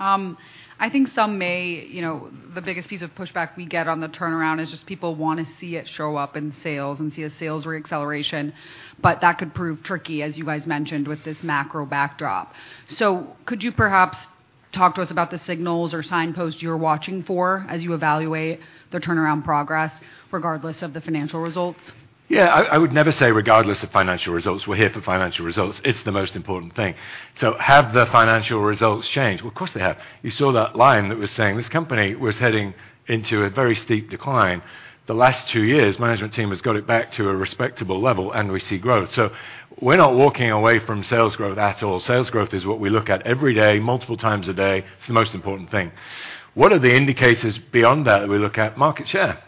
I think some may. You know, the biggest piece of pushback we get on the turnaround is just people wanna see it show up in sales and see a sales re-acceleration, but that could prove tricky, as you guys mentioned, with this macro backdrop. Could you perhaps talk to us about the signals or signposts you're watching for as you evaluate the turnaround progress regardless of the financial results? Yeah. I would never say regardless of financial results. We're here for financial results. It's the most important thing. Have the financial results changed? Well, of course, they have. You saw that line that was saying this company was heading into a very steep decline. The last two years, management team has got it back to a respectable level, and we see growth. We're not walking away from sales growth at all. Sales growth is what we look at every day, multiple times a day. It's the most important thing. What are the indicators beyond that that we look at? Market share.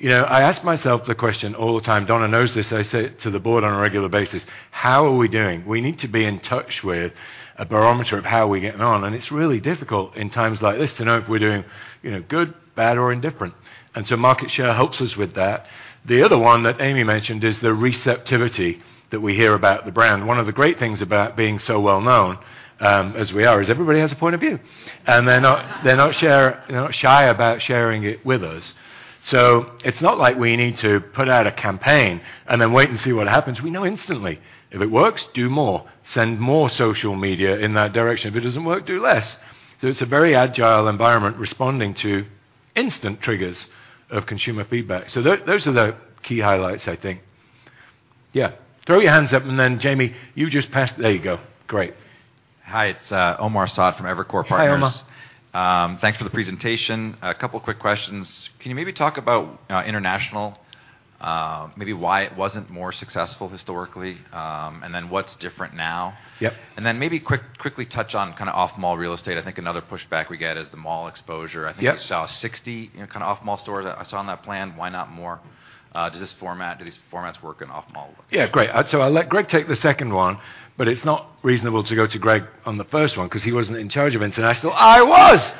You know, I ask myself the question all the time. Donna knows this. I say it to the board on a regular basis. How are we doing? We need to be in touch with a barometer of how we're getting on, and it's really difficult in times like this to know if we're doing, you know, good, bad, or indifferent. Market share helps us with that. The other one that Amy mentioned is the receptivity that we hear about the brand. One of the great things about being so well known, as we are, is everybody has a point of view. They're not shy about sharing it with us. It's not like we need to put out a campaign and then wait and see what happens. We know instantly. If it works, do more. Send more social media in that direction. If it doesn't work, do less. It's a very agile environment responding to instant triggers of consumer feedback. Those are the key highlights, I think. Yeah. Throw your hands up, and then Jamie, you just pass. There you go. Great. Hi, it's Omar Saad from Evercore ISI. Hi, Omar. Thanks for the presentation. A couple quick questions. Can you maybe talk about international? Maybe why it wasn't more successful historically, and then what's different now? Yep. Maybe quickly touch on kinda off-mall real estate. I think another pushback we get is the mall exposure. Yep. I think you saw 60, you know, kinda off-mall stores I saw on that plan. Why not more? Do these formats work in off-mall? Yeah, great. I'll let Greg take the second one, but it's not reasonable to go to Greg on the first one 'cause he wasn't in charge of international. I was.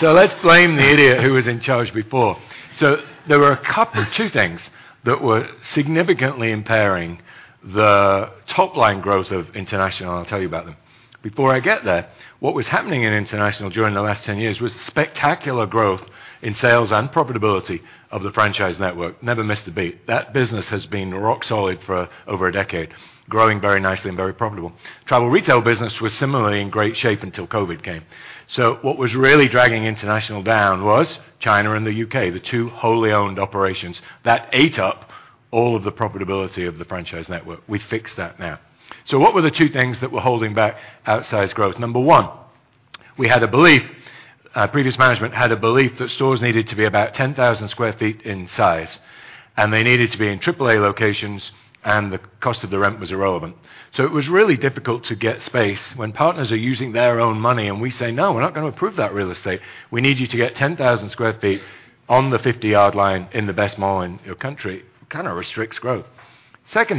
Let's blame the idiot who was in charge before. There were a couple, two things that were significantly impairing the top-line growth of international, and I'll tell you about them. Before I get there, what was happening in international during the last 10 years was spectacular growth in sales and profitability of the franchise network. Never missed a beat. That business has been rock solid for over a decade, growing very nicely and very profitable. Travel retail business was similarly in great shape until COVID came. What was really dragging international down was China and the U.K., the two wholly owned operations that ate up all of the profitability of the franchise network. We fixed that now. What were the two things that were holding back outsized growth? Number one, we had a belief, previous management had a belief that stores needed to be about 10,000 sq ft in size, and they needed to be in AAA locations, and the cost of the rent was irrelevant. It was really difficult to get space when partners are using their own money and we say, "No, we're not gonna approve that real estate. We need you to get 10,000 sq ft on the 50-yard line in the best mall in your country." Kinda restricts growth. Sorry,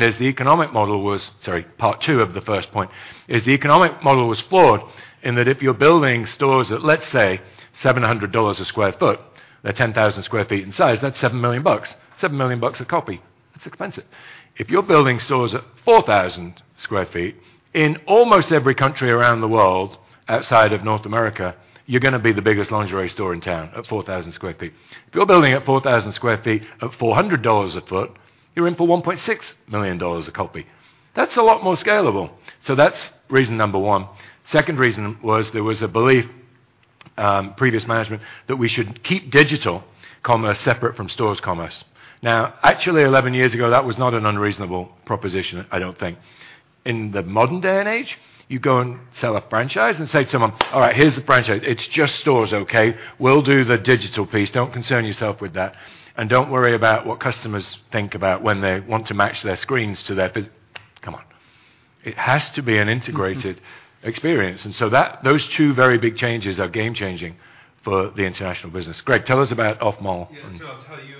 part two of the first point is the economic model was flawed in that if you're building stores at, let's say, $700 a sq ft, they're 10,000 sq ft in size, that's $7 million. $7 million a copy. That's expensive. If you're building stores at 4,000 sq ft, in almost every country around the world outside of North America, you're gonna be the biggest lingerie store in town at 4,000 sq ft. If you're building at 4,000 sq ft at $400 a foot, you're in for $1.6 million a copy. That's a lot more scalable. That's reason number one. Second reason was there was a belief, previous management, that we should keep digital commerce separate from stores commerce. Now, actually, 11 years ago, that was not an unreasonable proposition, I don't think. In the modern day and age, you go and sell a franchise and say to someone, "All right, here's the franchise. It's just stores, okay? We'll do the digital piece. Don't concern yourself with that, and don't worry about what customers think about when they want to match their screens to their bus. Come on. It has to be an integrated experience. Those two very big changes are game-changing for the international business. Greg, tell us about off-mall. Yeah. I'll tell you,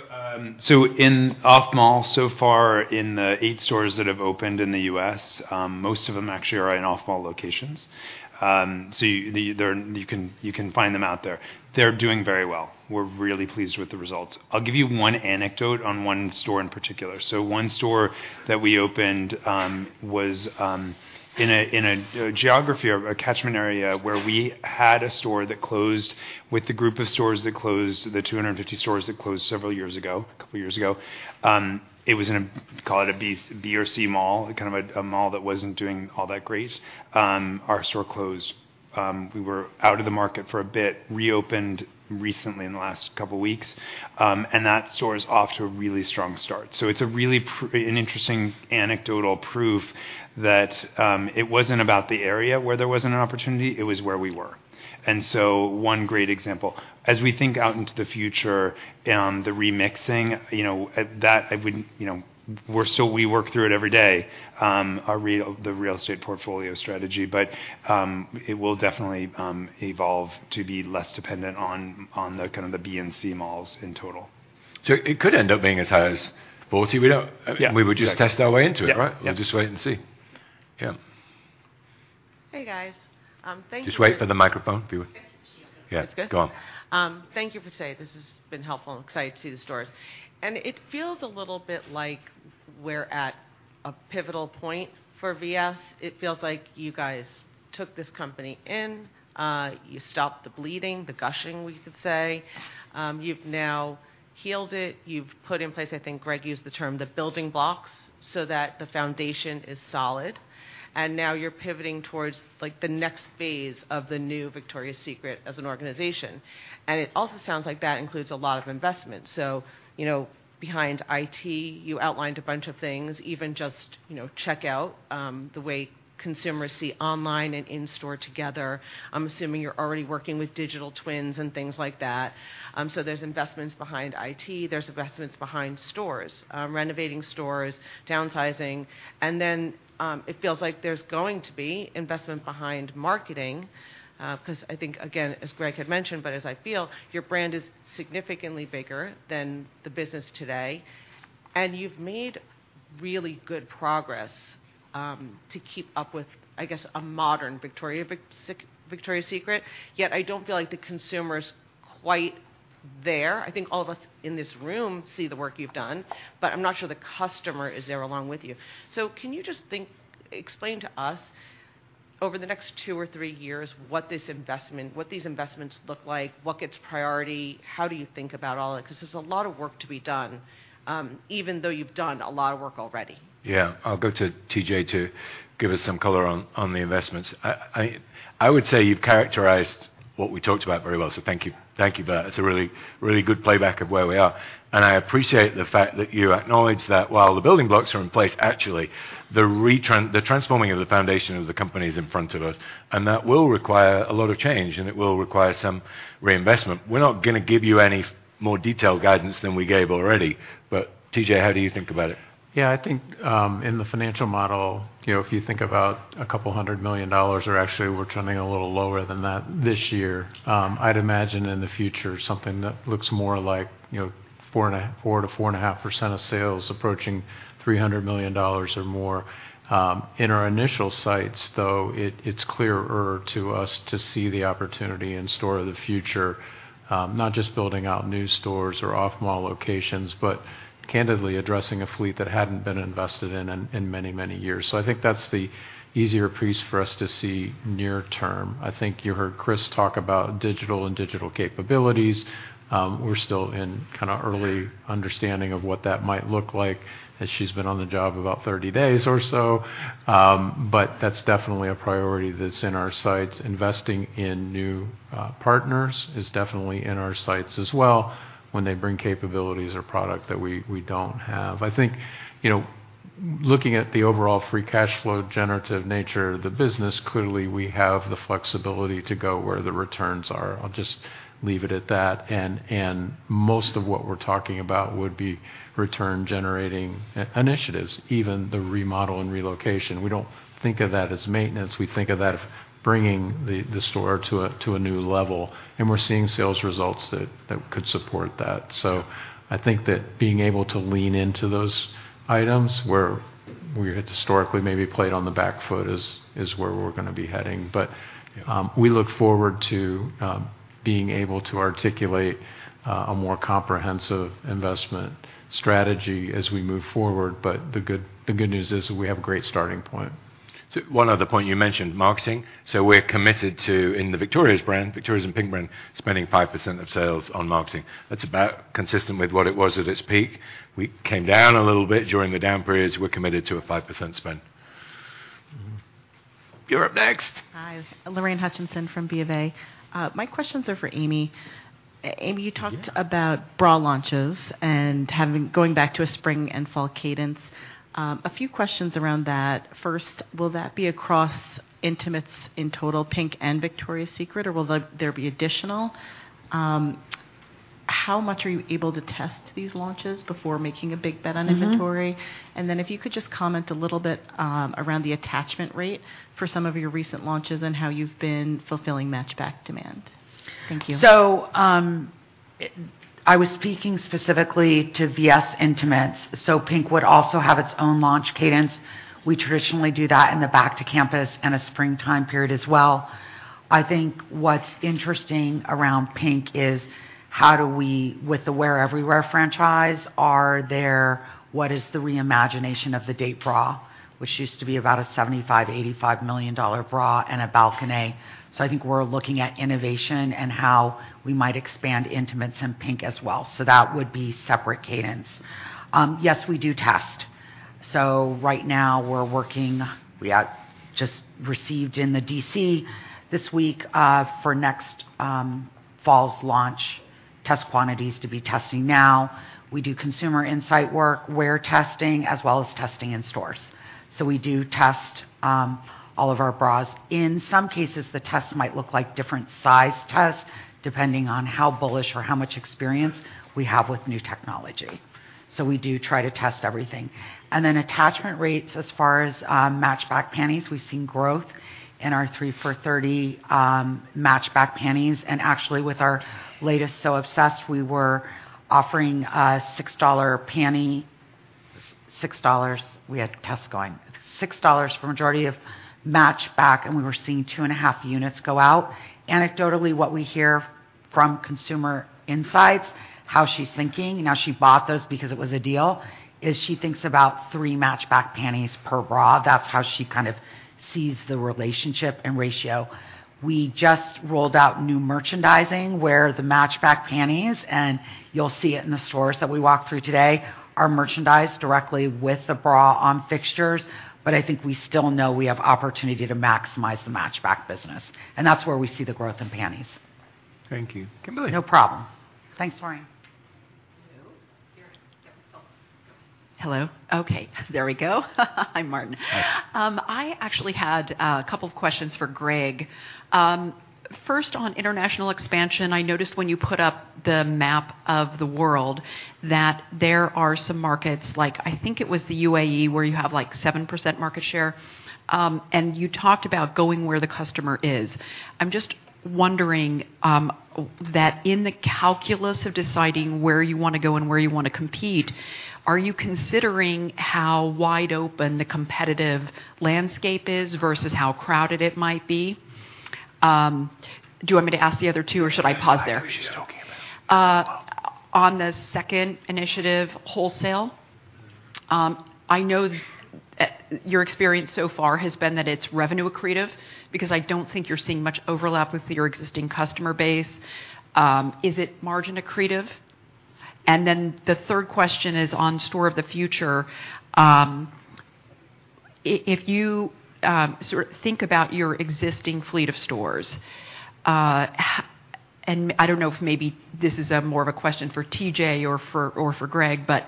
so in off-mall so far in the eight stores that have opened in the U.S., most of them actually are in off-mall locations. You can find them out there. They're doing very well. We're really pleased with the results. I'll give you one anecdote on one store in particular. One store that we opened was in a geography or a catchment area where we had a store that closed with the group of stores that closed, the 250 stores that closed several years ago, a couple years ago. It was in a, call it a B or C mall, kind of a mall that wasn't doing all that great. Our store closed. We were out of the market for a bit, reopened recently in the last couple weeks, and that store is off to a really strong start. It's an interesting anecdotal proof that it wasn't about the area where there wasn't an opportunity, it was where we were. One great example. As we think out into the future, the remixing, you know, that I wouldn't, you know we work through it every day, the real estate portfolio strategy. It will definitely evolve to be less dependent on the kind of the B and C malls in total. It could end up being as high as 40. We don't- Yeah. We would just test our way into it, right? Yep. Yep. We'll just wait and see. Yeah. Hey, guys. Thank you- Just wait for the microphone if you would. Thank you. Yeah. It's good? Go on. Thank you for today. This has been helpful. I'm excited to see the stores. It feels a little bit like we're at a pivotal point for VS. It feels like you guys took this company in, you stopped the bleeding, the gushing, we could say. You've now healed it. You've put in place, I think Greg used the term, the building blocks so that the foundation is solid, and now you're pivoting towards, like, the next phase of the new Victoria's Secret as an organization. It also sounds like that includes a lot of investment. You know, behind IT, you outlined a bunch of things, even just, you know, check out, the way consumers see online and in-store together. I'm assuming you're already working with digital twins and things like that. There's investments behind IT. There's investments behind stores, renovating stores, downsizing. It feels like there's going to be investment behind marketing, 'cause I think, again, as Greg had mentioned, but as I feel, your brand is significantly bigger than the business today. You've made really good progress to keep up with, I guess, a modern Victoria's Secret, yet I don't feel like the consumer's quite there. I think all of us in this room see the work you've done, but I'm not sure the customer is there along with you. Can you just explain to us over the next two or three years, what these investments look like, what gets priority, how do you think about all that? 'Cause there's a lot of work to be done, even though you've done a lot of work already. Yeah. I'll go to TJ to give us some color on the investments. I would say you've characterized what we talked about very well, so thank you. Thank you for that. It's a really, really good playback of where we are. I appreciate the fact that you acknowledge that while the building blocks are in place, actually the transforming of the foundation of the company is in front of us, and that will require a lot of change, and it will require some reinvestment. We're not gonna give you any more detailed guidance than we gave already, but TJ, how do you think about it? I think, in the financial model, you know, if you think about $200 million or actually we're trending a little lower than that this year, I'd imagine in the future something that looks more like, you know, 4%-4.5% of sales approaching $300 million or more. In our initial sights, though, it's clearer to us to see the opportunity in store of the future, not just building out new stores or off-mall locations, but candidly addressing a fleet that hadn't been invested in in many years. I think that's the easier piece for us to see near term. I think you heard Chris talk about digital and digital capabilities. We're still in kinda early understanding of what that might look like as she's been on the job about 30 days or so. That's definitely a priority that's in our sights. Investing in new partners is definitely in our sights as well when they bring capabilities or product that we don't have. I think, you know, looking at the overall free cash flow generative nature of the business, clearly we have the flexibility to go where the returns are. I'll just leave it at that. Most of what we're talking about would be return-generating initiatives, even the remodel and relocation. We don't think of that as maintenance. We think of that as bringing the store to a new level, and we're seeing sales results that could support that. I think that being able to lean into those items where we had historically maybe played on the back foot is where we're gonna be heading. We look forward to being able to articulate a more comprehensive investment strategy as we move forward. The good news is that we have a great starting point. One other point you mentioned, marketing. We're committed to, in the Victoria's brand, Victoria's and PINK brand, spending 5% of sales on marketing. That's about as consistent with what it was at its peak. We came down a little bit during the down periods. We're committed to a 5% spend. You're up next. Hi. Lorraine Hutchinson from BofA. My questions are for Amy. Amy, you talked about bra launches and going back to a spring and fall cadence. A few questions around that. First, will that be across intimates in total, PINK and Victoria's Secret, or will there be additional? How much are you able to test these launches before making a big bet on inventory? Mm-hmm. If you could just comment a little bit around the attachment rate for some of your recent launches and how you've been fulfilling match back demand. Thank you. I was speaking specifically to VS Intimates, so PINK would also have its own launch cadence. We traditionally do that in the back to campus and a springtime period as well. I think what's interesting around PINK is, with the Wear Everywhere franchise, what is the reimagination of the day bra, which used to be about a $75 million-$85 million bra and a balconette. I think we're looking at innovation and how we might expand intimates in PINK as well. That would be separate cadence. Yes, we do test. Right now we have just received in the DC this week for next fall's launch test quantities to be testing now. We do consumer insight work, wear testing, as well as testing in stores. We do test all of our bras. In some cases, the tests might look like different size tests depending on how bullish or how much experience we have with new technology. We do try to test everything. Then attachment rates as far as, match back panties, we've seen growth in our three for $30 match back panties. Actually with our latest So Obsessed, we were offering a $6 panty. $6. We had tests going. $6 for majority of match back, and we were seeing 2.5 units go out. Anecdotally, what we hear from consumer insights, how she's thinking, now she bought those because it was a deal, is she thinks about three match back panties per bra. That's how she kind of sees the relationship and ratio. We just rolled out new merchandising where the match back panties, and you'll see it in the stores that we walked through today, are merchandised directly with the bra on fixtures, but I think we still know we have opportunity to maximize the match back business, and that's where we see the growth in panties. Thank you. Kimberly. No problem. Thanks, Lorraine. Hello. Okay. There we go. Hi, Martin. Hi. I actually had a couple of questions for Greg. First on international expansion, I noticed when you put up the map of the world that there are some markets like, I think it was the U.A.E., where you have, like, 7% market share, and you talked about going where the customer is. I'm just wondering, that in the calculus of deciding where you wanna go and where you wanna compete, are you considering how wide open the competitive landscape is versus how crowded it might be? Do you want me to ask the other two or should I pause there? Yes, I appreciate what she's talking about. On the second initiative, wholesale. I know your experience so far has been that it's revenue accretive because I don't think you're seeing much overlap with your existing customer base. Is it margin accretive? The third question is on store of the future. If you sort of think about your existing fleet of stores, and I don't know if maybe this is more of a question for TJ or for Greg, but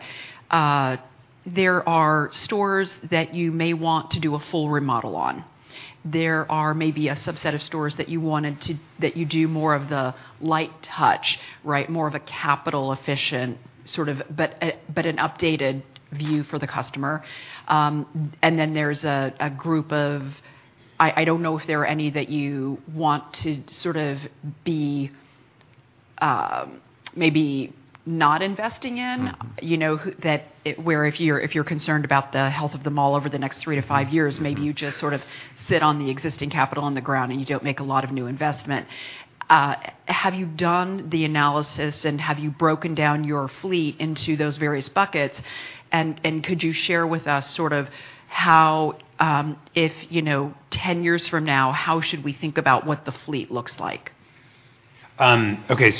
there are stores that you may want to do a full remodel on. There are maybe a subset of stores that you do more of the light touch, right? More of a capital efficient sort of but an updated view for the customer. There's a group of. I don't know if there are any that you want to sort of be, maybe not investing in. Mm-hmm. You know, whether if you're concerned about the health of the mall over the next three to five years, maybe you just sort of sit on the existing capital on the ground, and you don't make a lot of new investment. Have you done the analysis and have you broken down your fleet into those various buckets? Could you share with us sort of how, if, you know, 10 years from now, how should we think about what the fleet looks like? Okay.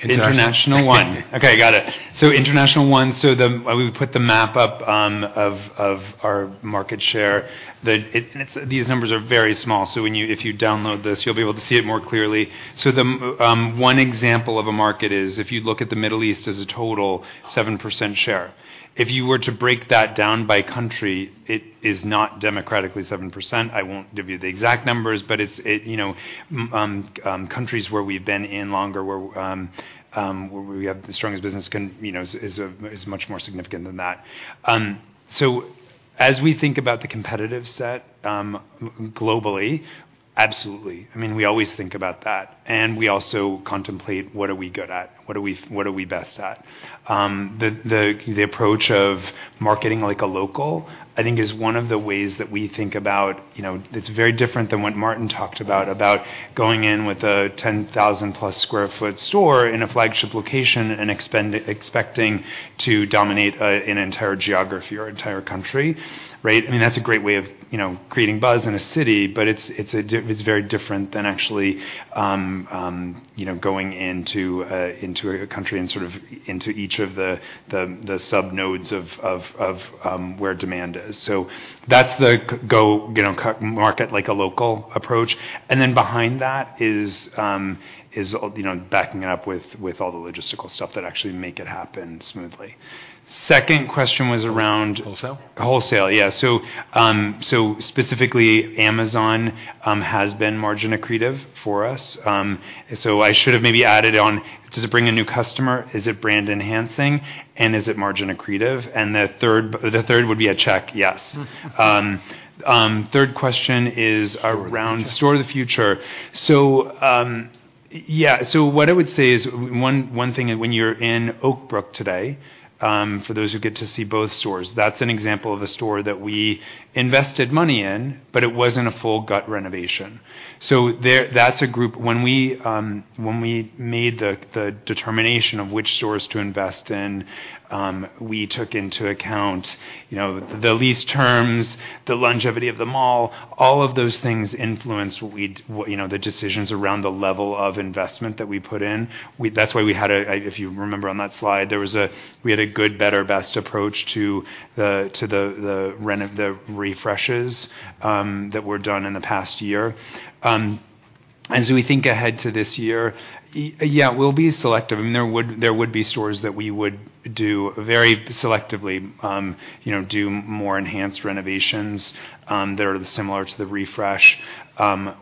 International one. Got it. International one, so we put the map up of our market share. And it's these numbers are very small, so if you download this, you'll be able to see it more clearly. The one example of a market is if you look at the Middle East as a total, 7% share. If you were to break that down by country, it is not democratically 7%. I won't give you the exact numbers, but it's you know countries where we've been in longer, where we have the strongest business you know is much more significant than that. As we think about the competitive set globally, absolutely. I mean, we always think about that, and we also contemplate what are we good at, what are we best at. The approach of marketing like a local, I think is one of the ways that we think about, you know, it's very different than what Martin talked about going in with a 10,000+ sq ft store in a flagship location and expecting to dominate an entire geography or entire country, right? I mean, that's a great way of, you know, creating buzz in a city, but it's very different than actually, you know, going into a country and sort of into each of the sub-nodes of where demand is. That's the go-to-market like a local approach. Behind that is, you know, backing it up with all the logistical stuff that actually make it happen smoothly. Second question was around- Wholesale. Wholesale, yeah. Specifically, Amazon has been margin accretive for us. I should have maybe added on, does it bring a new customer? Is it brand enhancing? And is it margin accretive? And the third would be a check, yes. Third question is around store of the future. Yeah. What I would say is one thing when you're in Oakbrook today, for those who get to see both stores. That's an example of a store that we invested money in, but it wasn't a full gut renovation. That's a group. When we made the determination of which stores to invest in, we took into account, you know, the lease terms, the longevity of the mall. All of those things influence what, you know, the decisions around the level of investment that we put in. That's why, if you remember on that slide, we had a good, better, best approach to the refreshes that were done in the past year. As we think ahead to this year, yeah, we'll be selective. I mean, there would be stores that we would do very selectively, you know, do more enhanced renovations that are similar to the refresh.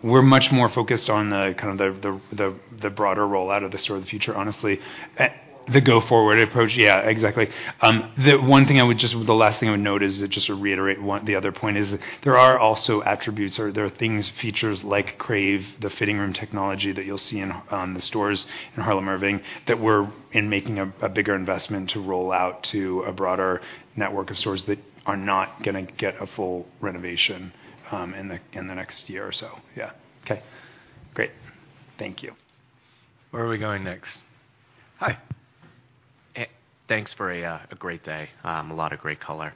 We're much more focused on kind of the broader rollout of the store of the future, honestly. The go forward. The go forward approach. Yeah, exactly. The last thing I would note is just to reiterate the other point. There are also attributes or things, features like Crave, the fitting room technology that you'll see in the stores in Harlem Irving, that we're making a bigger investment to roll out to a broader network of stores that are not gonna get a full renovation in the next year or so. Yeah. Okay. Great. Thank you. Where are we going next? Hi. Thanks for a great day. A lot of great color.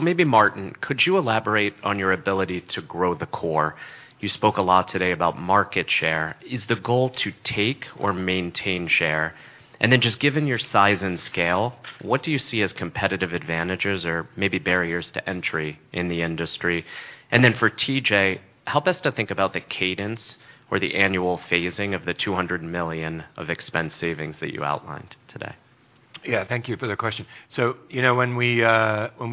Maybe Martin, could you elaborate on your ability to grow the core? You spoke a lot today about market share. Is the goal to take or maintain share? Then just given your size and scale, what do you see as competitive advantages or maybe barriers to entry in the industry? Then for TJ, help us to think about the cadence or the annual phasing of the $200 million of expense savings that you outlined today. Yeah. Thank you for the question. You know, when we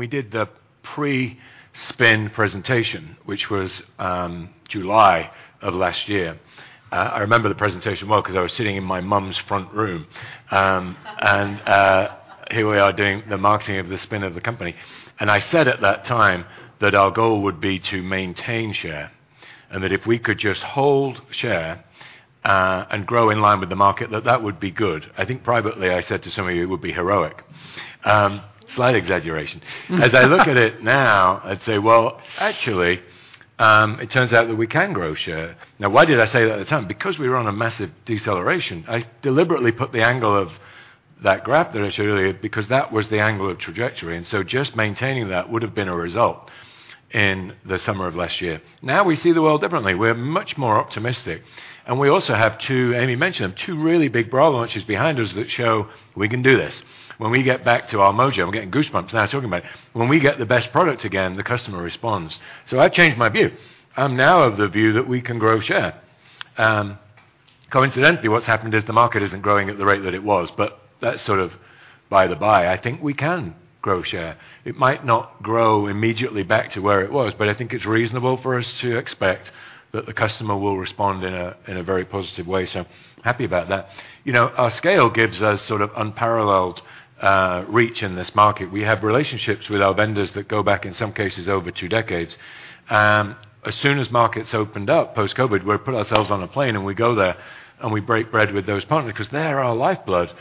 did the pre-spin presentation, which was July of last year, I remember the presentation well 'cause I was sitting in my mom's front room. Here we are doing the marketing of the spin of the company. I said at that time that our goal would be to maintain share, and that if we could just hold share and grow in line with the market, that would be good. I think privately, I said to some of you, it would be heroic. Slight exaggeration. As I look at it now, I'd say, well, actually, it turns out that we can grow share. Now why did I say that at the time? Because we were on a massive deceleration. I deliberately put the angle of that graph that I showed you earlier, because that was the angle of trajectory, and so just maintaining that would've been a result in the summer of last year. Now we see the world differently. We're much more optimistic, and we also have two, Amy mentioned them, two really big bra launches behind us that show we can do this. When we get back to our mojo, I'm getting goosebumps now talking about it. When we get the best product again, the customer responds. I've changed my view. I'm now of the view that we can grow share. Coincidentally, what's happened is the market isn't growing at the rate that it was, but that's sort of by the by. I think we can grow share. It might not grow immediately back to where it was, but I think it's reasonable for us to expect that the customer will respond in a very positive way, so happy about that. You know, our scale gives us sort of unparalleled reach in this market. We have relationships with our vendors that go back in some cases over two decades. As soon as markets opened up post-COVID, we put ourselves on a plane and we go there and we break bread with those partners, 'cause they're our lifeblood.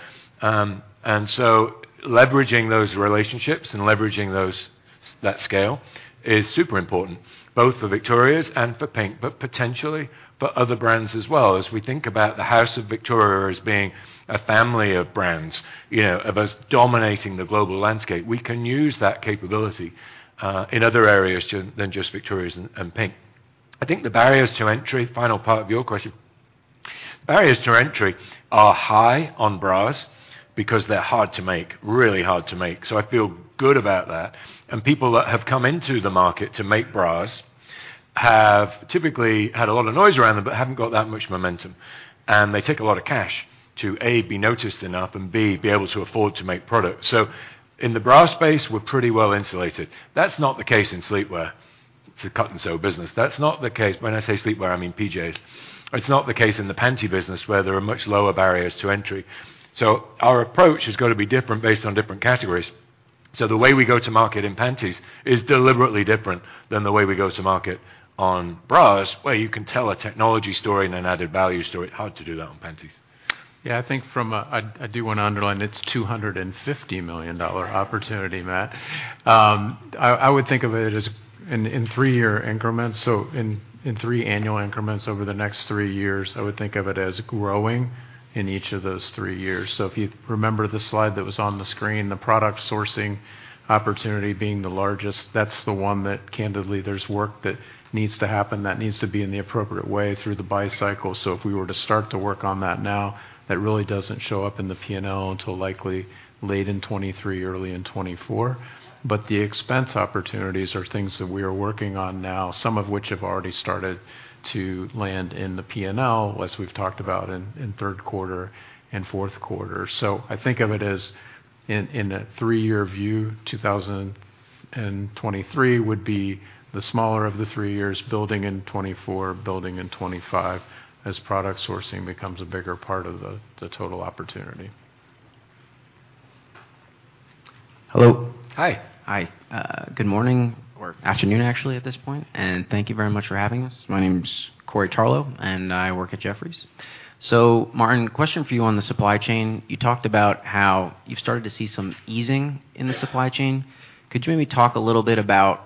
Leveraging those relationships and leveraging those, that scale is super important, both for Victoria's and for PINK, but potentially for other brands as well. As we think about the House of Victoria's being a family of brands, you know, of us dominating the global landscape, we can use that capability in other areas than just Victoria's and PINK. I think the barriers to entry, final part of your question, are high on bras because they're hard to make, really hard to make. I feel good about that. People that have come into the market to make bras have typically had a lot of noise around them, but haven't got that much momentum, and they take a lot of cash to, A, be noticed enough, and B, be able to afford to make product. In the bra space, we're pretty well-insulated. That's not the case in sleepwear. It's a cut-and-sew business. That's not the case. When I say sleepwear, I mean PJs. It's not the case in the panty business, where there are much lower barriers to entry. Our approach has gotta be different based on different categories. The way we go to market in panties is deliberately different than the way we go to market on bras, where you can tell a technology story and an added value story. Hard to do that on panties. Yeah, I think I do wanna underline it's a $250 million opportunity, Matt. I would think of it as in three-year increments, so in three annual increments over the next three years, I would think of it as growing in each of those three years. If you remember the slide that was on the screen, the product sourcing opportunity being the largest, that's the one that candidly there's work that needs to happen, that needs to be in the appropriate way through the buy cycle. If we were to start to work on that now, that really doesn't show up in the P&L until likely late in 2023, early in 2024. The expense opportunities are things that we are working on now, some of which have already started to land in the P&L, as we've talked about in third quarter and fourth quarter. I think of it as in a three-year view, 2023 would be the smaller of the three years, building in 2024, building in 2025 as product sourcing becomes a bigger part of the total opportunity. Hello. Hi. Hi. Good morning or afternoon actually at this point, and thank you very much for having us. My name's Corey Tarlowe, and I work at Jefferies. Martin, question for you on the supply chain. You talked about how you've started to see some easing in the supply chain. Could you maybe talk a little bit about,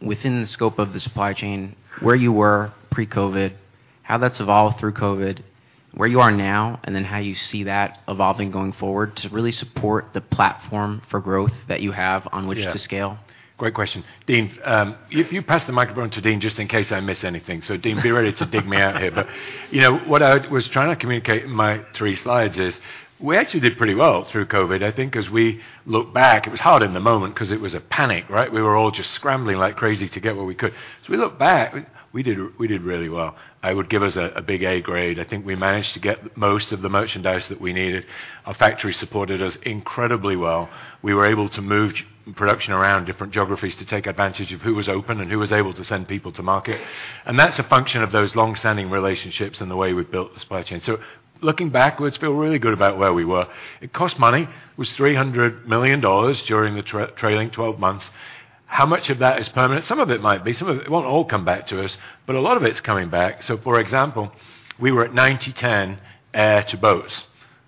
within the scope of the supply chain, where you were pre-COVID, how that's evolved through COVID, where you are now, and then how you see that evolving going forward to really support the platform for growth that you have on which to scale? Yeah. Great question. Dein, if you pass the microphone to Dein just in case I miss anything. Dein, be ready to dig me out here. You know, what I was trying to communicate in my three slides is we actually did pretty well through COVID. I think as we look back, it was hard in the moment because it was a panic, right? We were all just scrambling like crazy to get what we could. As we look back, we did really well. I would give us a big A grade. I think we managed to get most of the merchandise that we needed. Our factory supported us incredibly well. We were able to move production around different geographies to take advantage of who was open and who was able to send people to market. That's a function of those long-standing relationships and the way we've built the supply chain. Looking backwards, feel really good about where we were. It cost money. It was $300 million during the trailing twelve months. How much of that is permanent? Some of it might be. Some of it. It won't all come back to us, but a lot of it's coming back. For example, we were at 90/10 air to boats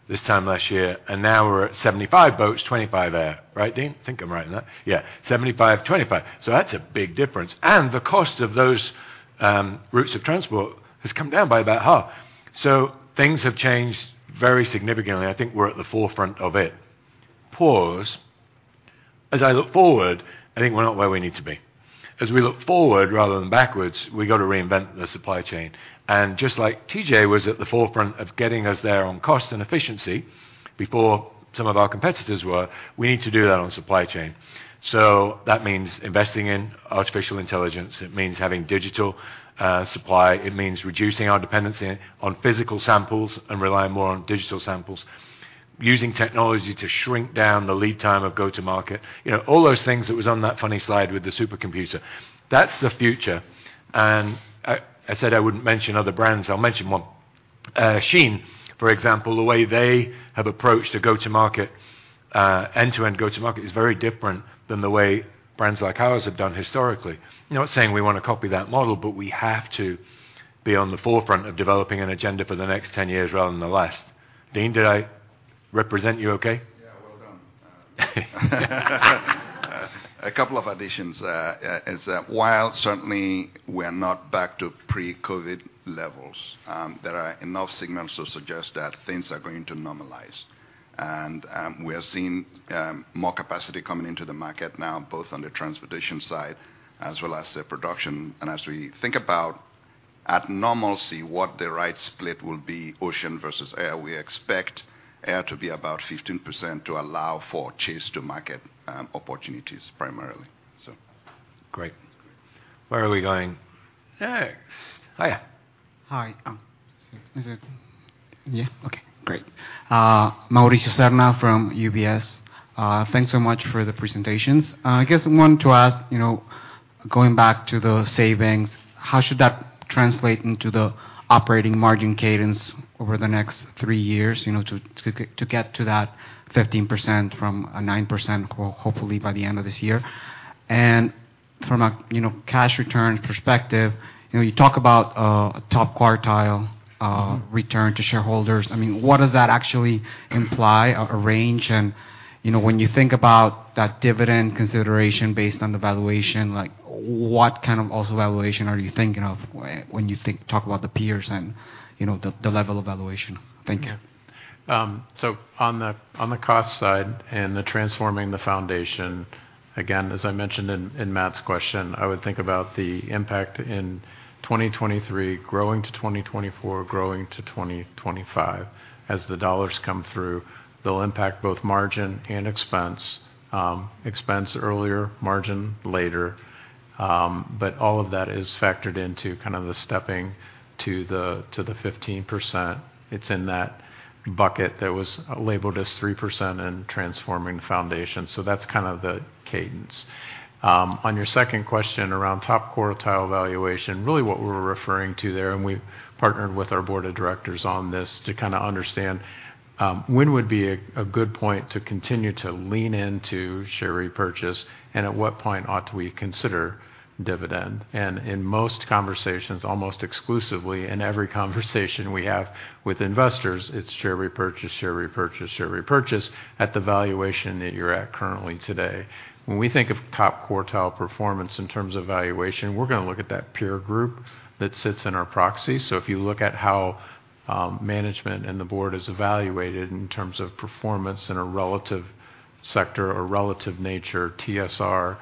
this time last year, and now we're at 75 boats, 25 air. Right, Dein? Think I'm right on that. Yeah. 75/25. That's a big difference. The cost of those routes of transport has come down by about half. Things have changed very significantly. I think we're at the forefront of it. As I look forward, I think we're not where we need to be. As we look forward rather than backwards, we gotta reinvent the supply chain. Just like TJ was at the forefront of getting us there on cost and efficiency before some of our competitors were, we need to do that on supply chain. That means investing in artificial intelligence. It means having digital supply. It means reducing our dependency on physical samples and relying more on digital samples. Using technology to shrink down the lead time of go-to-market. You know, all those things that was on that funny slide with the supercomputer. That's the future. I said I wouldn't mention other brands, I'll mention one. Shein, for example, the way they have approached a go-to-market, end-to-end go-to-market is very different than the way brands like ours have done historically. Not saying we wanna copy that model, but we have to be on the forefront of developing an agenda for the next ten years rather than the last. Dein, did I represent you okay? A couple of additions is that while certainly we are not back to pre-COVID levels, there are enough signals to suggest that things are going to normalize. We are seeing more capacity coming into the market now, both on the transportation side as well as the production. As we think about at normalcy, what the right split will be, ocean versus air, we expect air to be about 15% to allow for chase to market opportunities primarily. Great. Where are we going next? Hiya. Hi. Mauricio Serna from UBS. Thanks so much for the presentations. I guess I wanted to ask, you know, going back to the savings, how should that translate into the operating margin cadence over the next three years, you know, to get to that 15% from a 9%, well, hopefully by the end of this year? From a, you know, cash return perspective, you know, you talk about a top quartile return to shareholders. I mean, what does that actually imply, a range? You know, when you think about that dividend consideration based on the valuation, like what kind of also valuation are you thinking of when you think about the peers and, you know, the level of valuation? Thank you. On the cost side and transforming the foundation, again, as I mentioned in Matt's question, I would think about the impact in 2023 growing to 2024, growing to 2025. As the dollars come through, they'll impact both margin and expense. Expense earlier, margin later. But all of that is factored into kind of the stepping to the 15%. It's in that bucket that was labeled as 3% in transforming foundation. That's kind of the cadence. On your second question around top quartile valuation, really what we were referring to there, and we've partnered with our board of directors on this to kind of understand when would be a good point to continue to lean into share repurchase and at what point ought we consider dividend. In most conversations, almost exclusively in every conversation we have with investors, it's share repurchase, share repurchase, share repurchase at the valuation that you're at currently today. When we think of top quartile performance in terms of valuation, we're gonna look at that peer group that sits in our proxy. If you look at how management and the board is evaluated in terms of performance in a relative sector or relative nature, TSR,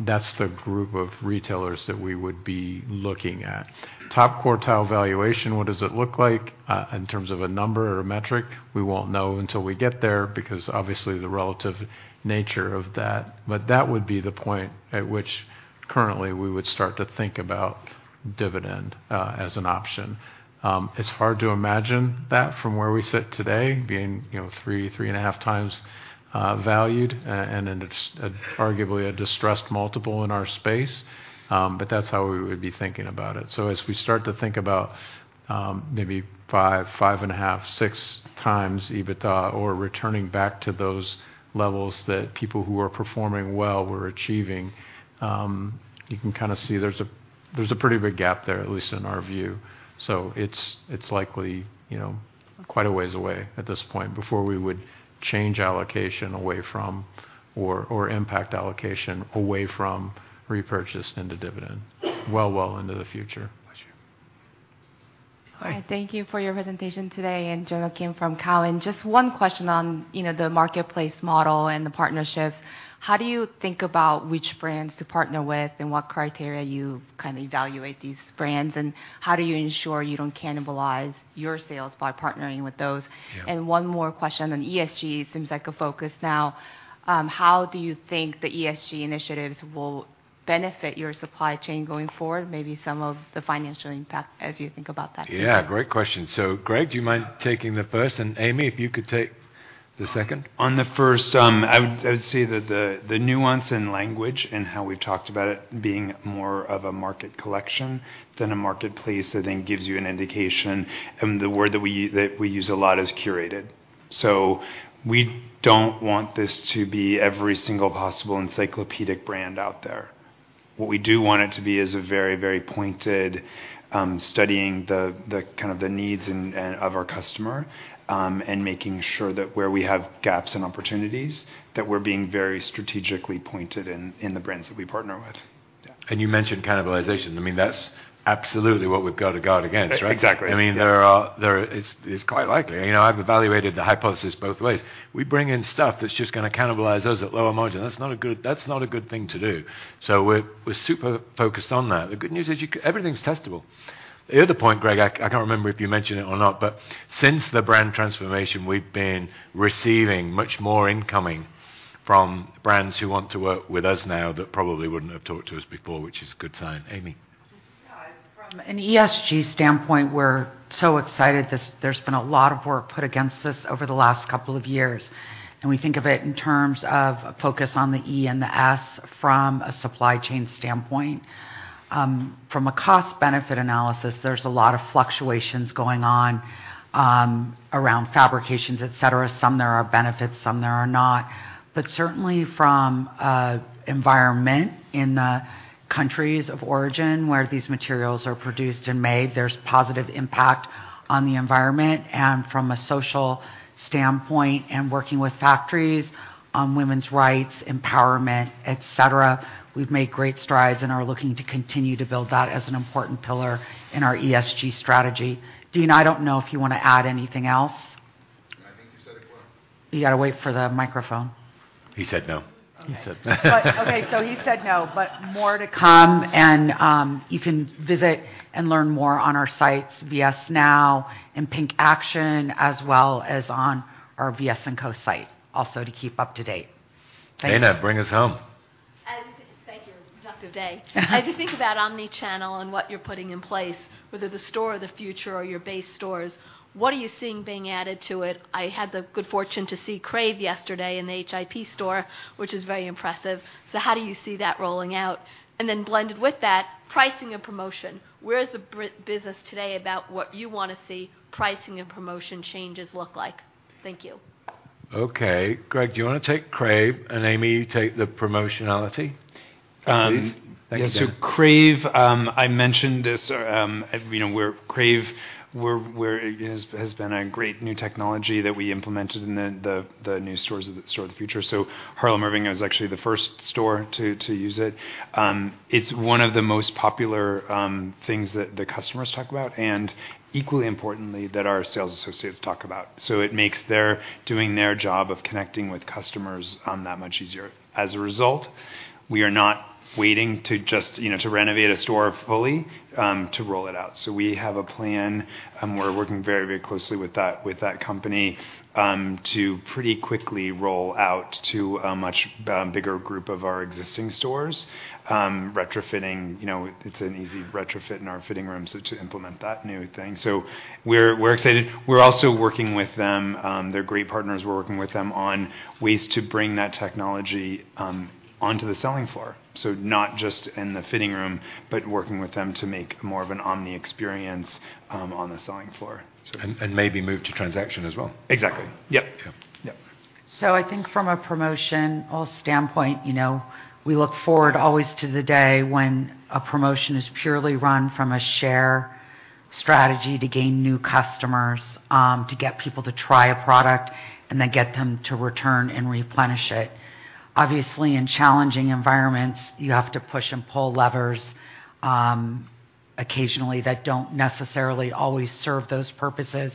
that's the group of retailers that we would be looking at. Top quartile valuation, what does it look like in terms of a number or a metric? We won't know until we get there because obviously the relative nature of that. That would be the point at which currently we would start to think about dividend as an option. It's hard to imagine that from where we sit today being, you know, 3.5x valued and arguably a distressed multiple in our space, but that's how we would be thinking about it. As we start to think about maybe 5.5x, 6x EBITDA or returning back to those levels that people who are performing well were achieving, you can kind of see there's a pretty big gap there, at least in our view. It's likely, you know, quite a ways away at this point before we would change allocation away from or impact allocation away from repurchase into dividend, well into the future. Bless you. Hi. Hi, thank you for your presentation today. Jonna Kim from Cowen. Just one question on, you know, the marketplace model and the partnerships. How do you think about which brands to partner with and what criteria you kind of evaluate these brands, and how do you ensure you don't cannibalize your sales by partnering with those? Yeah. One more question on ESG. Seems like a focus now. How do you think the ESG initiatives will benefit your supply chain going forward? Maybe some of the financial impact as you think about that. Yeah, great question. Greg, do you mind taking the first, and Amy, if you could take the second? On the first, I would say that the nuance in language and how we've talked about it being more of a market collection than a marketplace I think gives you an indication. The word that we use a lot is curated. We don't want this to be every single possible encyclopedic brand out there. What we do want it to be is a very pointed studying the kind of the needs and of our customer, and making sure that where we have gaps and opportunities, that we're being very strategically pointed in the brands that we partner with. Yeah. You mentioned cannibalization. I mean, that's absolutely what we've got to guard against, right? Exactly, yes. I mean, there are. It's quite likely. You know, I've evaluated the hypothesis both ways. We bring in stuff that's just gonna cannibalize us at lower margin. That's not a good thing to do. We're super focused on that. The good news is everything's testable. The other point, Greg, I can't remember if you mentioned it or not, but since the brand transformation, we've been receiving much more incoming from brands who want to work with us now that probably wouldn't have talked to us before, which is a good sign. Amy. Yeah. From an ESG standpoint, we're so excited. There's been a lot of work put against this over the last couple of years, and we think of it in terms of a focus on the E and the S from a supply chain standpoint. From a cost-benefit analysis, there's a lot of fluctuations going on around fabrications, et cetera. Some there are benefits, some there are not. But certainly from environment in the countries of origin where these materials are produced and made, there's positive impact on the environment, and from a social standpoint and working with factories on women's rights, empowerment, et cetera, we've made great strides and are looking to continue to build that as an important pillar in our ESG strategy. Dein, I don't know if you wanna add anything else. You gotta wait for the microphone. He said no. Okay. He said no. He said no, but more to come and you can visit and learn more on our sites VS Now and PINK Action, as well as on our VS & Co site also to keep up-to-date. Thanks. Dana, bring us home. Thank you, productive day. As you think about omni-channel and what you're putting in place, whether the store of the future or your base stores, what are you seeing being added to it? I had the good fortune to see Crave yesterday in the HIP store, which is very impressive. How do you see that rolling out? Then blended with that, pricing and promotion. Where is the business today about what you wanna see pricing and promotion changes look like? Thank you. Okay. Greg, do you wanna take Crave, and Amy, you take the promotionality? Please. Thank you, Dana. Crave, I mentioned this, you know, Crave has been a great new technology that we implemented in the new stores of the store of the future. Harlem Irving is actually the first store to use it. It's one of the most popular things that the customers talk about, and equally importantly, that our sales associates talk about. It makes doing their job of connecting with customers that much easier. As a result, we are not waiting just, you know, to renovate a store fully to roll it out. We have a plan and we're working very closely with that company to pretty quickly roll out to a much bigger group of our existing stores, retrofitting. You know, it's an easy retrofit in our fitting rooms to implement that new thing. We're excited. We're also working with them, they're great partners. We're working with them on ways to bring that technology onto the selling floor. Not just in the fitting room, but working with them to make more of an omni experience on the selling floor. Maybe move to transaction as well. Exactly. Yep. Yep. Yep. I think from a promotional standpoint, you know, we look forward always to the day when a promotion is purely run from a share strategy to gain new customers, to get people to try a product and then get them to return and replenish it. Obviously, in challenging environments, you have to push and pull levers, occasionally that don't necessarily always serve those purposes.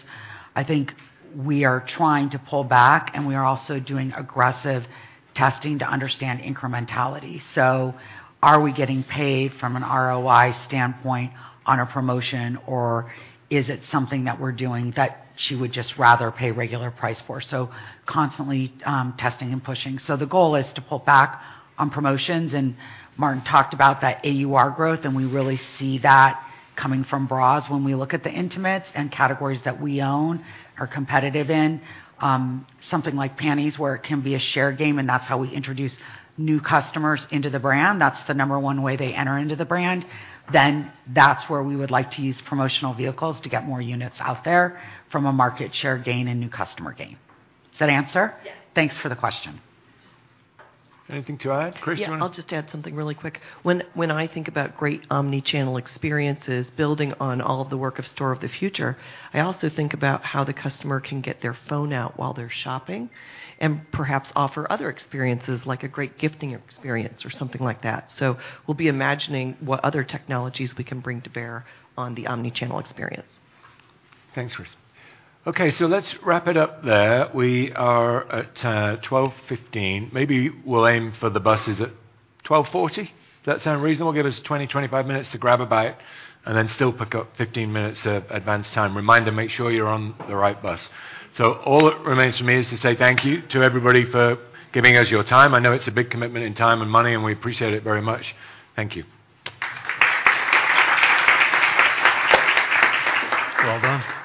I think we are trying to pull back, and we are also doing aggressive testing to understand incrementality. Are we getting paid from an ROI standpoint on a promotion, or is it something that we're doing that she would just rather pay regular price for? Constantly testing and pushing. The goal is to pull back on promotions, and Martin talked about that AUR growth, and we really see that coming from bras when we look at the intimates and categories that we own or compete in. Something like panties where it can be a share game, and that's how we introduce new customers into the brand. That's the number one way they enter into the brand. That's where we would like to use promotional vehicles to get more units out there from a market share gain and new customer gain. Does that answer? Yes. Thanks for the question. Anything to add? Chris, you wanna- Yeah. I'll just add something really quick. When I think about great omni-channel experiences, building on all of the work of store of the future, I also think about how the customer can get their phone out while they're shopping and perhaps offer other experiences like a great gifting experience or something like that. We'll be imagining what other technologies we can bring to bear on the omni-channel experience. Thanks, Chris. Okay, so let's wrap it up there. We are at 12:15 P.M. Maybe we'll aim for the buses at 12:40 P.M. Does that sound reasonable? Give us 20-25 minutes to grab a bite and then still pick up 15 minutes of advanced time. Reminder, make sure you're on the right bus. All that remains for me is to say thank you to everybody for giving us your time. I know it's a big commitment in time and money, and we appreciate it very much. Thank you. Well done.